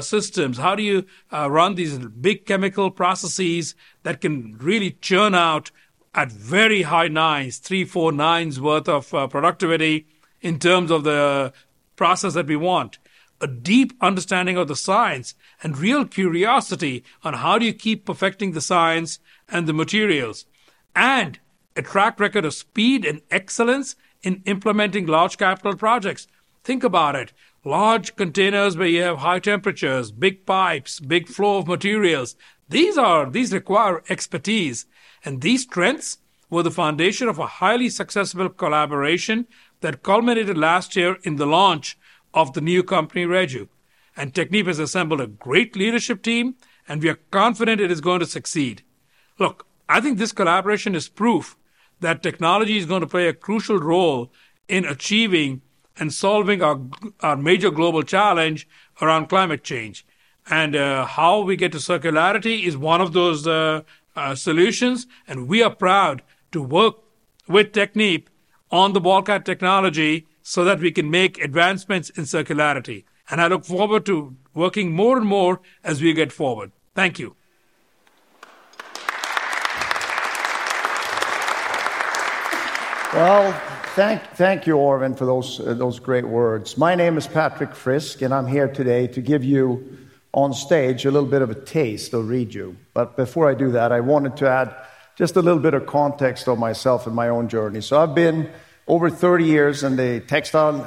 systems? How do you run these big chemical processes that can really churn out at very high nines, three, four nines worth of productivity in terms of the process that we want? A deep understanding of the science and real curiosity on how do you keep perfecting the science and the materials and a track record of speed and excellence in implementing large capital projects. Think about it. Large containers where you have high temperatures, big pipes, big flow of materials. These require expertise, and these strengths were the foundation of a highly successful collaboration that culminated last year in the launch of the new company, Reju. And Technip has assembled a great leadership team, and we are confident it is going to succeed. Look, I think this collaboration is proof that technology is going to play a crucial role in achieving and solving our major global challenge around climate change. And how we get to circularity is one of those solutions, and we are proud to work with Technip on the VolCat technology so that we can make advancements in circularity. And I look forward to working more and more as we get forward. Thank you. Well, thank you, Arvind, for those great words. My name is Patrick Frisk. I'm here today to give you on stage a little bit of a taste of Reju. Before I do that, I wanted to add just a little bit of context on myself and my own journey. I've been over 30 years in the textile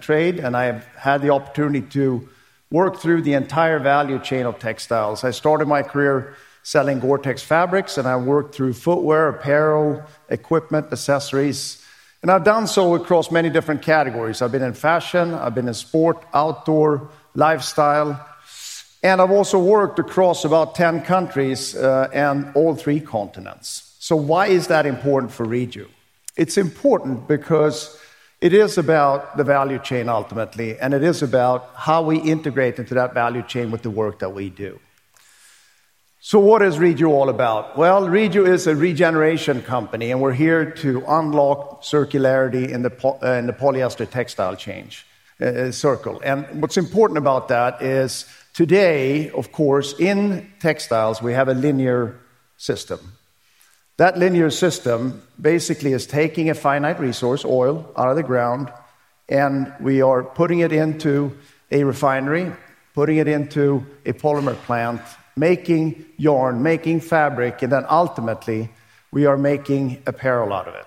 trade. I have had the opportunity to work through the entire value chain of textiles. I started my career selling Gore-Tex fabrics, and I worked through footwear, apparel, equipment, accessories. I've done so across many different categories. I've been in fashion, I've been in sport, outdoor, lifestyle, and I've also worked across about 10 countries and all three continents, so why is that important for Reju? It's important because it is about the value chain ultimately, and it is about how we integrate into that value chain with the work that we do. So what is Reju all about? Well, Reju is a regeneration company, and we're here to unlock circularity in the polyester textile cycle. And what's important about that is today, of course, in textiles, we have a linear system. That linear system basically is taking a finite resource, oil, out of the ground, and we are putting it into a refinery, putting it into a polymer plant, making yarn, making fabric, and then ultimately we are making apparel out of it.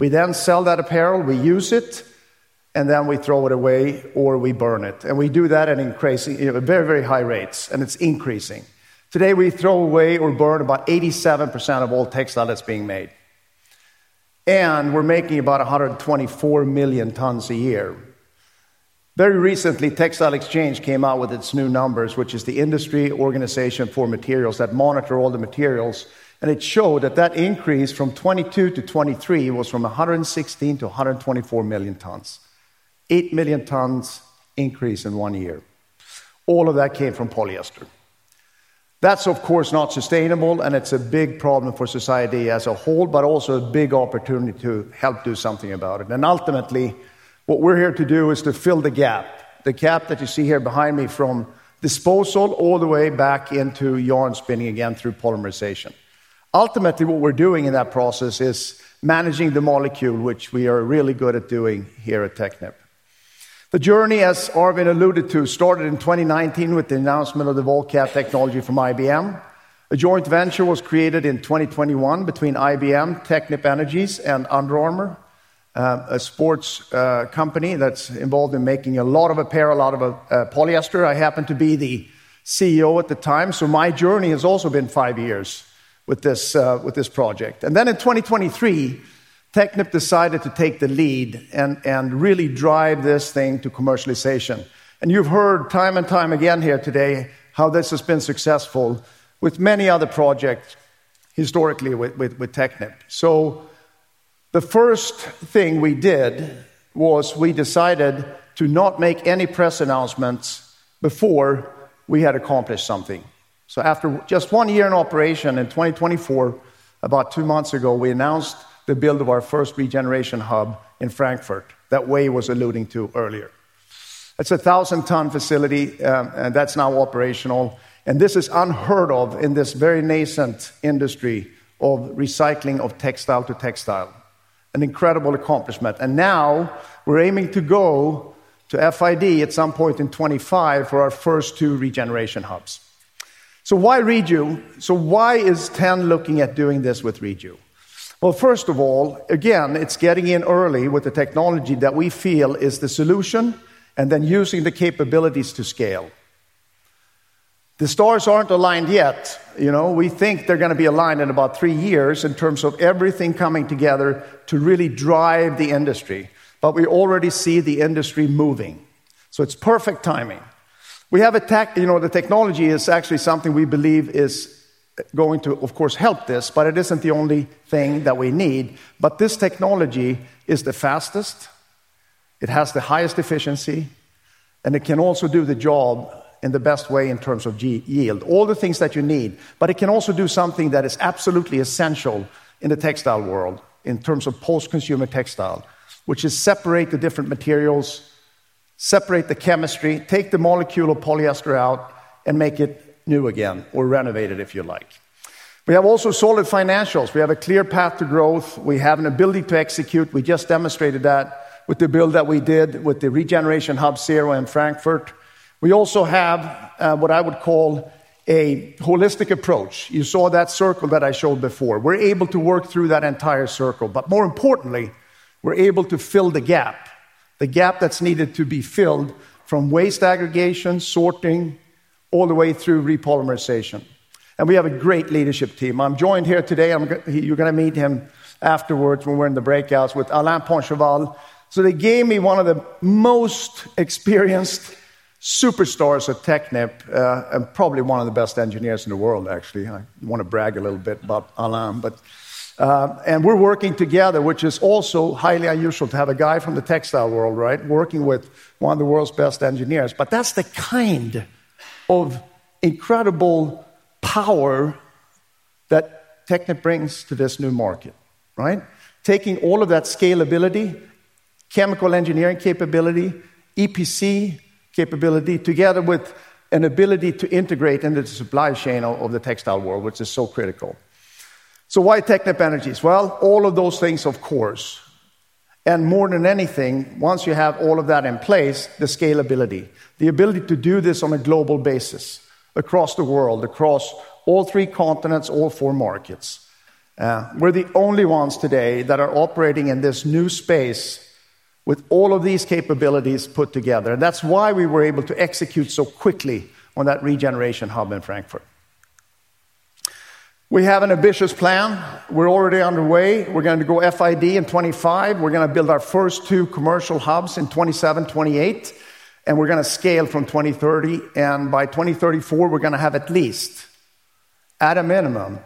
We then sell that apparel, we use it, and then we throw it away or we burn it. And we do that at increasing very, very high rates, and it's increasing. Today, we throw away or burn about 87% of all textile that's being made, and we're making about 124 million tons a year. Very recently, Textile Exchange came out with its new numbers, which is the industry organization for materials that monitor all the materials, and it showed that that increase from 2022 to 2023 was from 116 million to 124 million tons. 8 million tons increase in one year. All of that came from polyester. That's, of course, not sustainable, and it's a big problem for society as a whole, but also a big opportunity to help do something about it. Ultimately, what we're here to do is to fill the gap, the gap that you see here behind me from disposal all the way back into yarn spinning again through polymerization. Ultimately, what we're doing in that process is managing the molecule, which we are really good at doing here at Technip. The journey, as Arvind alluded to, started in 2019 with the announcement of the VolCat technology from IBM. A joint venture was created in 2021 between IBM, Technip Energies, and Under Armour, a sports company that's involved in making a lot of apparel, a lot of polyester. I happened to be the CEO at the time, so my journey has also been five years with this project. And then in 2023, Technip decided to take the lead and really drive this thing to commercialization. And you've heard time and time again here today how this has been successful with many other projects historically with Technip. So the first thing we did was we decided to not make any press announcements before we had accomplished something. So after just one year in operation in 2024, about two months ago, we announced the build of our first regeneration hub in Frankfurt that Wei was alluding to earlier. It's a 1,000-ton facility, and that's now operational. This is unheard of in this very nascent industry of recycling of textile to textile. An incredible accomplishment. Now we're aiming to go to FID at some point in 2025 for our first two regeneration hubs. Why Reju? Why is T.EN looking at doing this with Reju? Well, first of all, again, it's getting in early with the technology that we feel is the solution and then using the capabilities to scale. The stars aren't aligned yet. We think they're going to be aligned in about three years in terms of everything coming together to really drive the industry. But we already see the industry moving. So it's perfect timing. We have the technology, which is actually something we believe is going to, of course, help this, but it isn't the only thing that we need. But this technology is the fastest. It has the highest efficiency, and it can also do the job in the best way in terms of yield. All the things that you need, but it can also do something that is absolutely essential in the textile world in terms of post-consumer textile, which is separate the different materials, separate the chemistry, take the molecule of polyester out and make it new again or renovate it if you like. We have also solid financials. We have a clear path to growth. We have an ability to execute. We just demonstrated that with the build that we did with the regeneration hub Reju in Frankfurt. We also have what I would call a holistic approach. You saw that circle that I showed before. We're able to work through that entire circle. But more importantly, we're able to fill the gap, the gap that's needed to be filled from waste aggregation, sorting, all the way through repolymerization. And we have a great leadership team. I'm joined here today. You're going to meet him afterwards when we're in the breakouts with Alain Poincheval. So they gave me one of the most experienced superstars at Technip and probably one of the best engineers in the world, actually. I want to brag a little bit about Alain, but—and we're working together, which is also highly unusual to have a guy from the textile world, right? Working with one of the world's best engineers. But that's the kind of incredible power that Technip brings to this new market, right? Taking all of that scalability, chemical engineering capability, EPC capability together with an ability to integrate into the supply chain of the textile world, which is so critical, so why Technip Energies? Well, all of those things, of course and more than anything, once you have all of that in place, the scalability, the ability to do this on a global basis across the world, across all three continents, all four markets. We're the only ones today that are operating in this new space with all of these capabilities put together and that's why we were able to execute so quickly on that regeneration hub in Frankfurt. We have an ambitious plan. We're already underway. We're going to go FID in 2025. We're going to build our first two commercial hubs in 2027, 2028, and we're going to scale from 2030. And by 2034, we're going to have at least, at a minimum,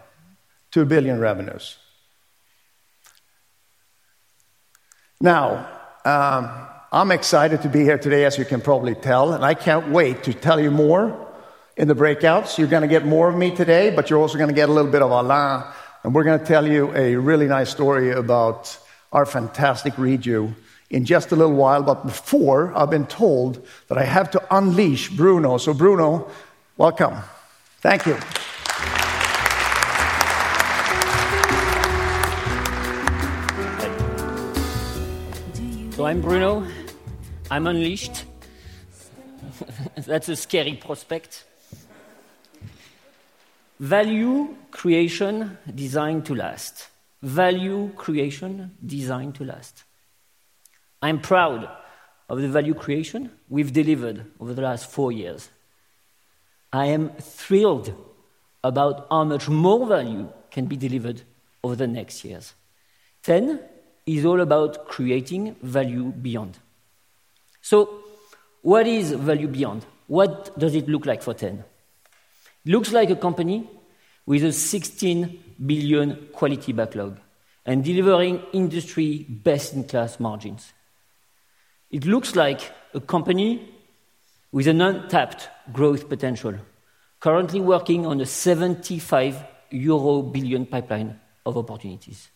2 billion revenues. Now, I'm excited to be here today, as you can probably tell, and I can't wait to tell you more in the breakouts. You're going to get more of me today, but you're also going to get a little bit of Alain, and we're going to tell you a really nice story about our fantastic Reju in just a little while. But before, I've been told that I have to unleash Bruno. So Bruno, welcome. Thank you. So I'm Bruno. I'm unleashed. That's a scary prospect. Value creation designed to last. Value creation designed to last. I'm proud of the value creation we've delivered over the last four years. I am thrilled about how much more value can be delivered over the next years. T.EN is all about creating value beyond. So what is value beyond? What does it look like for T.EN? It looks like a company with a 16 billion quality backlog and delivering industry best-in-class margins. It looks like a company with an untapped growth potential, currently working on a 75 billion euro pipeline of opportunities.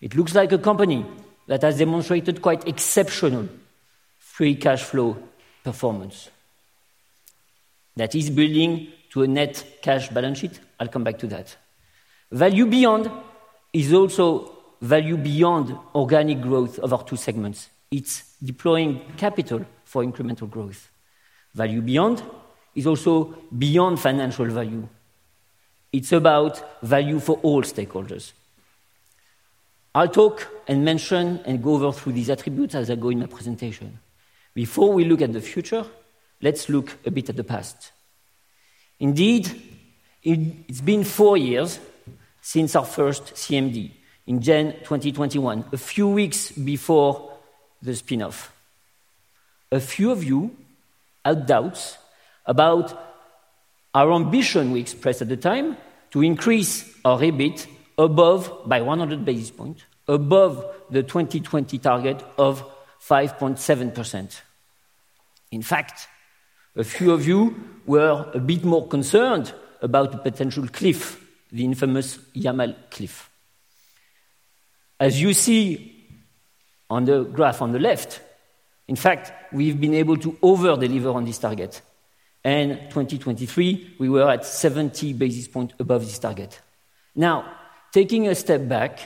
It looks like a company that has demonstrated quite exceptional free cash flow performance that is building to a net cash balance sheet. I'll come back to that. Value beyond is also value beyond organic growth of our two segments. It's deploying capital for incremental growth. Value beyond is also beyond financial value. It's about value for all stakeholders. I'll talk and mention and go over through these attributes as I go in my presentation. Before we look at the future, let's look a bit at the past. Indeed, it's been four years since our first CMD in June 2021, a few weeks before the spinoff. A few of you had doubts about our ambition we expressed at the time to increase our EBIT by 100 basis points, above the 2020 target of 5.7%. In fact, a few of you were a bit more concerned about the potential cliff, the infamous Yamal cliff. As you see on the graph on the left, in fact, we've been able to overdeliver on this target, and in 2023, we were at 70 basis points above this target. Now, taking a step back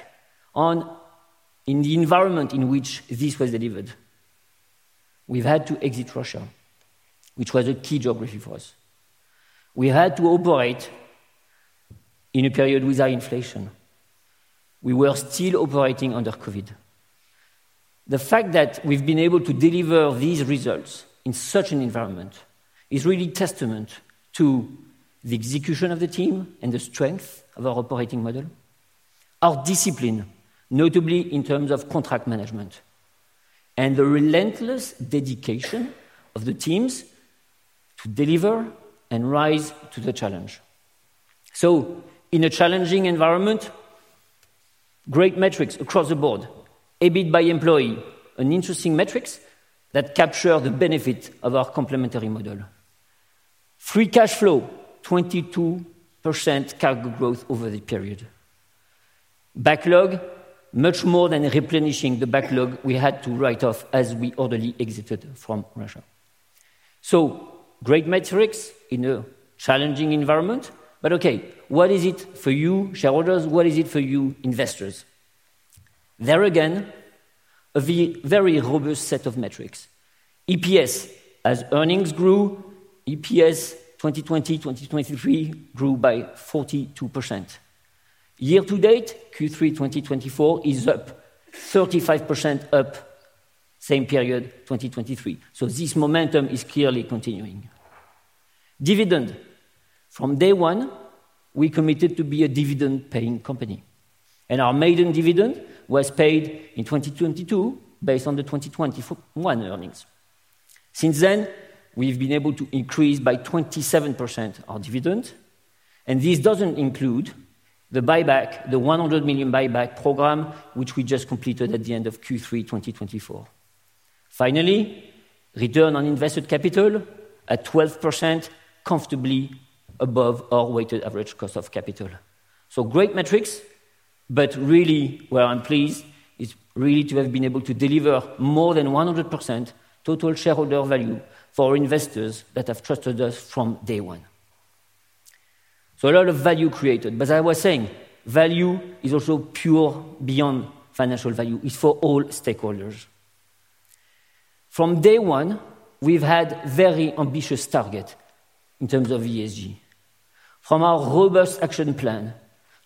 in the environment in which this was delivered, we've had to exit Russia, which was a key geography for us. We had to operate in a period with high inflation. We were still operating under COVID. The fact that we've been able to deliver these results in such an environment is really a testament to the execution of the team and the strength of our operating model, our discipline, notably in terms of contract management, and the relentless dedication of the teams to deliver and rise to the challenge. So in a challenging environment, great metrics across the board, EBIT by employee, an interesting metric that captured the benefit of our complementary model. Free cash flow, 22% growth over the period. Backlog, much more than replenishing the backlog we had to write off as we orderly exited from Russia. So great metrics in a challenging environment. But okay, what is it for you, shareholders? What is it for you, investors? There again, a very robust set of metrics. EPS as earnings grew. EPS 2020-2023 grew by 42%. Year-to-date, Q3 2024 is up 35%, same period 2023. So this momentum is clearly continuing. Dividend. From day one, we committed to be a dividend-paying company. And our maiden dividend was paid in 2022 based on the 2021 earnings. Since then, we've been able to increase by 27% our dividend. And this doesn't include the buyback, the 100 million buyback program, which we just completed at the end of Q3 2024. Finally, return on invested capital at 12%, comfortably above our weighted average cost of capital. So great metrics, but really where I'm pleased is to have been able to deliver more than 100% total shareholder value for investors that have trusted us from day one. So a lot of value created. But as I was saying, value is also created beyond financial value. It's for all stakeholders. From day one, we've had a very ambitious target in terms of ESG. From our robust action plan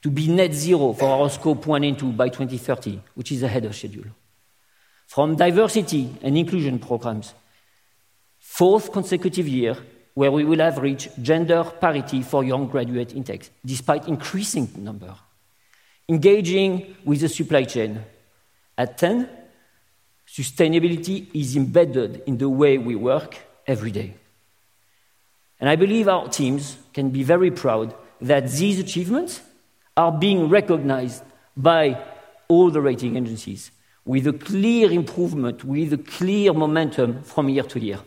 to be net zero for our Scope 1 and 2 by 2030, which is ahead of schedule. From diversity and inclusion programs, fourth consecutive year where we will have reached gender parity for young graduate intakes despite increasing number. Engaging with the supply chain. At T.EN, sustainability is embedded in the way we work every day. And I believe our teams can be very proud that these achievements are being recognized by all the rating agencies with a clear improvement, with a clear momentum from year to year.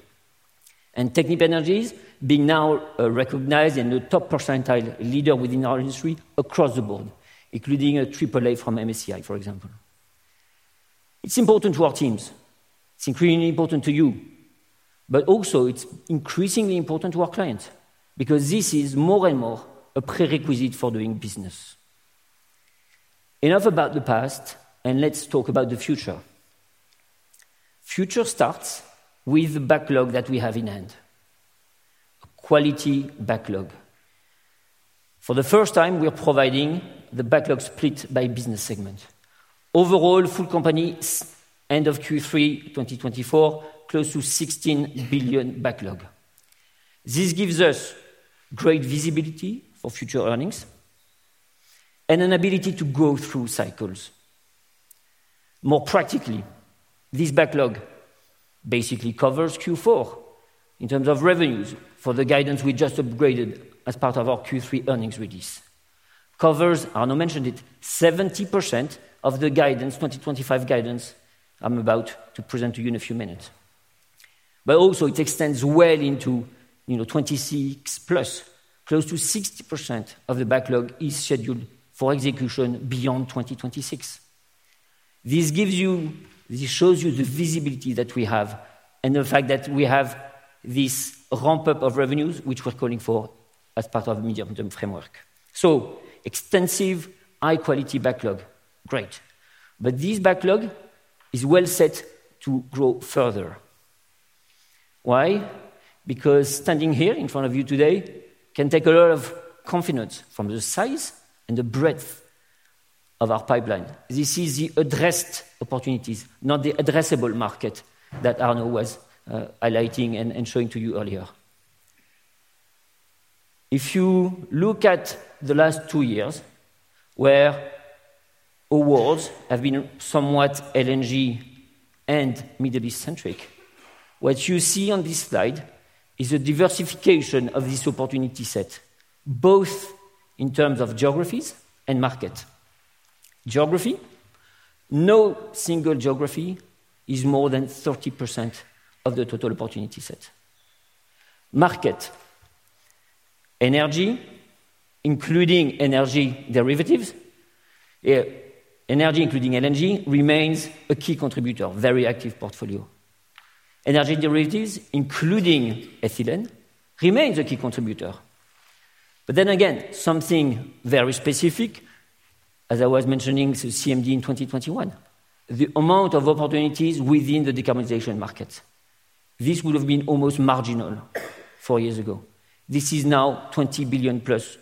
And Technip Energies being now recognized in the top percentile leader within our industry across the board, including a triple-A from MSCI, for example. It's important to our teams. It's incredibly important to you. But also, it's increasingly important to our clients because this is more and more a prerequisite for doing business. Enough about the past, and let's talk about the future. Future starts with the backlog that we have in hand. Quality backlog. For the first time, we're providing the backlog split by business segment. Overall, full company end of Q3 2024, close to 16 billion backlog. This gives us great visibility for future earnings and an ability to go through cycles. More practically, this backlog basically covers Q4 in terms of revenues for the guidance we just upgraded as part of our Q3 earnings release. Covers, Arnaud mentioned it, 70% of the guidance, 2025 guidance I'm about to present to you in a few minutes. But also, it extends well into 26+. Close to 60% of the backlog is scheduled for execution beyond 2026. This gives you, this shows you the visibility that we have and the fact that we have this ramp-up of revenues, which we're calling for as part of a medium-term framework. So extensive, high-quality backlog. Great. But this backlog is well set to grow further. Why? Because standing here in front of you today can take a lot of confidence from the size and the breadth of our pipeline. This is the addressed opportunities, not the addressable market that Arnaud was highlighting and showing to you earlier. If you look at the last two years where awards have been somewhat LNG and Middle East-centric, what you see on this slide is a diversification of this opportunity set, both in terms of geographies and markets. Geography, no single geography is more than 30% of the total opportunity set. Market, energy, including energy derivatives, energy including LNG remains a key contributor, very active portfolio. Energy derivatives, including ethylene, remains a key contributor. But then again, something very specific, as I was mentioning at CMD in 2021, the amount of opportunities within the decarbonization market. This would have been almost marginal four years ago. This is now 20 billion+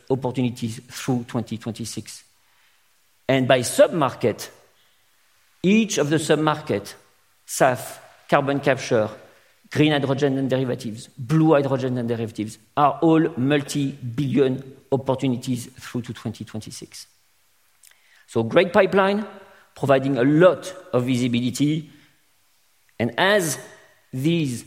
opportunities through 2026. By sub-market, each of the sub-markets, SAF, carbon capture, green hydrogen and derivatives, blue hydrogen and derivatives are all multi-billion opportunities through to 2026. Great pipeline providing a lot of visibility. As these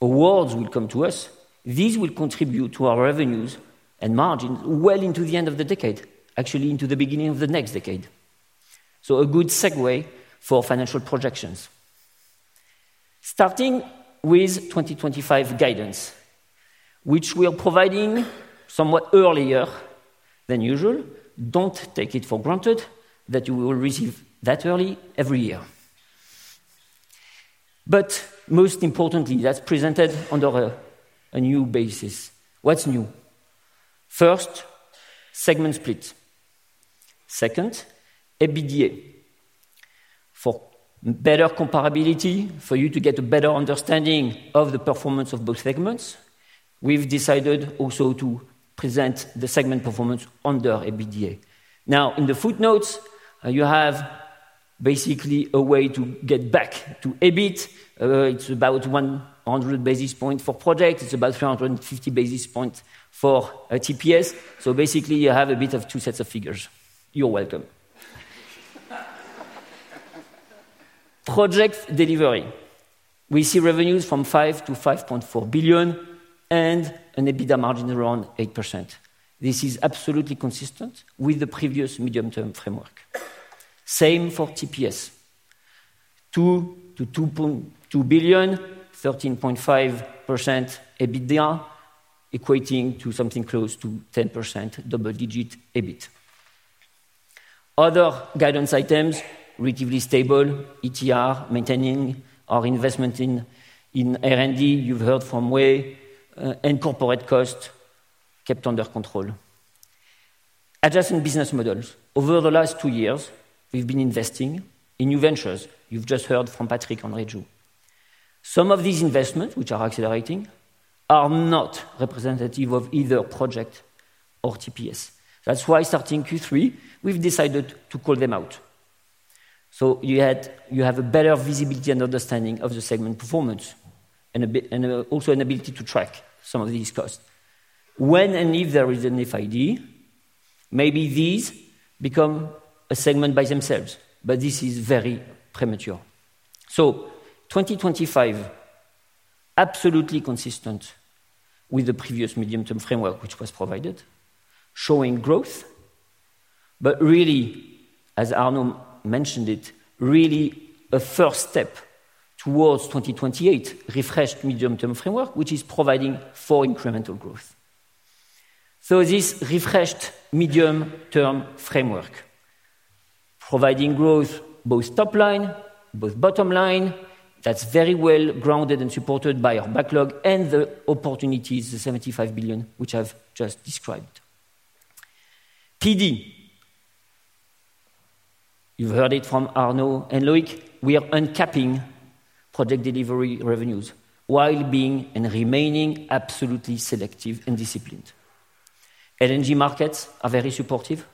awards will come to us, these will contribute to our revenues and margins well into the end of the decade, actually into the beginning of the next decade. A good segue for financial projections. Starting with 2025 guidance, which we are providing somewhat earlier than usual. Don't take it for granted that you will receive that early every year. But most importantly, that's presented under a new basis. What's new? First, segment split. Second, EBITDA. For better comparability, for you to get a better understanding of the performance of both segments, we've decided also to present the segment performance under EBITDA. Now, in the footnotes, you have basically a way to get back to EBIT. It's about 100 basis points for projects. It's about 350 basis points for TPS. So basically, you have a bit of two sets of figures. You're welcome. Project Delivery. We see revenues from 5 billion-5.4 billion and an EBITDA margin around 8%. This is absolutely consistent with the previous medium-term framework. Same for TPS. 2 to 2.2 billion, 13.5% EBITDA equating to something close to 10% double-digit EBIT. Other guidance items, relatively stable, ETR maintaining our investment in R&D. You've heard from Wei and corporate costs kept under control. Adjusting business models. Over the last two years, we've been investing in new ventures. You've just heard from Patrick on Reju. Some of these investments, which are accelerating, are not representative of either project or TPS. That's why starting Q3, we've decided to call them out. So you have a better visibility and understanding of the segment performance and also an ability to track some of these costs. When and if there is an FID, maybe these become a segment by themselves, but this is very premature. So 2025, absolutely consistent with the previous medium-term framework, which was provided, showing growth, but really, as Arnaud mentioned it, really a first step towards 2028, refreshed medium-term framework, which is providing four incremental growth. So this refreshed medium-term framework providing growth, both top line, both bottom line, that's very well grounded and supported by our backlog and the opportunities, the 75 billion, which I've just described. PD. You've heard it from Arnaud and Loïc. We are uncapping Project Delivery revenues while being and remaining absolutely selective and disciplined. LNG markets are very supportive,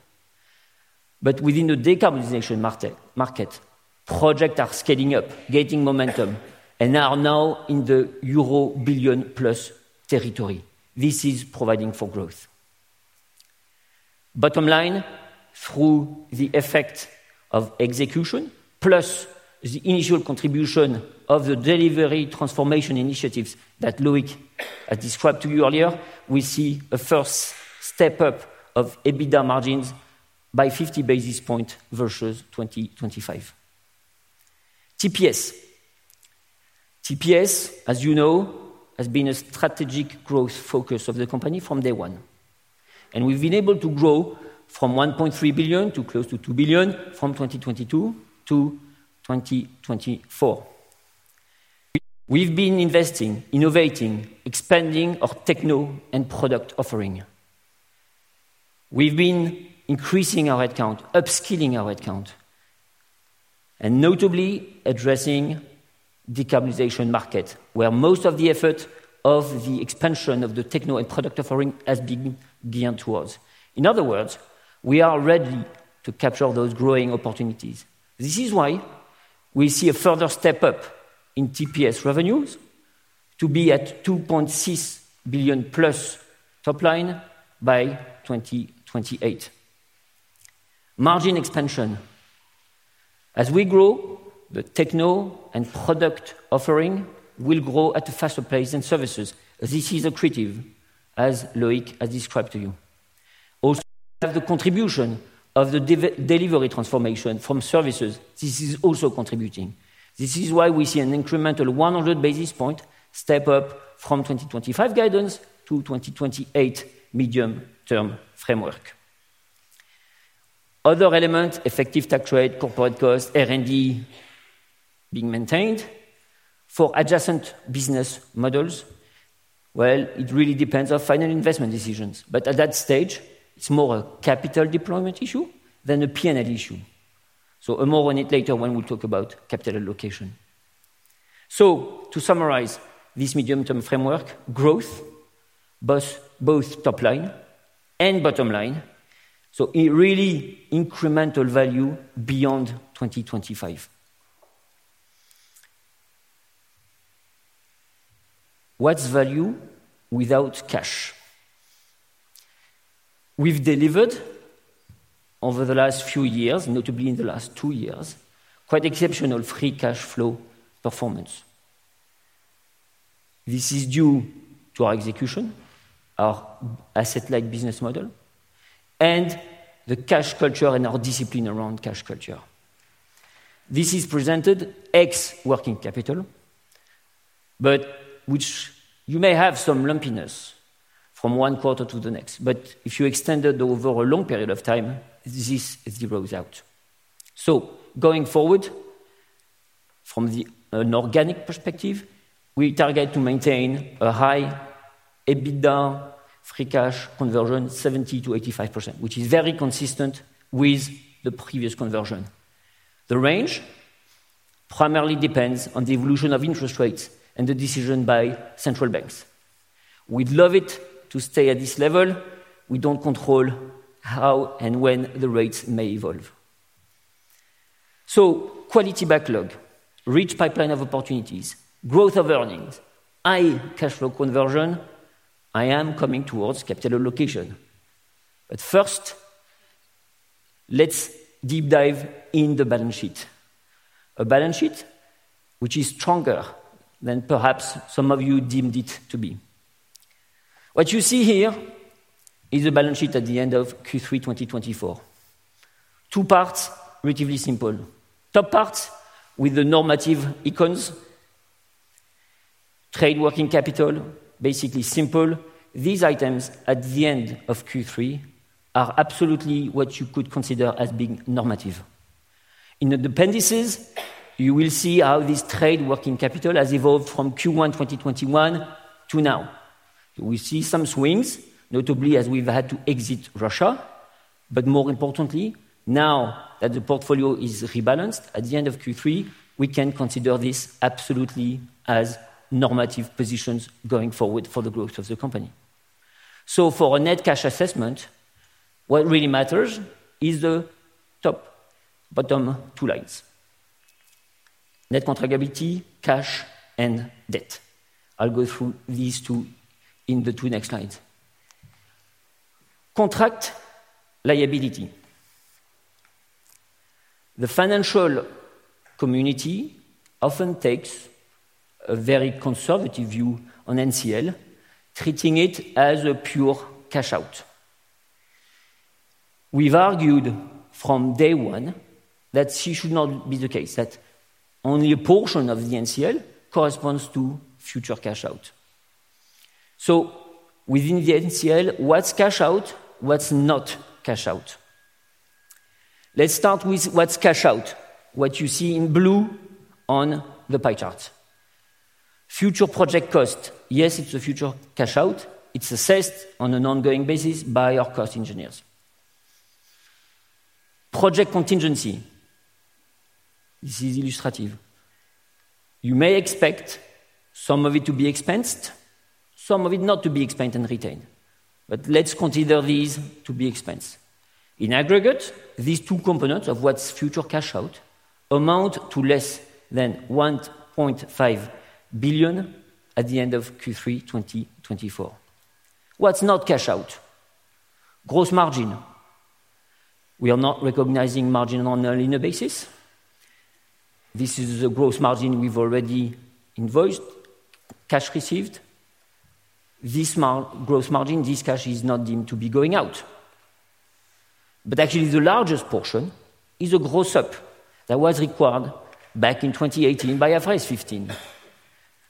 but within the decarbonization market, projects are scaling up, getting momentum, and are now in the euro billion plus territory. This is providing for growth. Bottom line, through the effect of execution plus the initial contribution of the delivery transformation initiatives that Loïc has described to you earlier, we see a first step up of EBITDA margins by 50 basis points versus 2025. TPS. TPS, as you know, has been a strategic growth focus of the company from day one. We've been able to grow from 1.3 billion to close to 2 billion from 2022 to 2024. We've been investing, innovating, expanding our techno and product offering. We've been increasing our headcount, upskilling our headcount, and notably addressing decarbonization market, where most of the effort of the expansion of the techno and product offering has been geared towards. In other words, we are ready to capture those growing opportunities. This is why we see a further step up in TPS revenues to be at 2.6 billion+ top line by 2028. Margin expansion. As we grow, the techno and product offering will grow at a faster pace than services. This is accretive, as Loïc has described to you. Also, the contribution of the delivery transformation from services, this is also contributing. This is why we see an incremental 100 basis points step up from 2025 guidance to 2028 medium-term framework. Other elements, effective tax rate, corporate cost, R&D being maintained for adjacent business models. It really depends on final investment decisions. At that stage, it's more a capital deployment issue than a P&L issue. More on it later when we talk about capital allocation. To summarize this medium-term framework, growth, both top line and bottom line. Really incremental value beyond 2025. What's value without cash? We've delivered over the last few years, notably in the last two years, quite exceptional free cash flow performance. This is due to our execution, our asset-like business model, and the cash culture and our discipline around cash culture. This is presented ex working capital, but which you may have some lumpiness from one quarter to the next. But if you extend it over a long period of time, this zeroes out. So going forward, from an organic perspective, we target to maintain a high EBITDA free cash conversion, 70%-85%, which is very consistent with the previous conversion. The range primarily depends on the evolution of interest rates and the decision by central banks. We'd love it to stay at this level. We don't control how and when the rates may evolve. So quality backlog, rich pipeline of opportunities, growth of earnings, high cash flow conversion, I am coming towards capital allocation. But first, let's deep dive in the balance sheet. A balance sheet which is stronger than perhaps some of you deemed it to be. What you see here is the balance sheet at the end of Q3 2024. Two parts, relatively simple. Top part with the non-current assets, trade working capital, basically simple. These items at the end of Q3 are absolutely what you could consider as being normative. In the appendices, you will see how this trade working capital has evolved from Q1 2021 to now. We see some swings, notably as we've had to exit Russia. More importantly, now that the portfolio is rebalanced at the end of Q3, we can consider this absolutely as normative positions going forward for the growth of the company. So for a net cash assessment, what really matters is the top, bottom two lines: net contract liability, cash, and debt. I'll go through these two in the two next slides. Net contract liability. The financial community often takes a very conservative view on NCL, treating it as a pure cash out. We've argued from day one that this should not be the case, that only a portion of the NCL corresponds to future cash out. So within the NCL, what's cash out, what's not cash out? Let's start with what's cash out, what you see in blue on the pie chart. Future project cost. Yes, it's a future cash out. It's assessed on an ongoing basis by our cost engineers. Project contingency. This is illustrative. You may expect some of it to be expensed, some of it not to be expensed and retained. But let's consider these to be expensed. In aggregate, these two components of what's future cash out amount to less than 1.5 billion at the end of Q3 2024. What's not cash out? Gross margin. We are not recognizing margin on an interim basis. This is the gross margin we've already invoiced, cash received. This gross margin, this cash is not deemed to be going out. Actually, the largest portion is a gross up that was required back in 2018 by IFRS 15,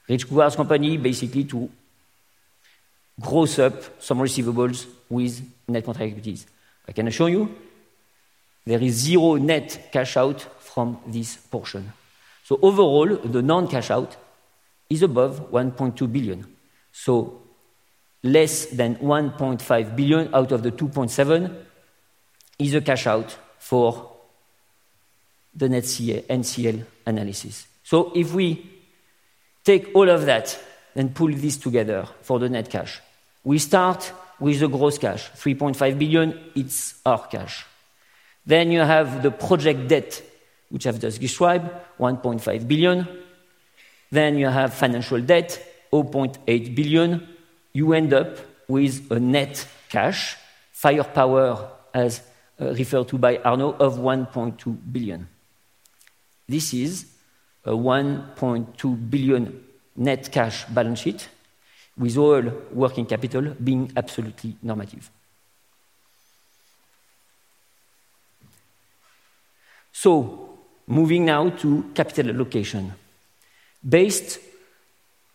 which requires the company basically to gross up some receivables with net contract liabilities. I can assure you, there is zero net cash out from this portion. So overall, the non-cash out is above 1.2 billion. Less than 1.5 billion out of the 2.7 billion is a cash out for the net NCL analysis. So if we take all of that and pull this together for the net cash, we start with the gross cash, 3.5 billion. It's our cash. Then you have the project debt, which I've just described, 1.5 billion. Then you have financial debt, 0.8 billion. You end up with a net cash, firepower as referred to by Arnaud of 1.2 billion. This is a 1.2 billion net cash balance sheet with all working capital being absolutely normative. Moving now to capital allocation. Based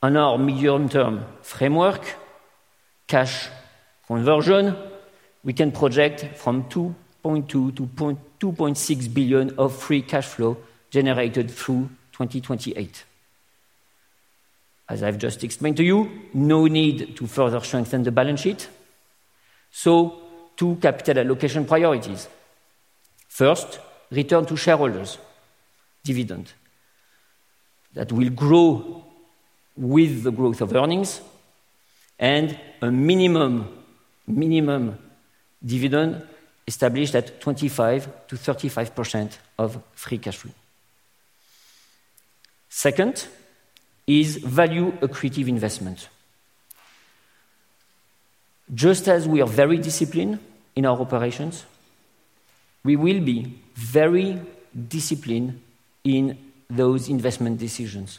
on our medium-term framework, cash conversion, we can project from 2.2 billion-2.6 billion of free cash flow generated through 2028. As I've just explained to you, no need to further strengthen the balance sheet. Two capital allocation priorities. First, return to shareholders, dividend that will grow with the growth of earnings and a minimum dividend established at 25%-35% of free cash flow. Second is value accretive investment. Just as we are very disciplined in our operations, we will be very disciplined in those investment decisions.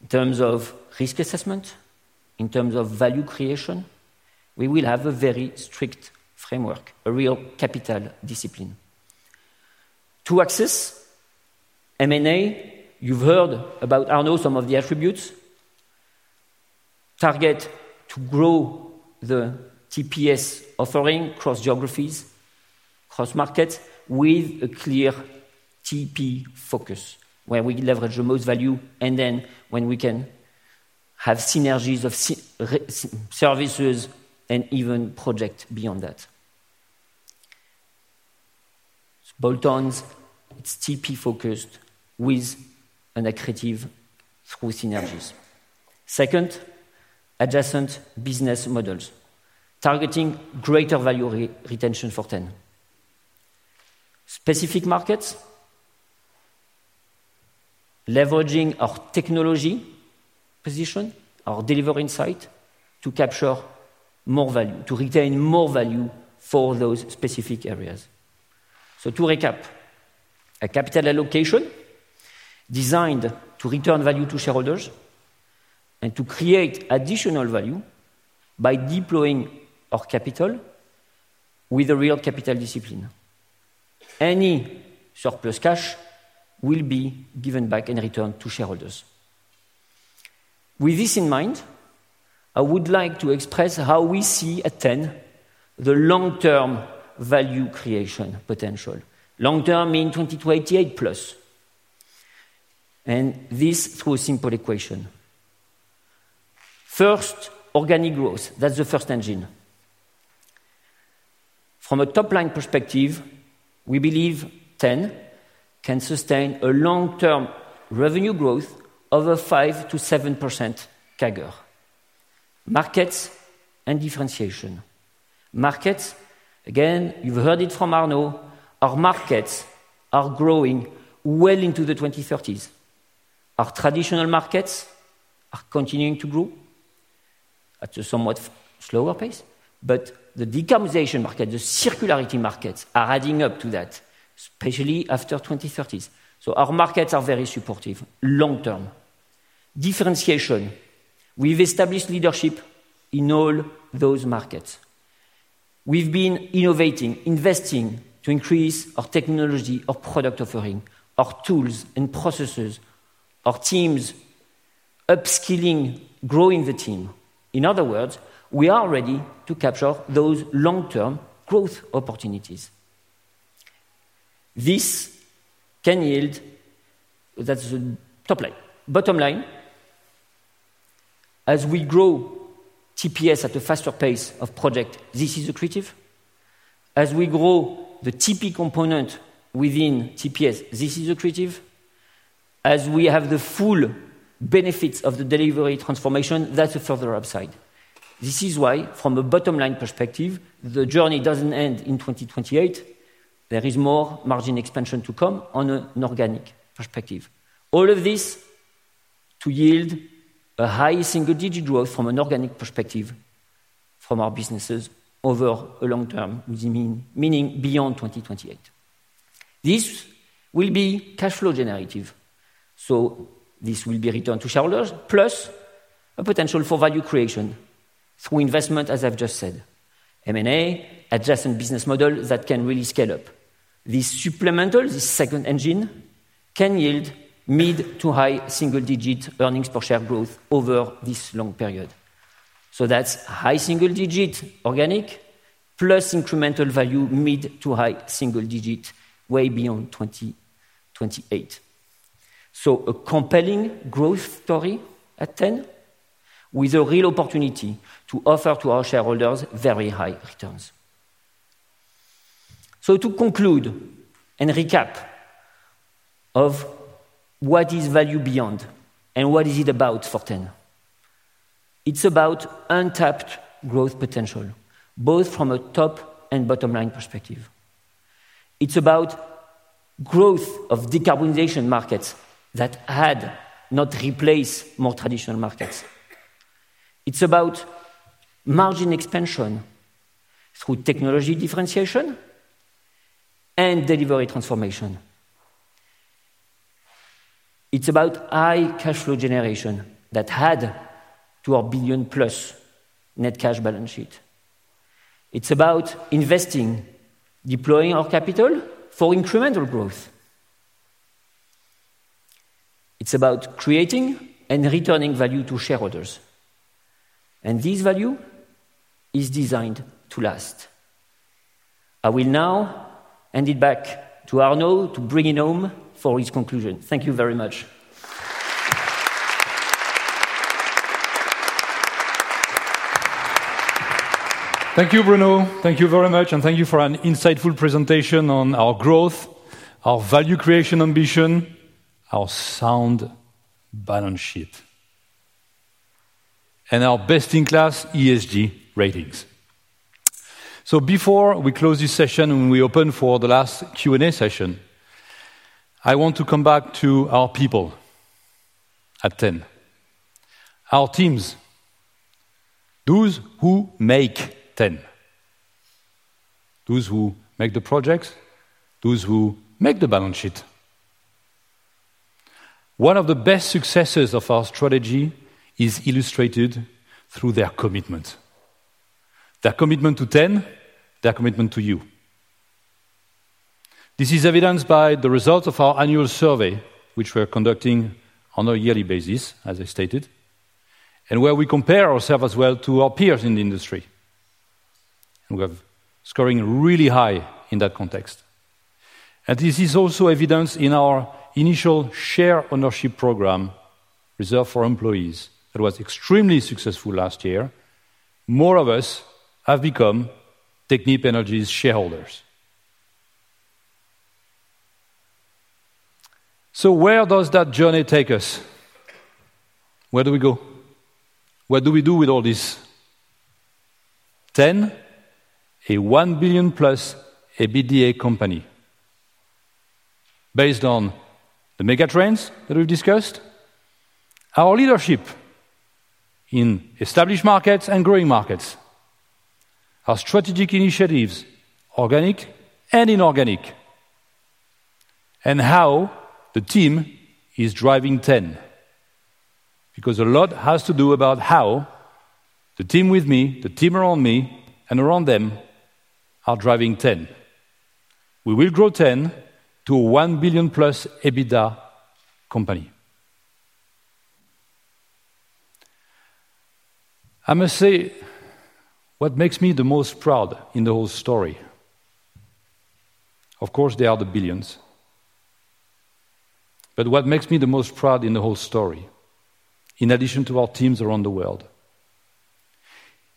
In terms of risk assessment, in terms of value creation, we will have a very strict framework, a real capital discipline. To assess M&A, you've heard about Arnaud some of the attributes. Target to grow the TPS offering across geographies, across markets with a clear TPS focus where we leverage the most value and then when we can have synergies of services and even project beyond that. Bolt-ons, it's TPS focused with an accretive through synergies. Second, adjacent business models targeting greater value retention for T.EN. Specific markets, leveraging our technology position, our delivery insight to capture more value, to retain more value for those specific areas. So to recap, a capital allocation designed to return value to shareholders and to create additional value by deploying our capital with a real capital discipline. Any surplus cash will be given back and returned to shareholders. With this in mind, I would like to express how we see at T.EN the long-term value creation potential. Long-term means 2028 plus, and this through a simple equation. First, organic growth. That's the first engine. From a top line perspective, we believe T.EN can sustain a long-term revenue growth of a 5%-7% CAGR. Markets and differentiation. Markets, again, you've heard it from Arnaud, our markets are growing well into the 2030s. Our traditional markets are continuing to grow at a somewhat slower pace, but the decarbonization market, the circularity markets are adding up to that, especially after 2030s. So our markets are very supportive long-term. Differentiation. We've established leadership in all those markets. We've been innovating, investing to increase our technology, our product offering, our tools and processes, our teams, upskilling, growing the team. In other words, we are ready to capture those long-term growth opportunities. This can yield, that's the top line. Bottom line, as we grow TPS at a faster pace of project, this is accretive. As we grow the TP component within TPS, this is accretive. As we have the full benefits of the delivery transformation, that's a further upside. This is why, from a bottom line perspective, the journey doesn't end in 2028. There is more margin expansion to come on an organic perspective. All of this to yield a high single-digit growth from an organic perspective from our businesses over a long term, meaning beyond 2028. This will be cash flow generative. So this will be returned to shareholders plus a potential for value creation through investment, as I've just said. M&A, adjacent business model that can really scale up. This supplemental, this second engine can yield mid to high single-digit earnings per share growth over this long period. So that's high single-digit organic plus incremental value, mid to high single-digit way beyond 2028. So a compelling growth story at T.EN with a real opportunity to offer to our shareholders very high returns. To conclude and recap what is value beyond and what it is about for T.EN, it's about untapped growth potential, both from a top- and bottom-line perspective. It's about growth of decarbonization markets that have not replaced more traditional markets. It's about margin expansion through technology differentiation and delivery transformation. It's about high cash flow generation that adds to our billion-plus net cash balance sheet. It's about investing, deploying our capital for incremental growth. It's about creating and returning value to shareholders. And this value is designed to last. I will now hand it back to Arnaud to bring it home for his conclusion. Thank you very much. Thank you, Bruno. Thank you very much. Thank you for an insightful presentation on our growth, our value creation ambition, our sound balance sheet, and our best-in-class ESG ratings. Before we close this session and we open for the last Q&A session, I want to come back to our people at T.EN, our teams, those who make T.EN, those who make the projects, those who make the balance sheet. One of the best successes of our strategy is illustrated through their commitment, their commitment to T.EN, their commitment to you. This is evidenced by the results of our annual survey, which we're conducting on a yearly basis, as I stated, and where we compare ourselves as well to our peers in the industry. We're scoring really high in that context. And this is also evidenced in our initial share ownership program reserved for employees that was extremely successful last year. More of us have become Technip Energies' shareholders. Where does that journey take us? Where do we go? What do we do with all this? T.EN, a EUR 1 billion+ EBITDA company based on the megatrends that we've discussed, our leadership in established markets and growing markets, our strategic initiatives, organic and inorganic, and how the team is driving T.EN. A lot has to do about how the team with me, the team around me and around them are driving T.EN. We will grow T.EN to a 1 billion+ EBITDA company. I must say what makes me the most proud in the whole story. Of course, there are the billions. But what makes me the most proud in the whole story, in addition to our teams around the world,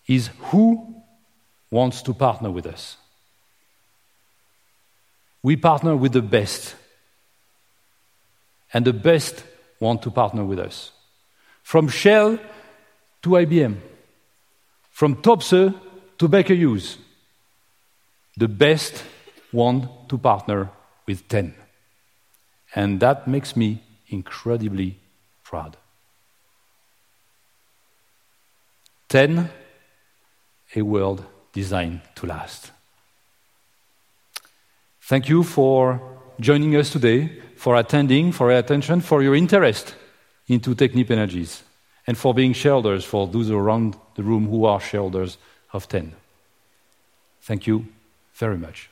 is who wants to partner with us. We partner with the best, and the best want to partner with T.EN. From Shell to IBM, from Topsoe to Baker Hughes, the best want to partner with T.EN. That makes me incredibly proud. T.EN, a world designed to last. Thank you for joining us today, for attending, for your attention, for your interest in Technip Energies, and for being shareholders for those around the room who are shareholders of T.EN. Thank you very much.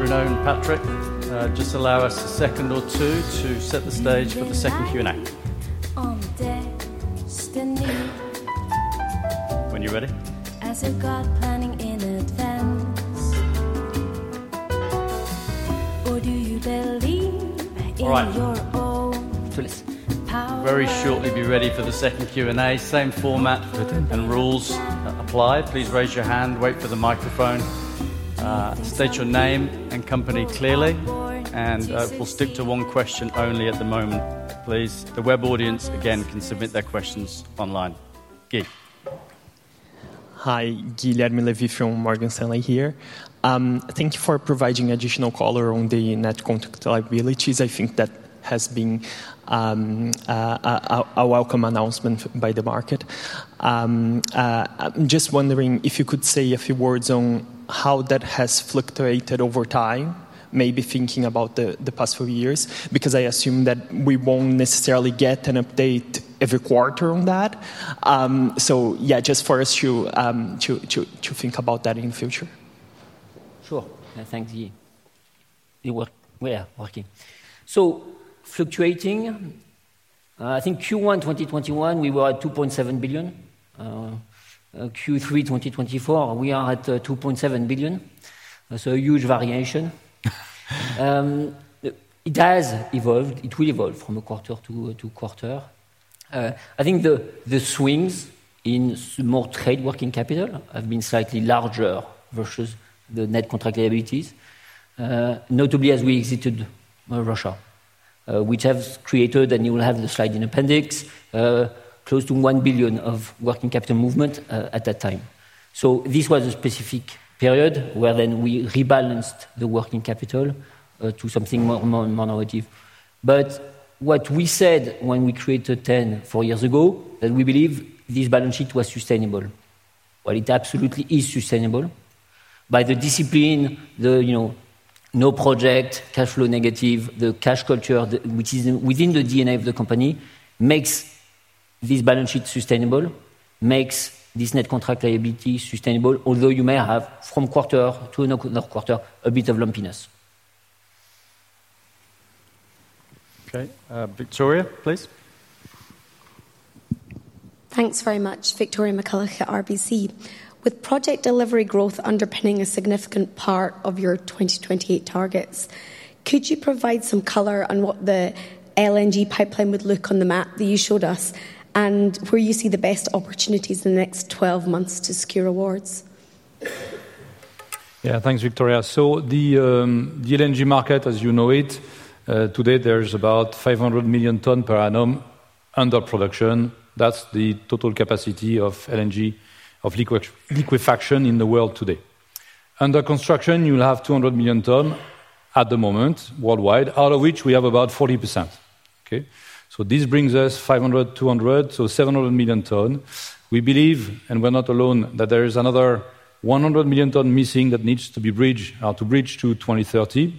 Bruno and Patrick, just allow us a second or two to set the stage for the second Q&A. When you're ready. As if God planning in advance. Or do you believe in your own power? Very shortly, be ready for the second Q&A. Same format and rules apply. Please raise your hand, wait for the microphone. State your name and company clearly, and we'll stick to one question only at the moment, please. The web audience again can submit their questions online. Gui? Hi, Guilherme Levy from Morgan Stanley here. Thank you for providing additional color on the net contract liabilities. I think that has been a welcome announcement by the market. I'm just wondering if you could say a few words on how that has fluctuated over time, maybe thinking about the past few years, because I assume that we won't necessarily get an update every quarter on that. So yeah, just for us to think about that in the future. Sure. Thank you. We are working. So fluctuating. I think Q1 2021, we were at 2.7 billion. Q3 2024, we are at 2.7 billion. That's a huge variation. It has evolved. It will evolve from a quarter to a quarter. I think the swings in more trade working capital have been slightly larger versus the net contract liabilities, notably as we exited Russia, which has created, and you will have the slide in appendix, close to 1 billion of working capital movement at that time. So this was a specific period where then we rebalanced the working capital to something more normative. But what we said when we created T.EN four years ago, that we believe this balance sheet was sustainable. Well, it absolutely is sustainable by the discipline, the no project, cash flow negative, the cash culture, which is within the DNA of the company, makes this balance sheet sustainable, makes this net contract liability sustainable, although you may have from one quarter to another quarter a bit of lumpiness. Okay. Victoria, please. Thanks very much. Victoria McCulloch at RBC. With Project Delivery growth underpinning a significant part of your 2028 targets, could you provide some color on what the LNG pipeline would look like on the map that you showed us and where you see the best opportunities in the next 12 months to secure awards? Yeah, thanks, Victoria. So the LNG market, as you know it, today there's about 500 million tons per annum under production. That's the total capacity of LNG, of liquefaction in the world today. Under construction, you'll have 200 million tons at the moment worldwide, out of which we have about 40%. Okay? So this brings us 500, 200, so 700 million tons. We believe, and we're not alone, that there is another 100 million tons missing that needs to be bridged to 2030.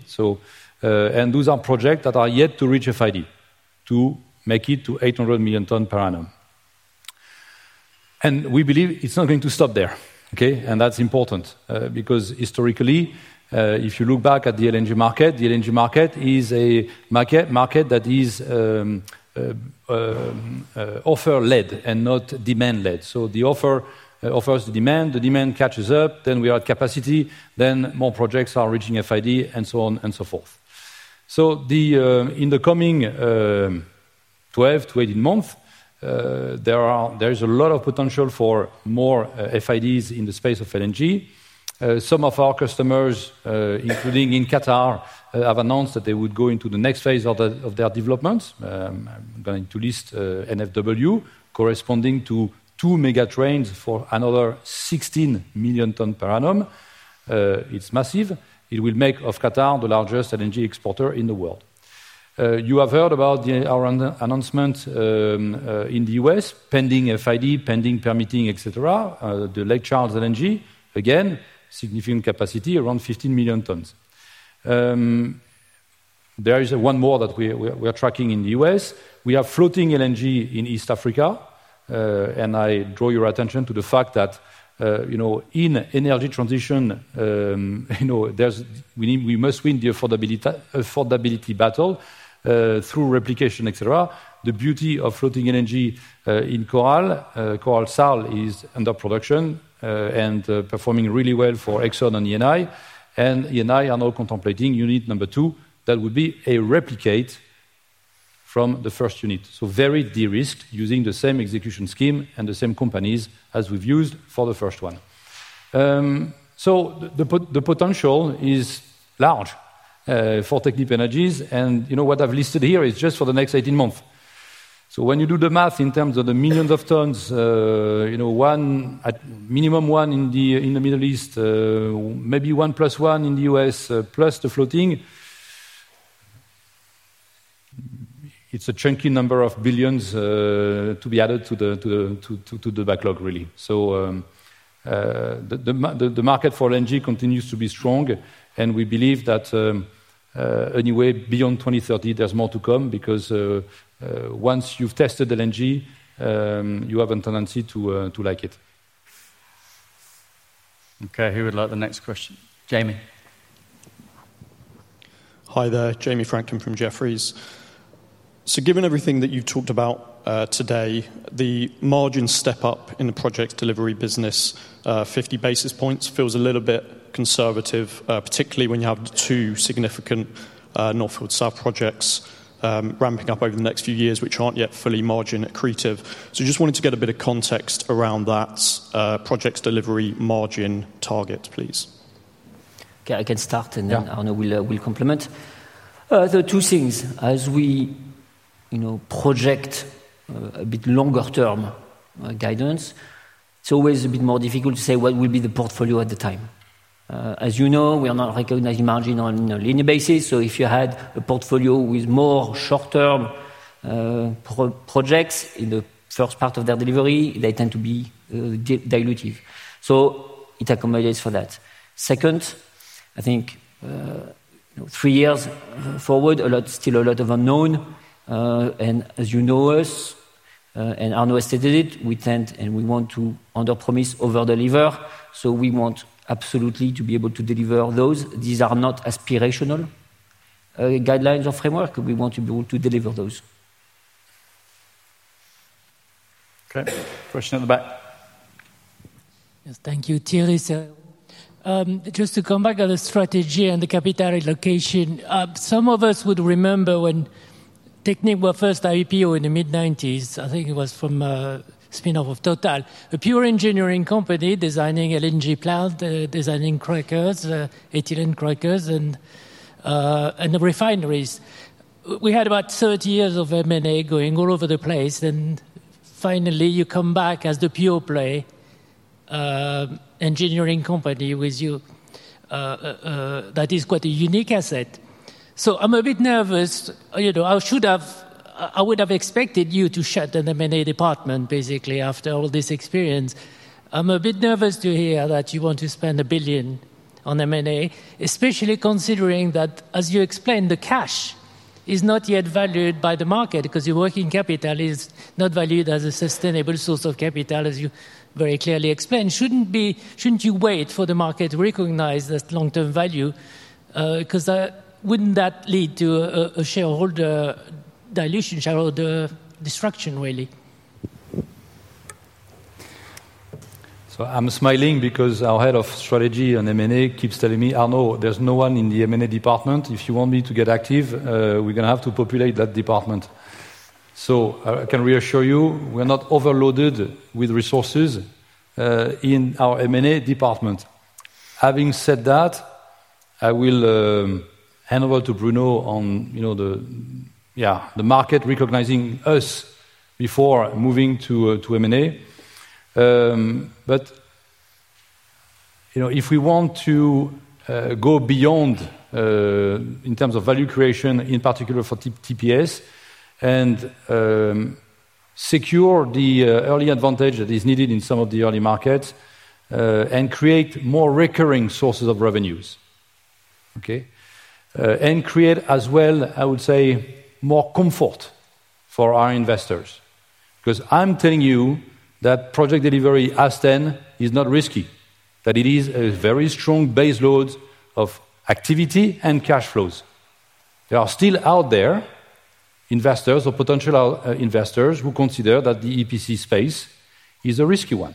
And those are projects that are yet to reach FID to make it to 800 million tons per annum. And we believe it's not going to stop there. Okay? And that's important because historically, if you look back at the LNG market, the LNG market is a market that is offer-led and not demand-led. So the offer offers the demand, the demand catches up, then we are at capacity, then more projects are reaching FID and so on and so forth. So in the coming 12 to 18 months, there is a lot of potential for more FIDs in the space of LNG. Some of our customers, including in Qatar, have announced that they would go into the next phase of their development. I'm going to list NFE, corresponding to two mega trains for another 16 million tonnes per annum. It's massive. It will make of Qatar the largest LNG exporter in the world. You have heard about the announcement in the U.S., pending FID, pending permitting, et cetera. The Lake Charles LNG, again, significant capacity, around 15 million tonnes. There is one more that we are tracking in the US. We have floating LNG in East Africa. I draw your attention to the fact that in energy transition, we must win the affordability battle through replication, et cetera. The beauty of floating energy in Coral Sul is under production and performing really well for Exxon and Eni, and Eni are now contemplating unit number two that would be a replicate from the first unit, so very de-risked using the same execution scheme and the same companies as we've used for the first one, so the potential is large for Technip Energies, and what I've listed here is just for the next 18 months, so when you do the math in terms of the millions of tonnes, minimum one in the Middle East, maybe one plus one in the U.S. plus the floating, it's a chunky number of billions to be added to the backlog, really, so the market for LNG continues to be strong. We believe that anyway, beyond 2030, there's more to come because once you've tested LNG, you have a tendency to like it. Okay, who would like the next question? Jamie. Hi there. Jamie Franklin from Jefferies. So given everything that you've talked about today, the margin step up in the Project Delivery business, 50 basis points, feels a little bit conservative, particularly when you have two significant North Field South projects ramping up over the next few years, which aren't yet fully margin accretive. So just wanted to get a bit of context around that Project Delivery margin target, please. Okay, I can start, and then Arnaud will complement. There are two things. As we project a bit longer-term guidance, it's always a bit more difficult to say what will be the portfolio at the time. As you know, we are not recognizing margin on a linear basis. So if you had a portfolio with more short-term projects in the first part of their delivery, they tend to be dilutive. So it accommodates for that. Second, I think three years forward, still a lot of unknown. And as you know us, and Arnaud has stated it, we tend and we want to under promise over deliver. So we want absolutely to be able to deliver those. These are not aspirational guidelines or framework. We want to be able to deliver those. Okay, question at the back. Thank you. Thierry. Just to come back on the strategy and the capital allocation, some of us would remember when Technip were first IPO in the mid-1990s. I think it was from a spin-off of Total, a pure engineering company designing LNG plants, designing crackers, ethylene crackers, and refineries. We had about 30 years of M&A going all over the place. And finally, you come back as the pure play engineering company with you. That is quite a unique asset. So I'm a bit nervous. I would have expected you to shut an M&A department, basically, after all this experience. I'm a bit nervous to hear that you want to spend a billion on M&A, especially considering that, as you explained, the cash is not yet valued by the market because your working capital is not valued as a sustainable source of capital, as you very clearly explained. Shouldn't you wait for the market to recognize that long-term value? Because wouldn't that lead to a shareholder dilution, shareholder destruction, really? So I'm smiling because our head of strategy on M&A keeps telling me, "Arnaud, there's no one in the M&A department. If you want me to get active, we're going to have to populate that department." So I can reassure you, we're not overloaded with resources in our M&A department. Having said that, I will hand over to Bruno on the market recognizing us before moving to M&A. But if we want to go beyond in terms of value creation, in particular for TPS, and secure the early advantage that is needed in some of the early markets, and create more recurring sources of revenues, okay, and create as well, I would say, more comfort for our investors. Because I'm telling you that Project Delivery at T.EN is not risky, that it is a very strong base load of activity and cash flows. There are still out there investors or potential investors who consider that the EPC space is a risky one.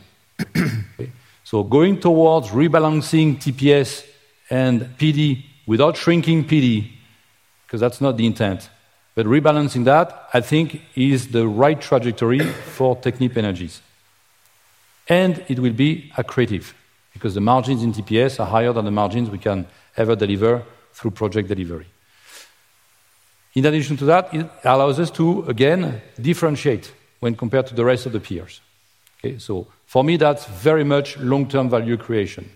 So going towards rebalancing TPS and PD without shrinking PD, because that's not the intent, but rebalancing that, I think, is the right trajectory for Technip Energies. And it will be accretive because the margins in TPS are higher than the margins we can ever deliver through Project Delivery. In addition to that, it allows us to, again, differentiate when compared to the rest of the peers. So for me, that's very much long-term value creation.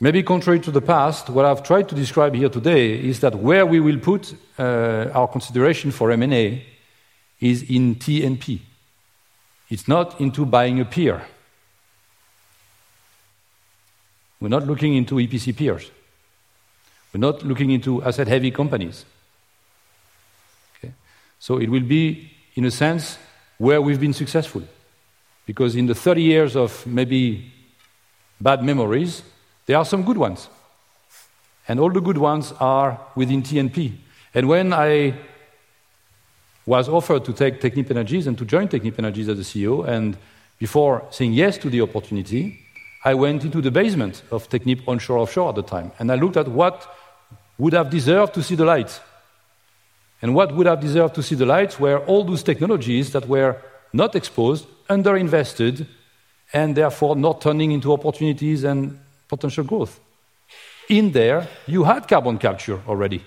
Maybe contrary to the past, what I've tried to describe here today is that where we will put our consideration for M&A is in T and P. It's not into buying a peer. We're not looking into EPC peers. We're not looking into asset-heavy companies. So it will be, in a sense, where we've been successful. Because in the 30 years of maybe bad memories, there are some good ones. All the good ones are within T and P. And when I was offered to take Technip Energies and to join Technip Energies as a CEO, and before saying yes to the opportunity, I went into the basement of Technip onshore offshore at the time. And I looked at what would have deserved to see the light. And what would have deserved to see the light were all those technologies that were not exposed, underinvested, and therefore not turning into opportunities and potential growth. In there, you had carbon capture already.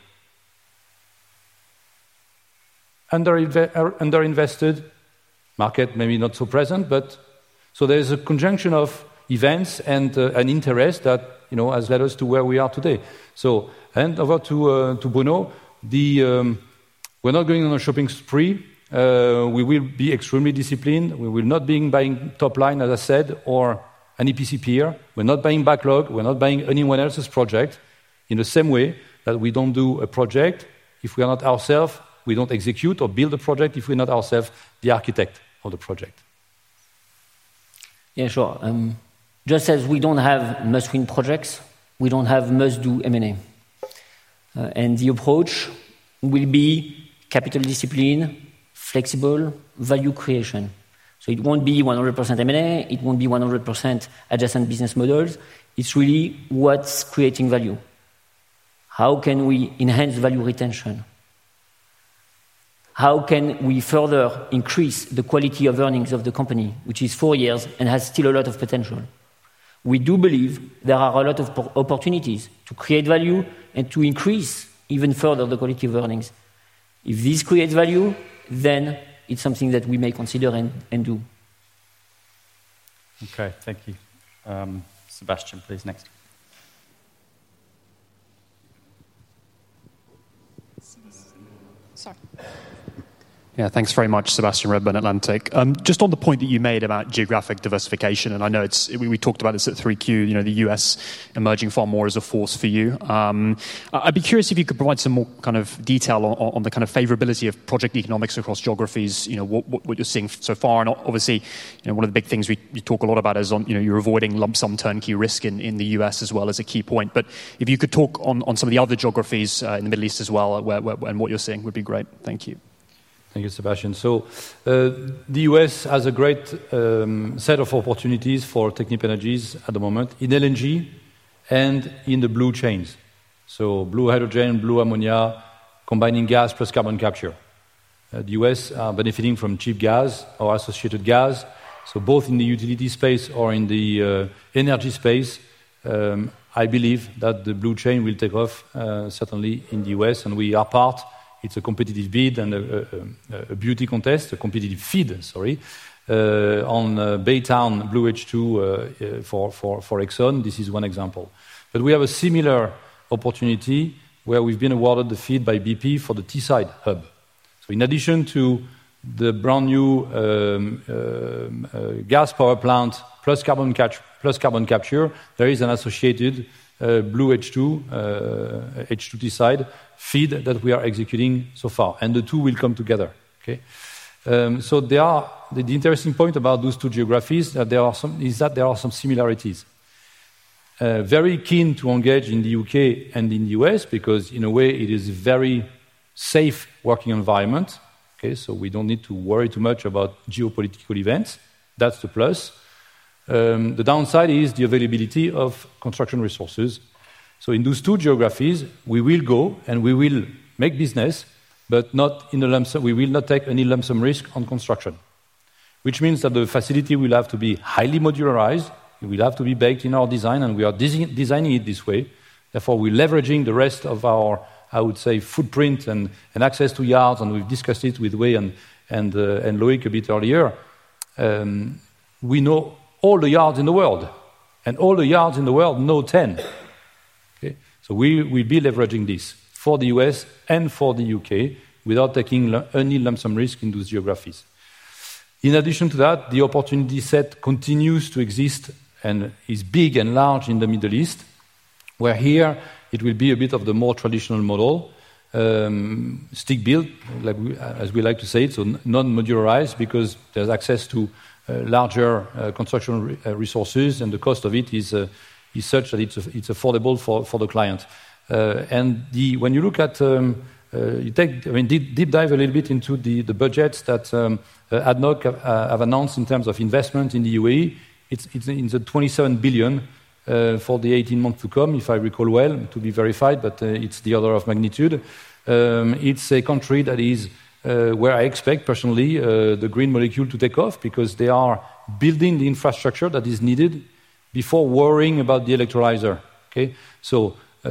Underinvested market, maybe not so present, but so there is a conjunction of events and an interest that has led us to where we are today. So hand over to Bruno. We're not going on a shopping spree. We will be extremely disciplined. We will not be buying top line, as I said, or an EPC peer. We're not buying backlog. We're not buying anyone else's project in the same way that we don't do a project. If we are not ourselves, we don't execute or build a project. If we're not ourselves, the architect of the project. Yeah, sure. Just as we don't have must-win projects, we don't have must-do M&A, and the approach will be capital discipline, flexible value creation, so it won't be 100% M&A. It won't be 100% adjacent business models. It's really what's creating value. How can we enhance value retention? How can we further increase the quality of earnings of the company, which is four years and has still a lot of potential? We do believe there are a lot of opportunities to create value and to increase even further the quality of earnings. If this creates value, then it's something that we may consider and do. Okay, thank you. Sebastian, please, next. Yeah, thanks very much, Sebastian, Redburn Atlantic. Just on the point that you made about geographic diversification, and I know we talked about this at 3Q, the U.S. emerging far more as a force for you. I'd be curious if you could provide some more kind of detail on the kind of favorability of project economics across geographies, what you're seeing so far. And obviously, one of the big things we talk a lot about is you're avoiding lump sum turnkey risk in the U.S. as well as a key point. But if you could talk on some of the other geographies in the Middle East as well and what you're seeing, it would be great. Thank you. Thank you, Sebastian. So the U.S. has a great set of opportunities for Technip Energies at the moment in LNG and in the blue chains. So, blue hydrogen, blue ammonia, combining gas plus carbon capture. The U.S. are benefiting from cheap gas or associated gas. So both in the utility space or in the energy space, I believe that the blue chain will take off certainly in the U.S. And we are part. It's a competitive bid and a beauty contest, a competitive feed, sorry, on Baytown Blue H2 for Exxon. This is one example. But we have a similar opportunity where we've been awarded the feed by BP for the Teesside hub. So in addition to the brand new gas power plant plus carbon capture, there is an associated blue H2, H2Teesside feed that we are executing so far. And the two will come together. So the interesting point about those two geographies is that there are some similarities. Very keen to engage in the U.K. and in the U.S. because in a way, it is a very safe working environment, so we don't need to worry too much about geopolitical events. That's the plus. The downside is the availability of construction resources, so in those two geographies, we will go and we will make business, but we will not take any lump sum risk on construction, which means that the facility will have to be highly modularized. It will have to be baked in our design, and we are designing it this way. Therefore, we're leveraging the rest of our, I would say, footprint and access to yards, and we've discussed it with Wei and Loïc a bit earlier. We know all the yards in the world, and all the yards in the world know T.EN. We'll be leveraging this for the U.S. and for the U.K. without taking any lump sum risk in those geographies. In addition to that, the opportunity set continues to exist and is big and large in the Middle East, where here it will be a bit of the more traditional model, stick-built, as we like to say it, so non-modularized because there's access to larger construction resources, and the cost of it is such that it's affordable for the client. When you look at, I mean, deep dive a little bit into the budgets that ADNOC have announced in terms of investment in the UAE, it's $27 billion for the 18 months to come, if I recall well, to be verified, but it's the order of magnitude. It's a country that is where I expect, personally, the green molecule to take off because they are building the infrastructure that is needed before worrying about the electrolyzer.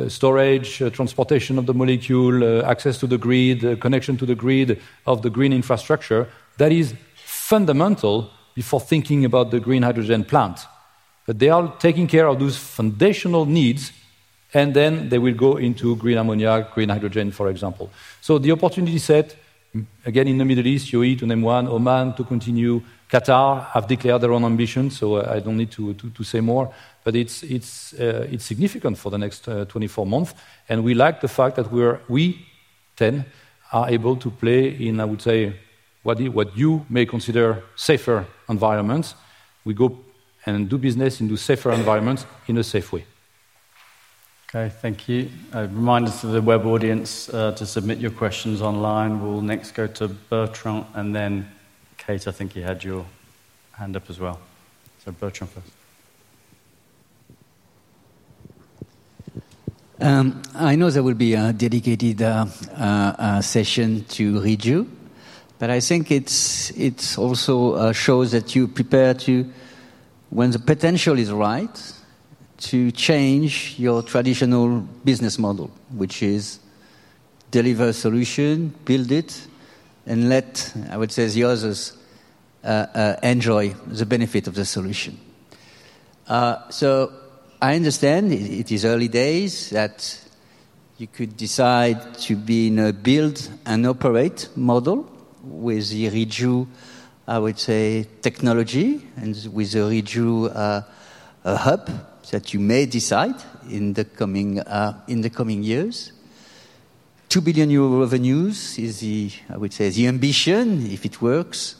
Storage, transportation of the molecule, access to the grid, connection to the grid of the green infrastructure, that is fundamental before thinking about the green hydrogen plant. They are taking care of those foundational needs, and then they will go into green ammonia, green hydrogen, for example. The opportunity set, again, in the Middle East, UAE to name one, Oman to continue, Qatar have declared their own ambitions. I don't need to say more, but it's significant for the next 24 months. We like the fact that we, T.EN, are able to play in, I would say, what you may consider safer environments. We go and do business in safer environments in a safe way. Okay, thank you. I reminded the web audience to submit your questions online. We'll next go to Bertrand, and then Kate, I think you had your hand up as well. So Bertrand first. I know there will be a dedicated session to Reju, but I think it also shows that you prepare to, when the potential is right, to change your traditional business model, which is deliver solution, build it, and let, I would say, the others enjoy the benefit of the solution. So I understand it is early days that you could decide to build and operate model with the Reju, I would say, technology and with the Reju hub that you may decide in the coming years. 2 billion euro revenues is the, I would say, the ambition if it works.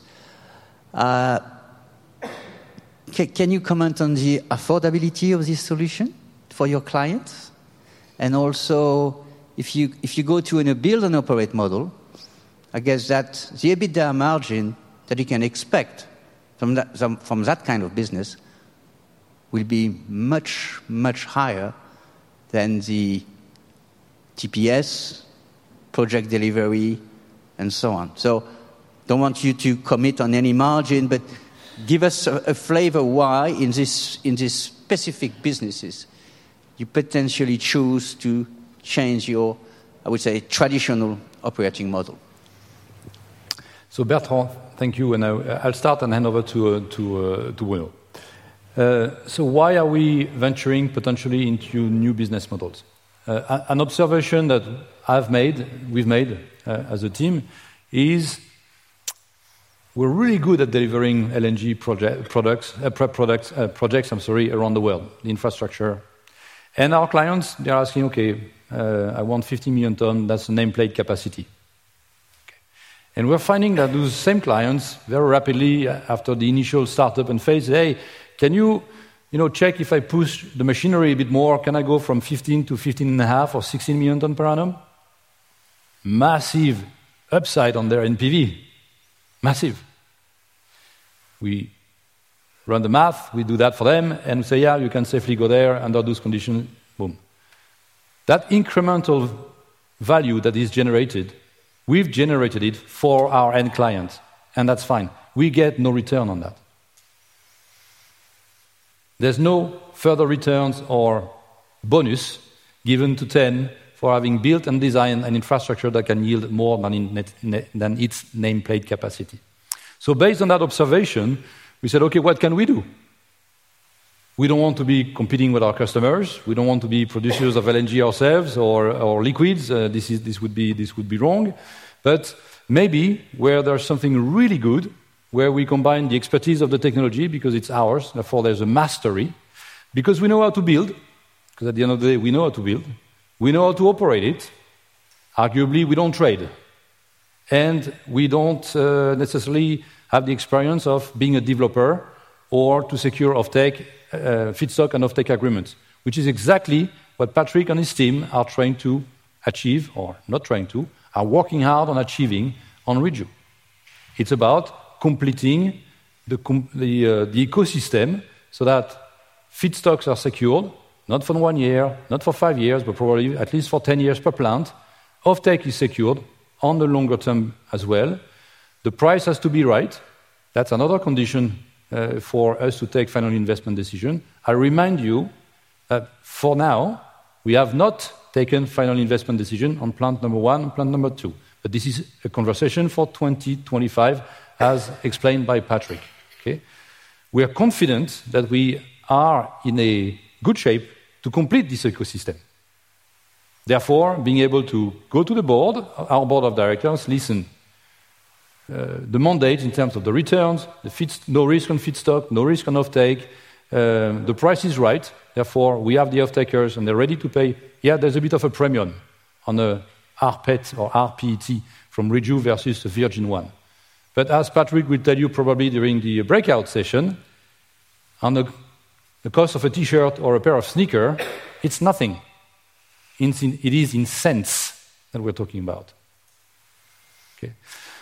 Can you comment on the affordability of this solution for your clients? And also, if you go to build an operate model, I guess that the EBITDA margin that you can expect from that kind of business will be much, much higher than the TPS, Project Delivery, and so on. So I don't want you to commit on any margin, but give us a flavor why in these specific businesses you potentially choose to change your, I would say, traditional operating model. So Bertrand, thank you. And I'll start and hand over to Bruno. So why are we venturing potentially into new business models? An observation that I've made, we've made as a team is we're really good at delivering LNG projects, EPC projects, I'm sorry, around the world, the infrastructure. And our clients, they're asking, "Okay, I want 50 million tons. That's a nameplate capacity." And we're finding that those same clients very rapidly after the initial startup and phase, "Hey, can you check if I push the machinery a bit more? Can I go from 15 million to 15.5 million or 16 million tons per annum?" Massive upside on their NPV. Massive. We run the math. We do that for them. And we say, "Yeah, you can safely go there under those conditions." Boom. That incremental value that is generated, we've generated it for our end clients. That's fine. We get no return on that. There's no further returns or bonus given to T.EN for having built and designed an infrastructure that can yield more than its nameplate capacity. So based on that observation, we said, "Okay, what can we do?" We don't want to be competing with our customers. We don't want to be producers of LNG ourselves or liquids. This would be wrong. But maybe where there's something really good, where we combine the expertise of the technology because it's ours, therefore there's a mastery, because we know how to build, because at the end of the day, we know how to build. We know how to operate it. Arguably, we don't trade. We don't necessarily have the experience of being a developer or to secure off-take, feedstock and off-take agreements, which is exactly what Patrick and his team are trying to achieve or not trying to, are working hard on achieving on Reju. It's about completing the ecosystem so that feedstocks are secured, not for one year, not for five years, but probably at least for 10 years per plant. Off-take is secured on the longer term as well. The price has to be right. That's another condition for us to take final investment decision. I remind you, for now, we have not taken final investment decision on plant number one and plant number two. But this is a conversation for 2025, as explained by Patrick. We are confident that we are in a good shape to complete this ecosystem. Therefore, being able to go to the board, our board of directors, listen. The mandate in terms of the returns, the no risk on feedstock, no risk on off-take, the price is right. Therefore, we have the off-takers and they're ready to pay. Yeah, there's a bit of a premium on the rPET or rPET from Reju versus the virgin one. But as Patrick will tell you probably during the breakout session, on the cost of a T-shirt or a pair of sneakers, it's nothing. It is in cents that we're talking about.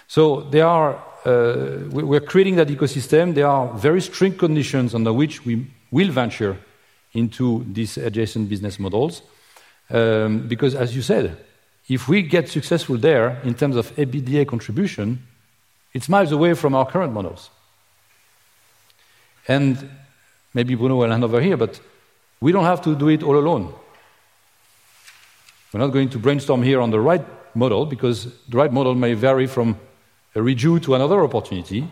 So we're creating that ecosystem. There are very strict conditions under which we will venture into these adjacent business models. Because, as you said, if we get successful there in terms of EBITDA contribution, it's miles away from our current models. Maybe Bruno will hand over here, but we don't have to do it all alone. We're not going to brainstorm here on the right model because the right model may vary from a Reju to another opportunity.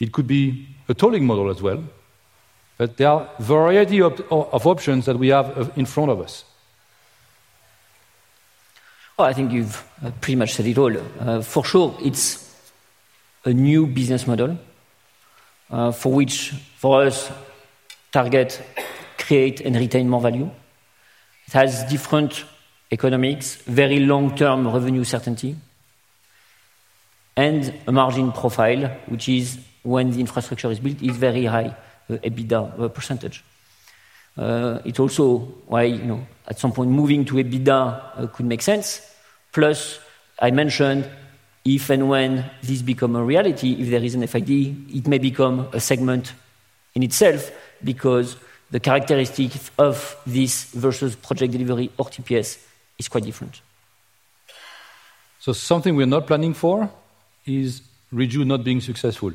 It could be a tolling model as well. But there are a variety of options that we have in front of us. Well, I think you've pretty much said it all. For sure, it's a new business model for which, for us, target, create, and retain more value. It has different economics, very long-term revenue certainty, and a margin profile, which is when the infrastructure is built, is very high, the EBITDA percentage. It's also why at some point moving to EBITDA could make sense. Plus, I mentioned if and when this becomes a reality, if there is an FID, it may become a segment in itself because the characteristics of this versus Project Delivery or TPS is quite different. So something we're not planning for is Reju not being successful.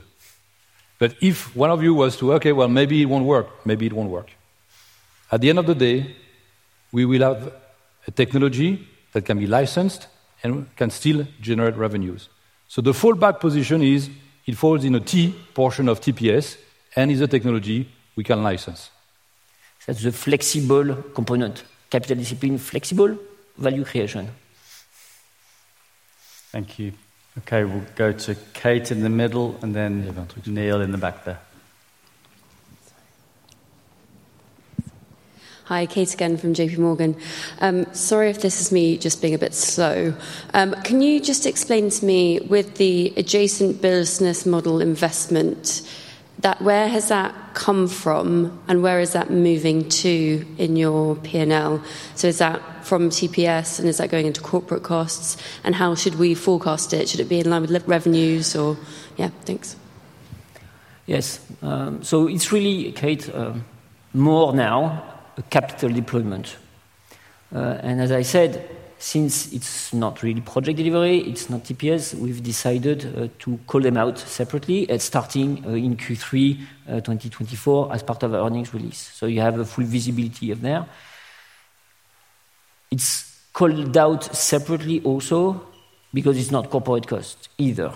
But if one of you was to, "Okay, well, maybe it won't work, maybe it won't work." At the end of the day, we will have a technology that can be licensed and can still generate revenues. So the fallback position is it falls in a T portion of TPS and is a technology we can license. That's the flexible component, capital discipline, flexible value creation. Thank you. Okay, we'll go to Kate in the middle and then Neil in the back there. Hi, Kate again from JPMorgan. Sorry if this is me just being a bit slow. Can you just explain to me with the adjacent business model investment, where has that come from and where is that moving to in your P&L? So is that from TPS and is that going into corporate costs? And how should we forecast it? Should it be in line with revenues or, yeah, thanks? Yes. So it's really, Kate, more now capital deployment. And as I said, since it's not really Project Delivery, it's not TPS, we've decided to call them out separately at starting in Q3 2024 as part of our earnings release. So you have a full visibility of there. It's called out separately also because it's not corporate cost either.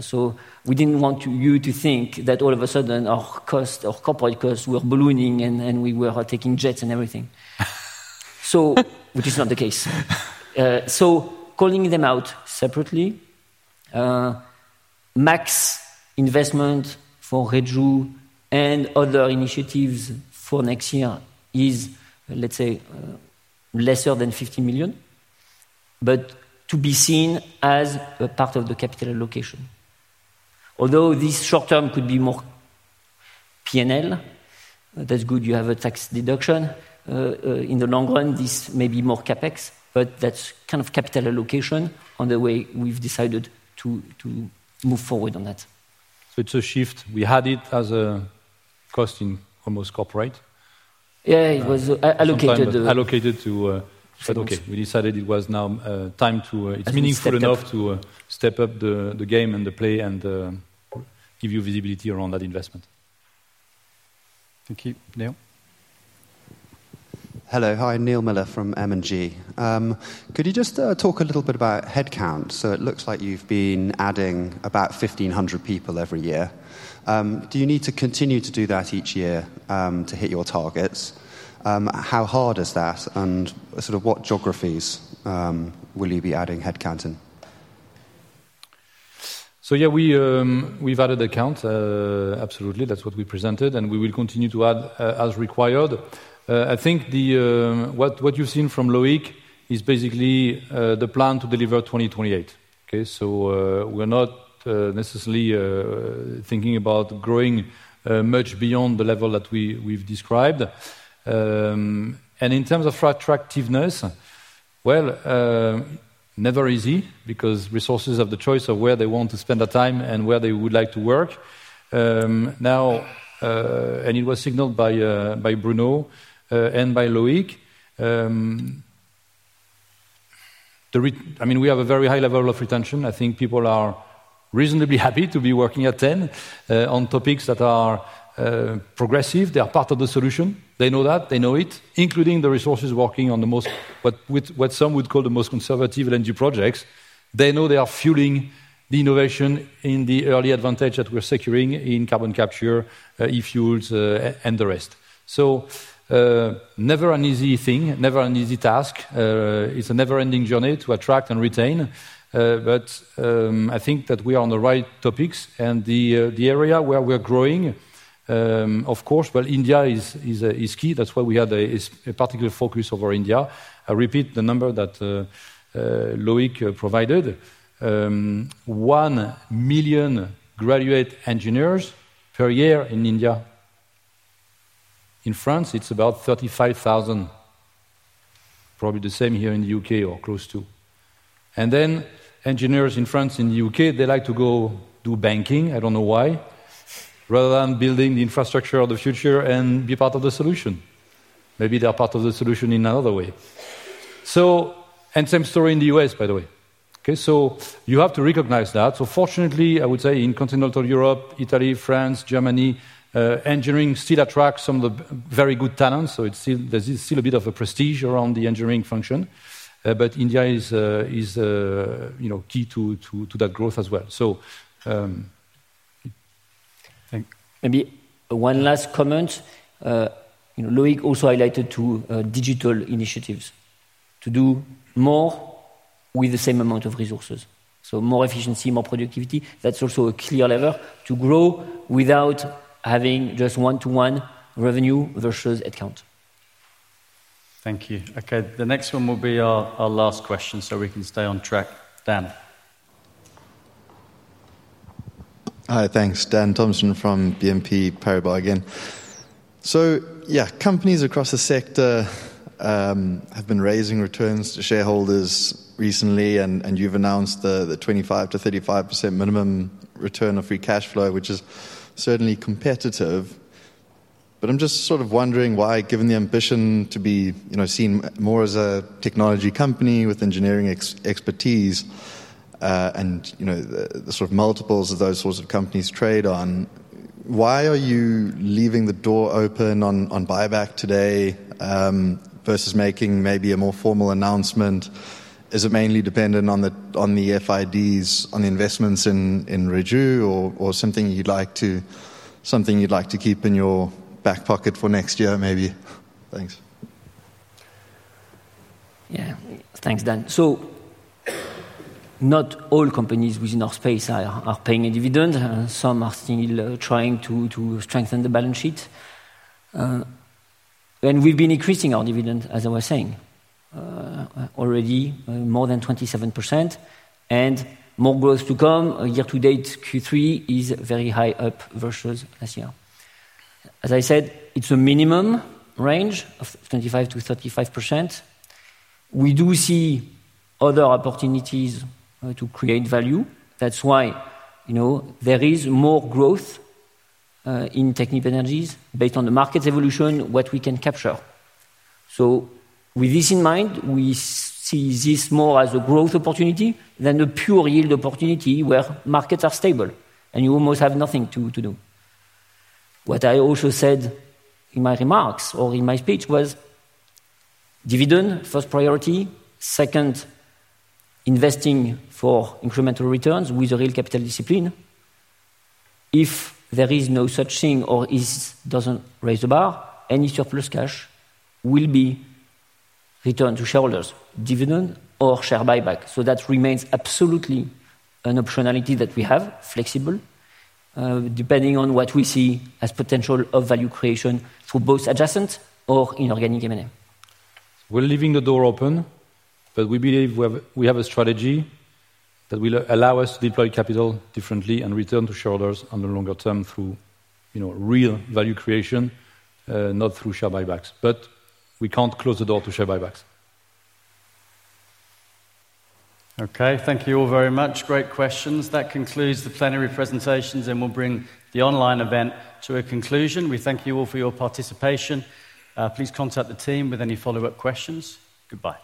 So we didn't want you to think that all of a sudden our costs, our corporate costs were ballooning and we were taking jets and everything, which is not the case. So calling them out separately, max investment for Reju and other initiatives for next year is, let's say, less than 15 million, but to be seen as part of the capital allocation. Although this short term could be more P&L, that's good. You have a tax deduction. In the long run, this may be more CapEx, but that's kind of capital allocation on the way we've decided to move forward on that. So it's a shift. We had it as a cost in almost corporate. Yeah, it was allocated. Allocated to, but okay, we decided it was now time to, it's meaningful enough to step up the game and the play and give you visibility around that investment. Thank you. Neil? Hello, I'm Neil Millar from M&G. Could you just talk a little bit about headcount? So it looks like you've been adding about 1,500 people every year. Do you need to continue to do that each year to hit your targets? How hard is that? And sort of what geographies will you be adding headcount in? So yeah, we've added headcount. Absolutely. That's what we presented. And we will continue to add as required. I think what you've seen from Loïc is basically the plan to deliver 2028. So we're not necessarily thinking about growing much beyond the level that we've described. And in terms of attractiveness, well, never easy because resources have the choice of where they want to spend their time and where they would like to work. Now, and it was signaled by Bruno and by Loïc. I mean, we have a very high level of retention. I think people are reasonably happy to be working at T.EN on topics that are progressive. They are part of the solution. They know that. They know it, including the resources working on the most, what some would call the most conservative LNG projects. They know they are fueling the innovation in the early advantage that we're securing in carbon capture, e-fuels, and the rest. So never an easy thing, never an easy task. It's a never-ending journey to attract and retain. But I think that we are on the right topics. And the area where we're growing, of course, well, India is key. That's why we had a particular focus over India. I repeat the number that Loïc provided. One million graduate engineers per year in India. In France, it's about 35,000. Probably the same here in the U.K. or close to. And then engineers in France and the U.K., they like to go do banking. I don't know why. Rather than building the infrastructure of the future and be part of the solution. Maybe they're part of the solution in another way. And same story in the U.S., by the way. So you have to recognize that. So fortunately, I would say in continental Europe, Italy, France, Germany, engineering still attracts some of the very good talents. So there's still a bit of a prestige around the engineering function. But India is key to that growth as well. Maybe one last comment. Loïc also highlighted digital initiatives to do more with the same amount of resources. So more efficiency, more productivity. That's also a clear lever to grow without having just one-to-one revenue versus headcount. Thank you. Okay, the next one will be our last question so we can stay on track. Dan. Hi, thanks. Dan Thomson from BNP Paribas again. So yeah, companies across the sector have been raising returns to shareholders recently. And you've announced the 25%-35% minimum return of free cash flow, which is certainly competitive. But I'm just sort of wondering why, given the ambition to be seen more as a technology company with engineering expertise and the sort of multiples of those sorts of companies trade on, why are you leaving the door open on buyback today versus making maybe a more formal announcement? Is it mainly dependent on the FIDs, on the investments in Reju or something you'd like to keep in your back pocket for next year maybe? Thanks. Yeah, thanks, Dan. So not all companies within our space are paying a dividend. Some are still trying to strengthen the balance sheet. We've been increasing our dividend, as I was saying, already more than 27% and more growth to come. Year-to-date, Q3 is very high up versus last year. As I said, it's a minimum range of 25%-35%. We do see other opportunities to create value. That's why there is more growth in Technip Energies based on the market's evolution, what we can capture. With this in mind, we see this more as a growth opportunity than a pure yield opportunity where markets are stable and you almost have nothing to do. What I also said in my remarks or in my speech was dividend, first priority, second, investing for incremental returns with a real capital discipline. If there is no such thing or it doesn't raise the bar, any surplus cash will be returned to shareholders, dividend or share buyback. So that remains absolutely an optionality that we have, flexible, depending on what we see as potential of value creation for both adjacent or inorganic M&A. We're leaving the door open, but we believe we have a strategy that will allow us to deploy capital differently and return to shareholders on the longer term through real value creation, not through share buybacks. But we can't close the door to share buybacks. Okay, thank you all very much. Great questions. That concludes the plenary presentations and we'll bring the online event to a conclusion. We thank you all for your participation. Please contact the team with any follow-up questions. Goodbye.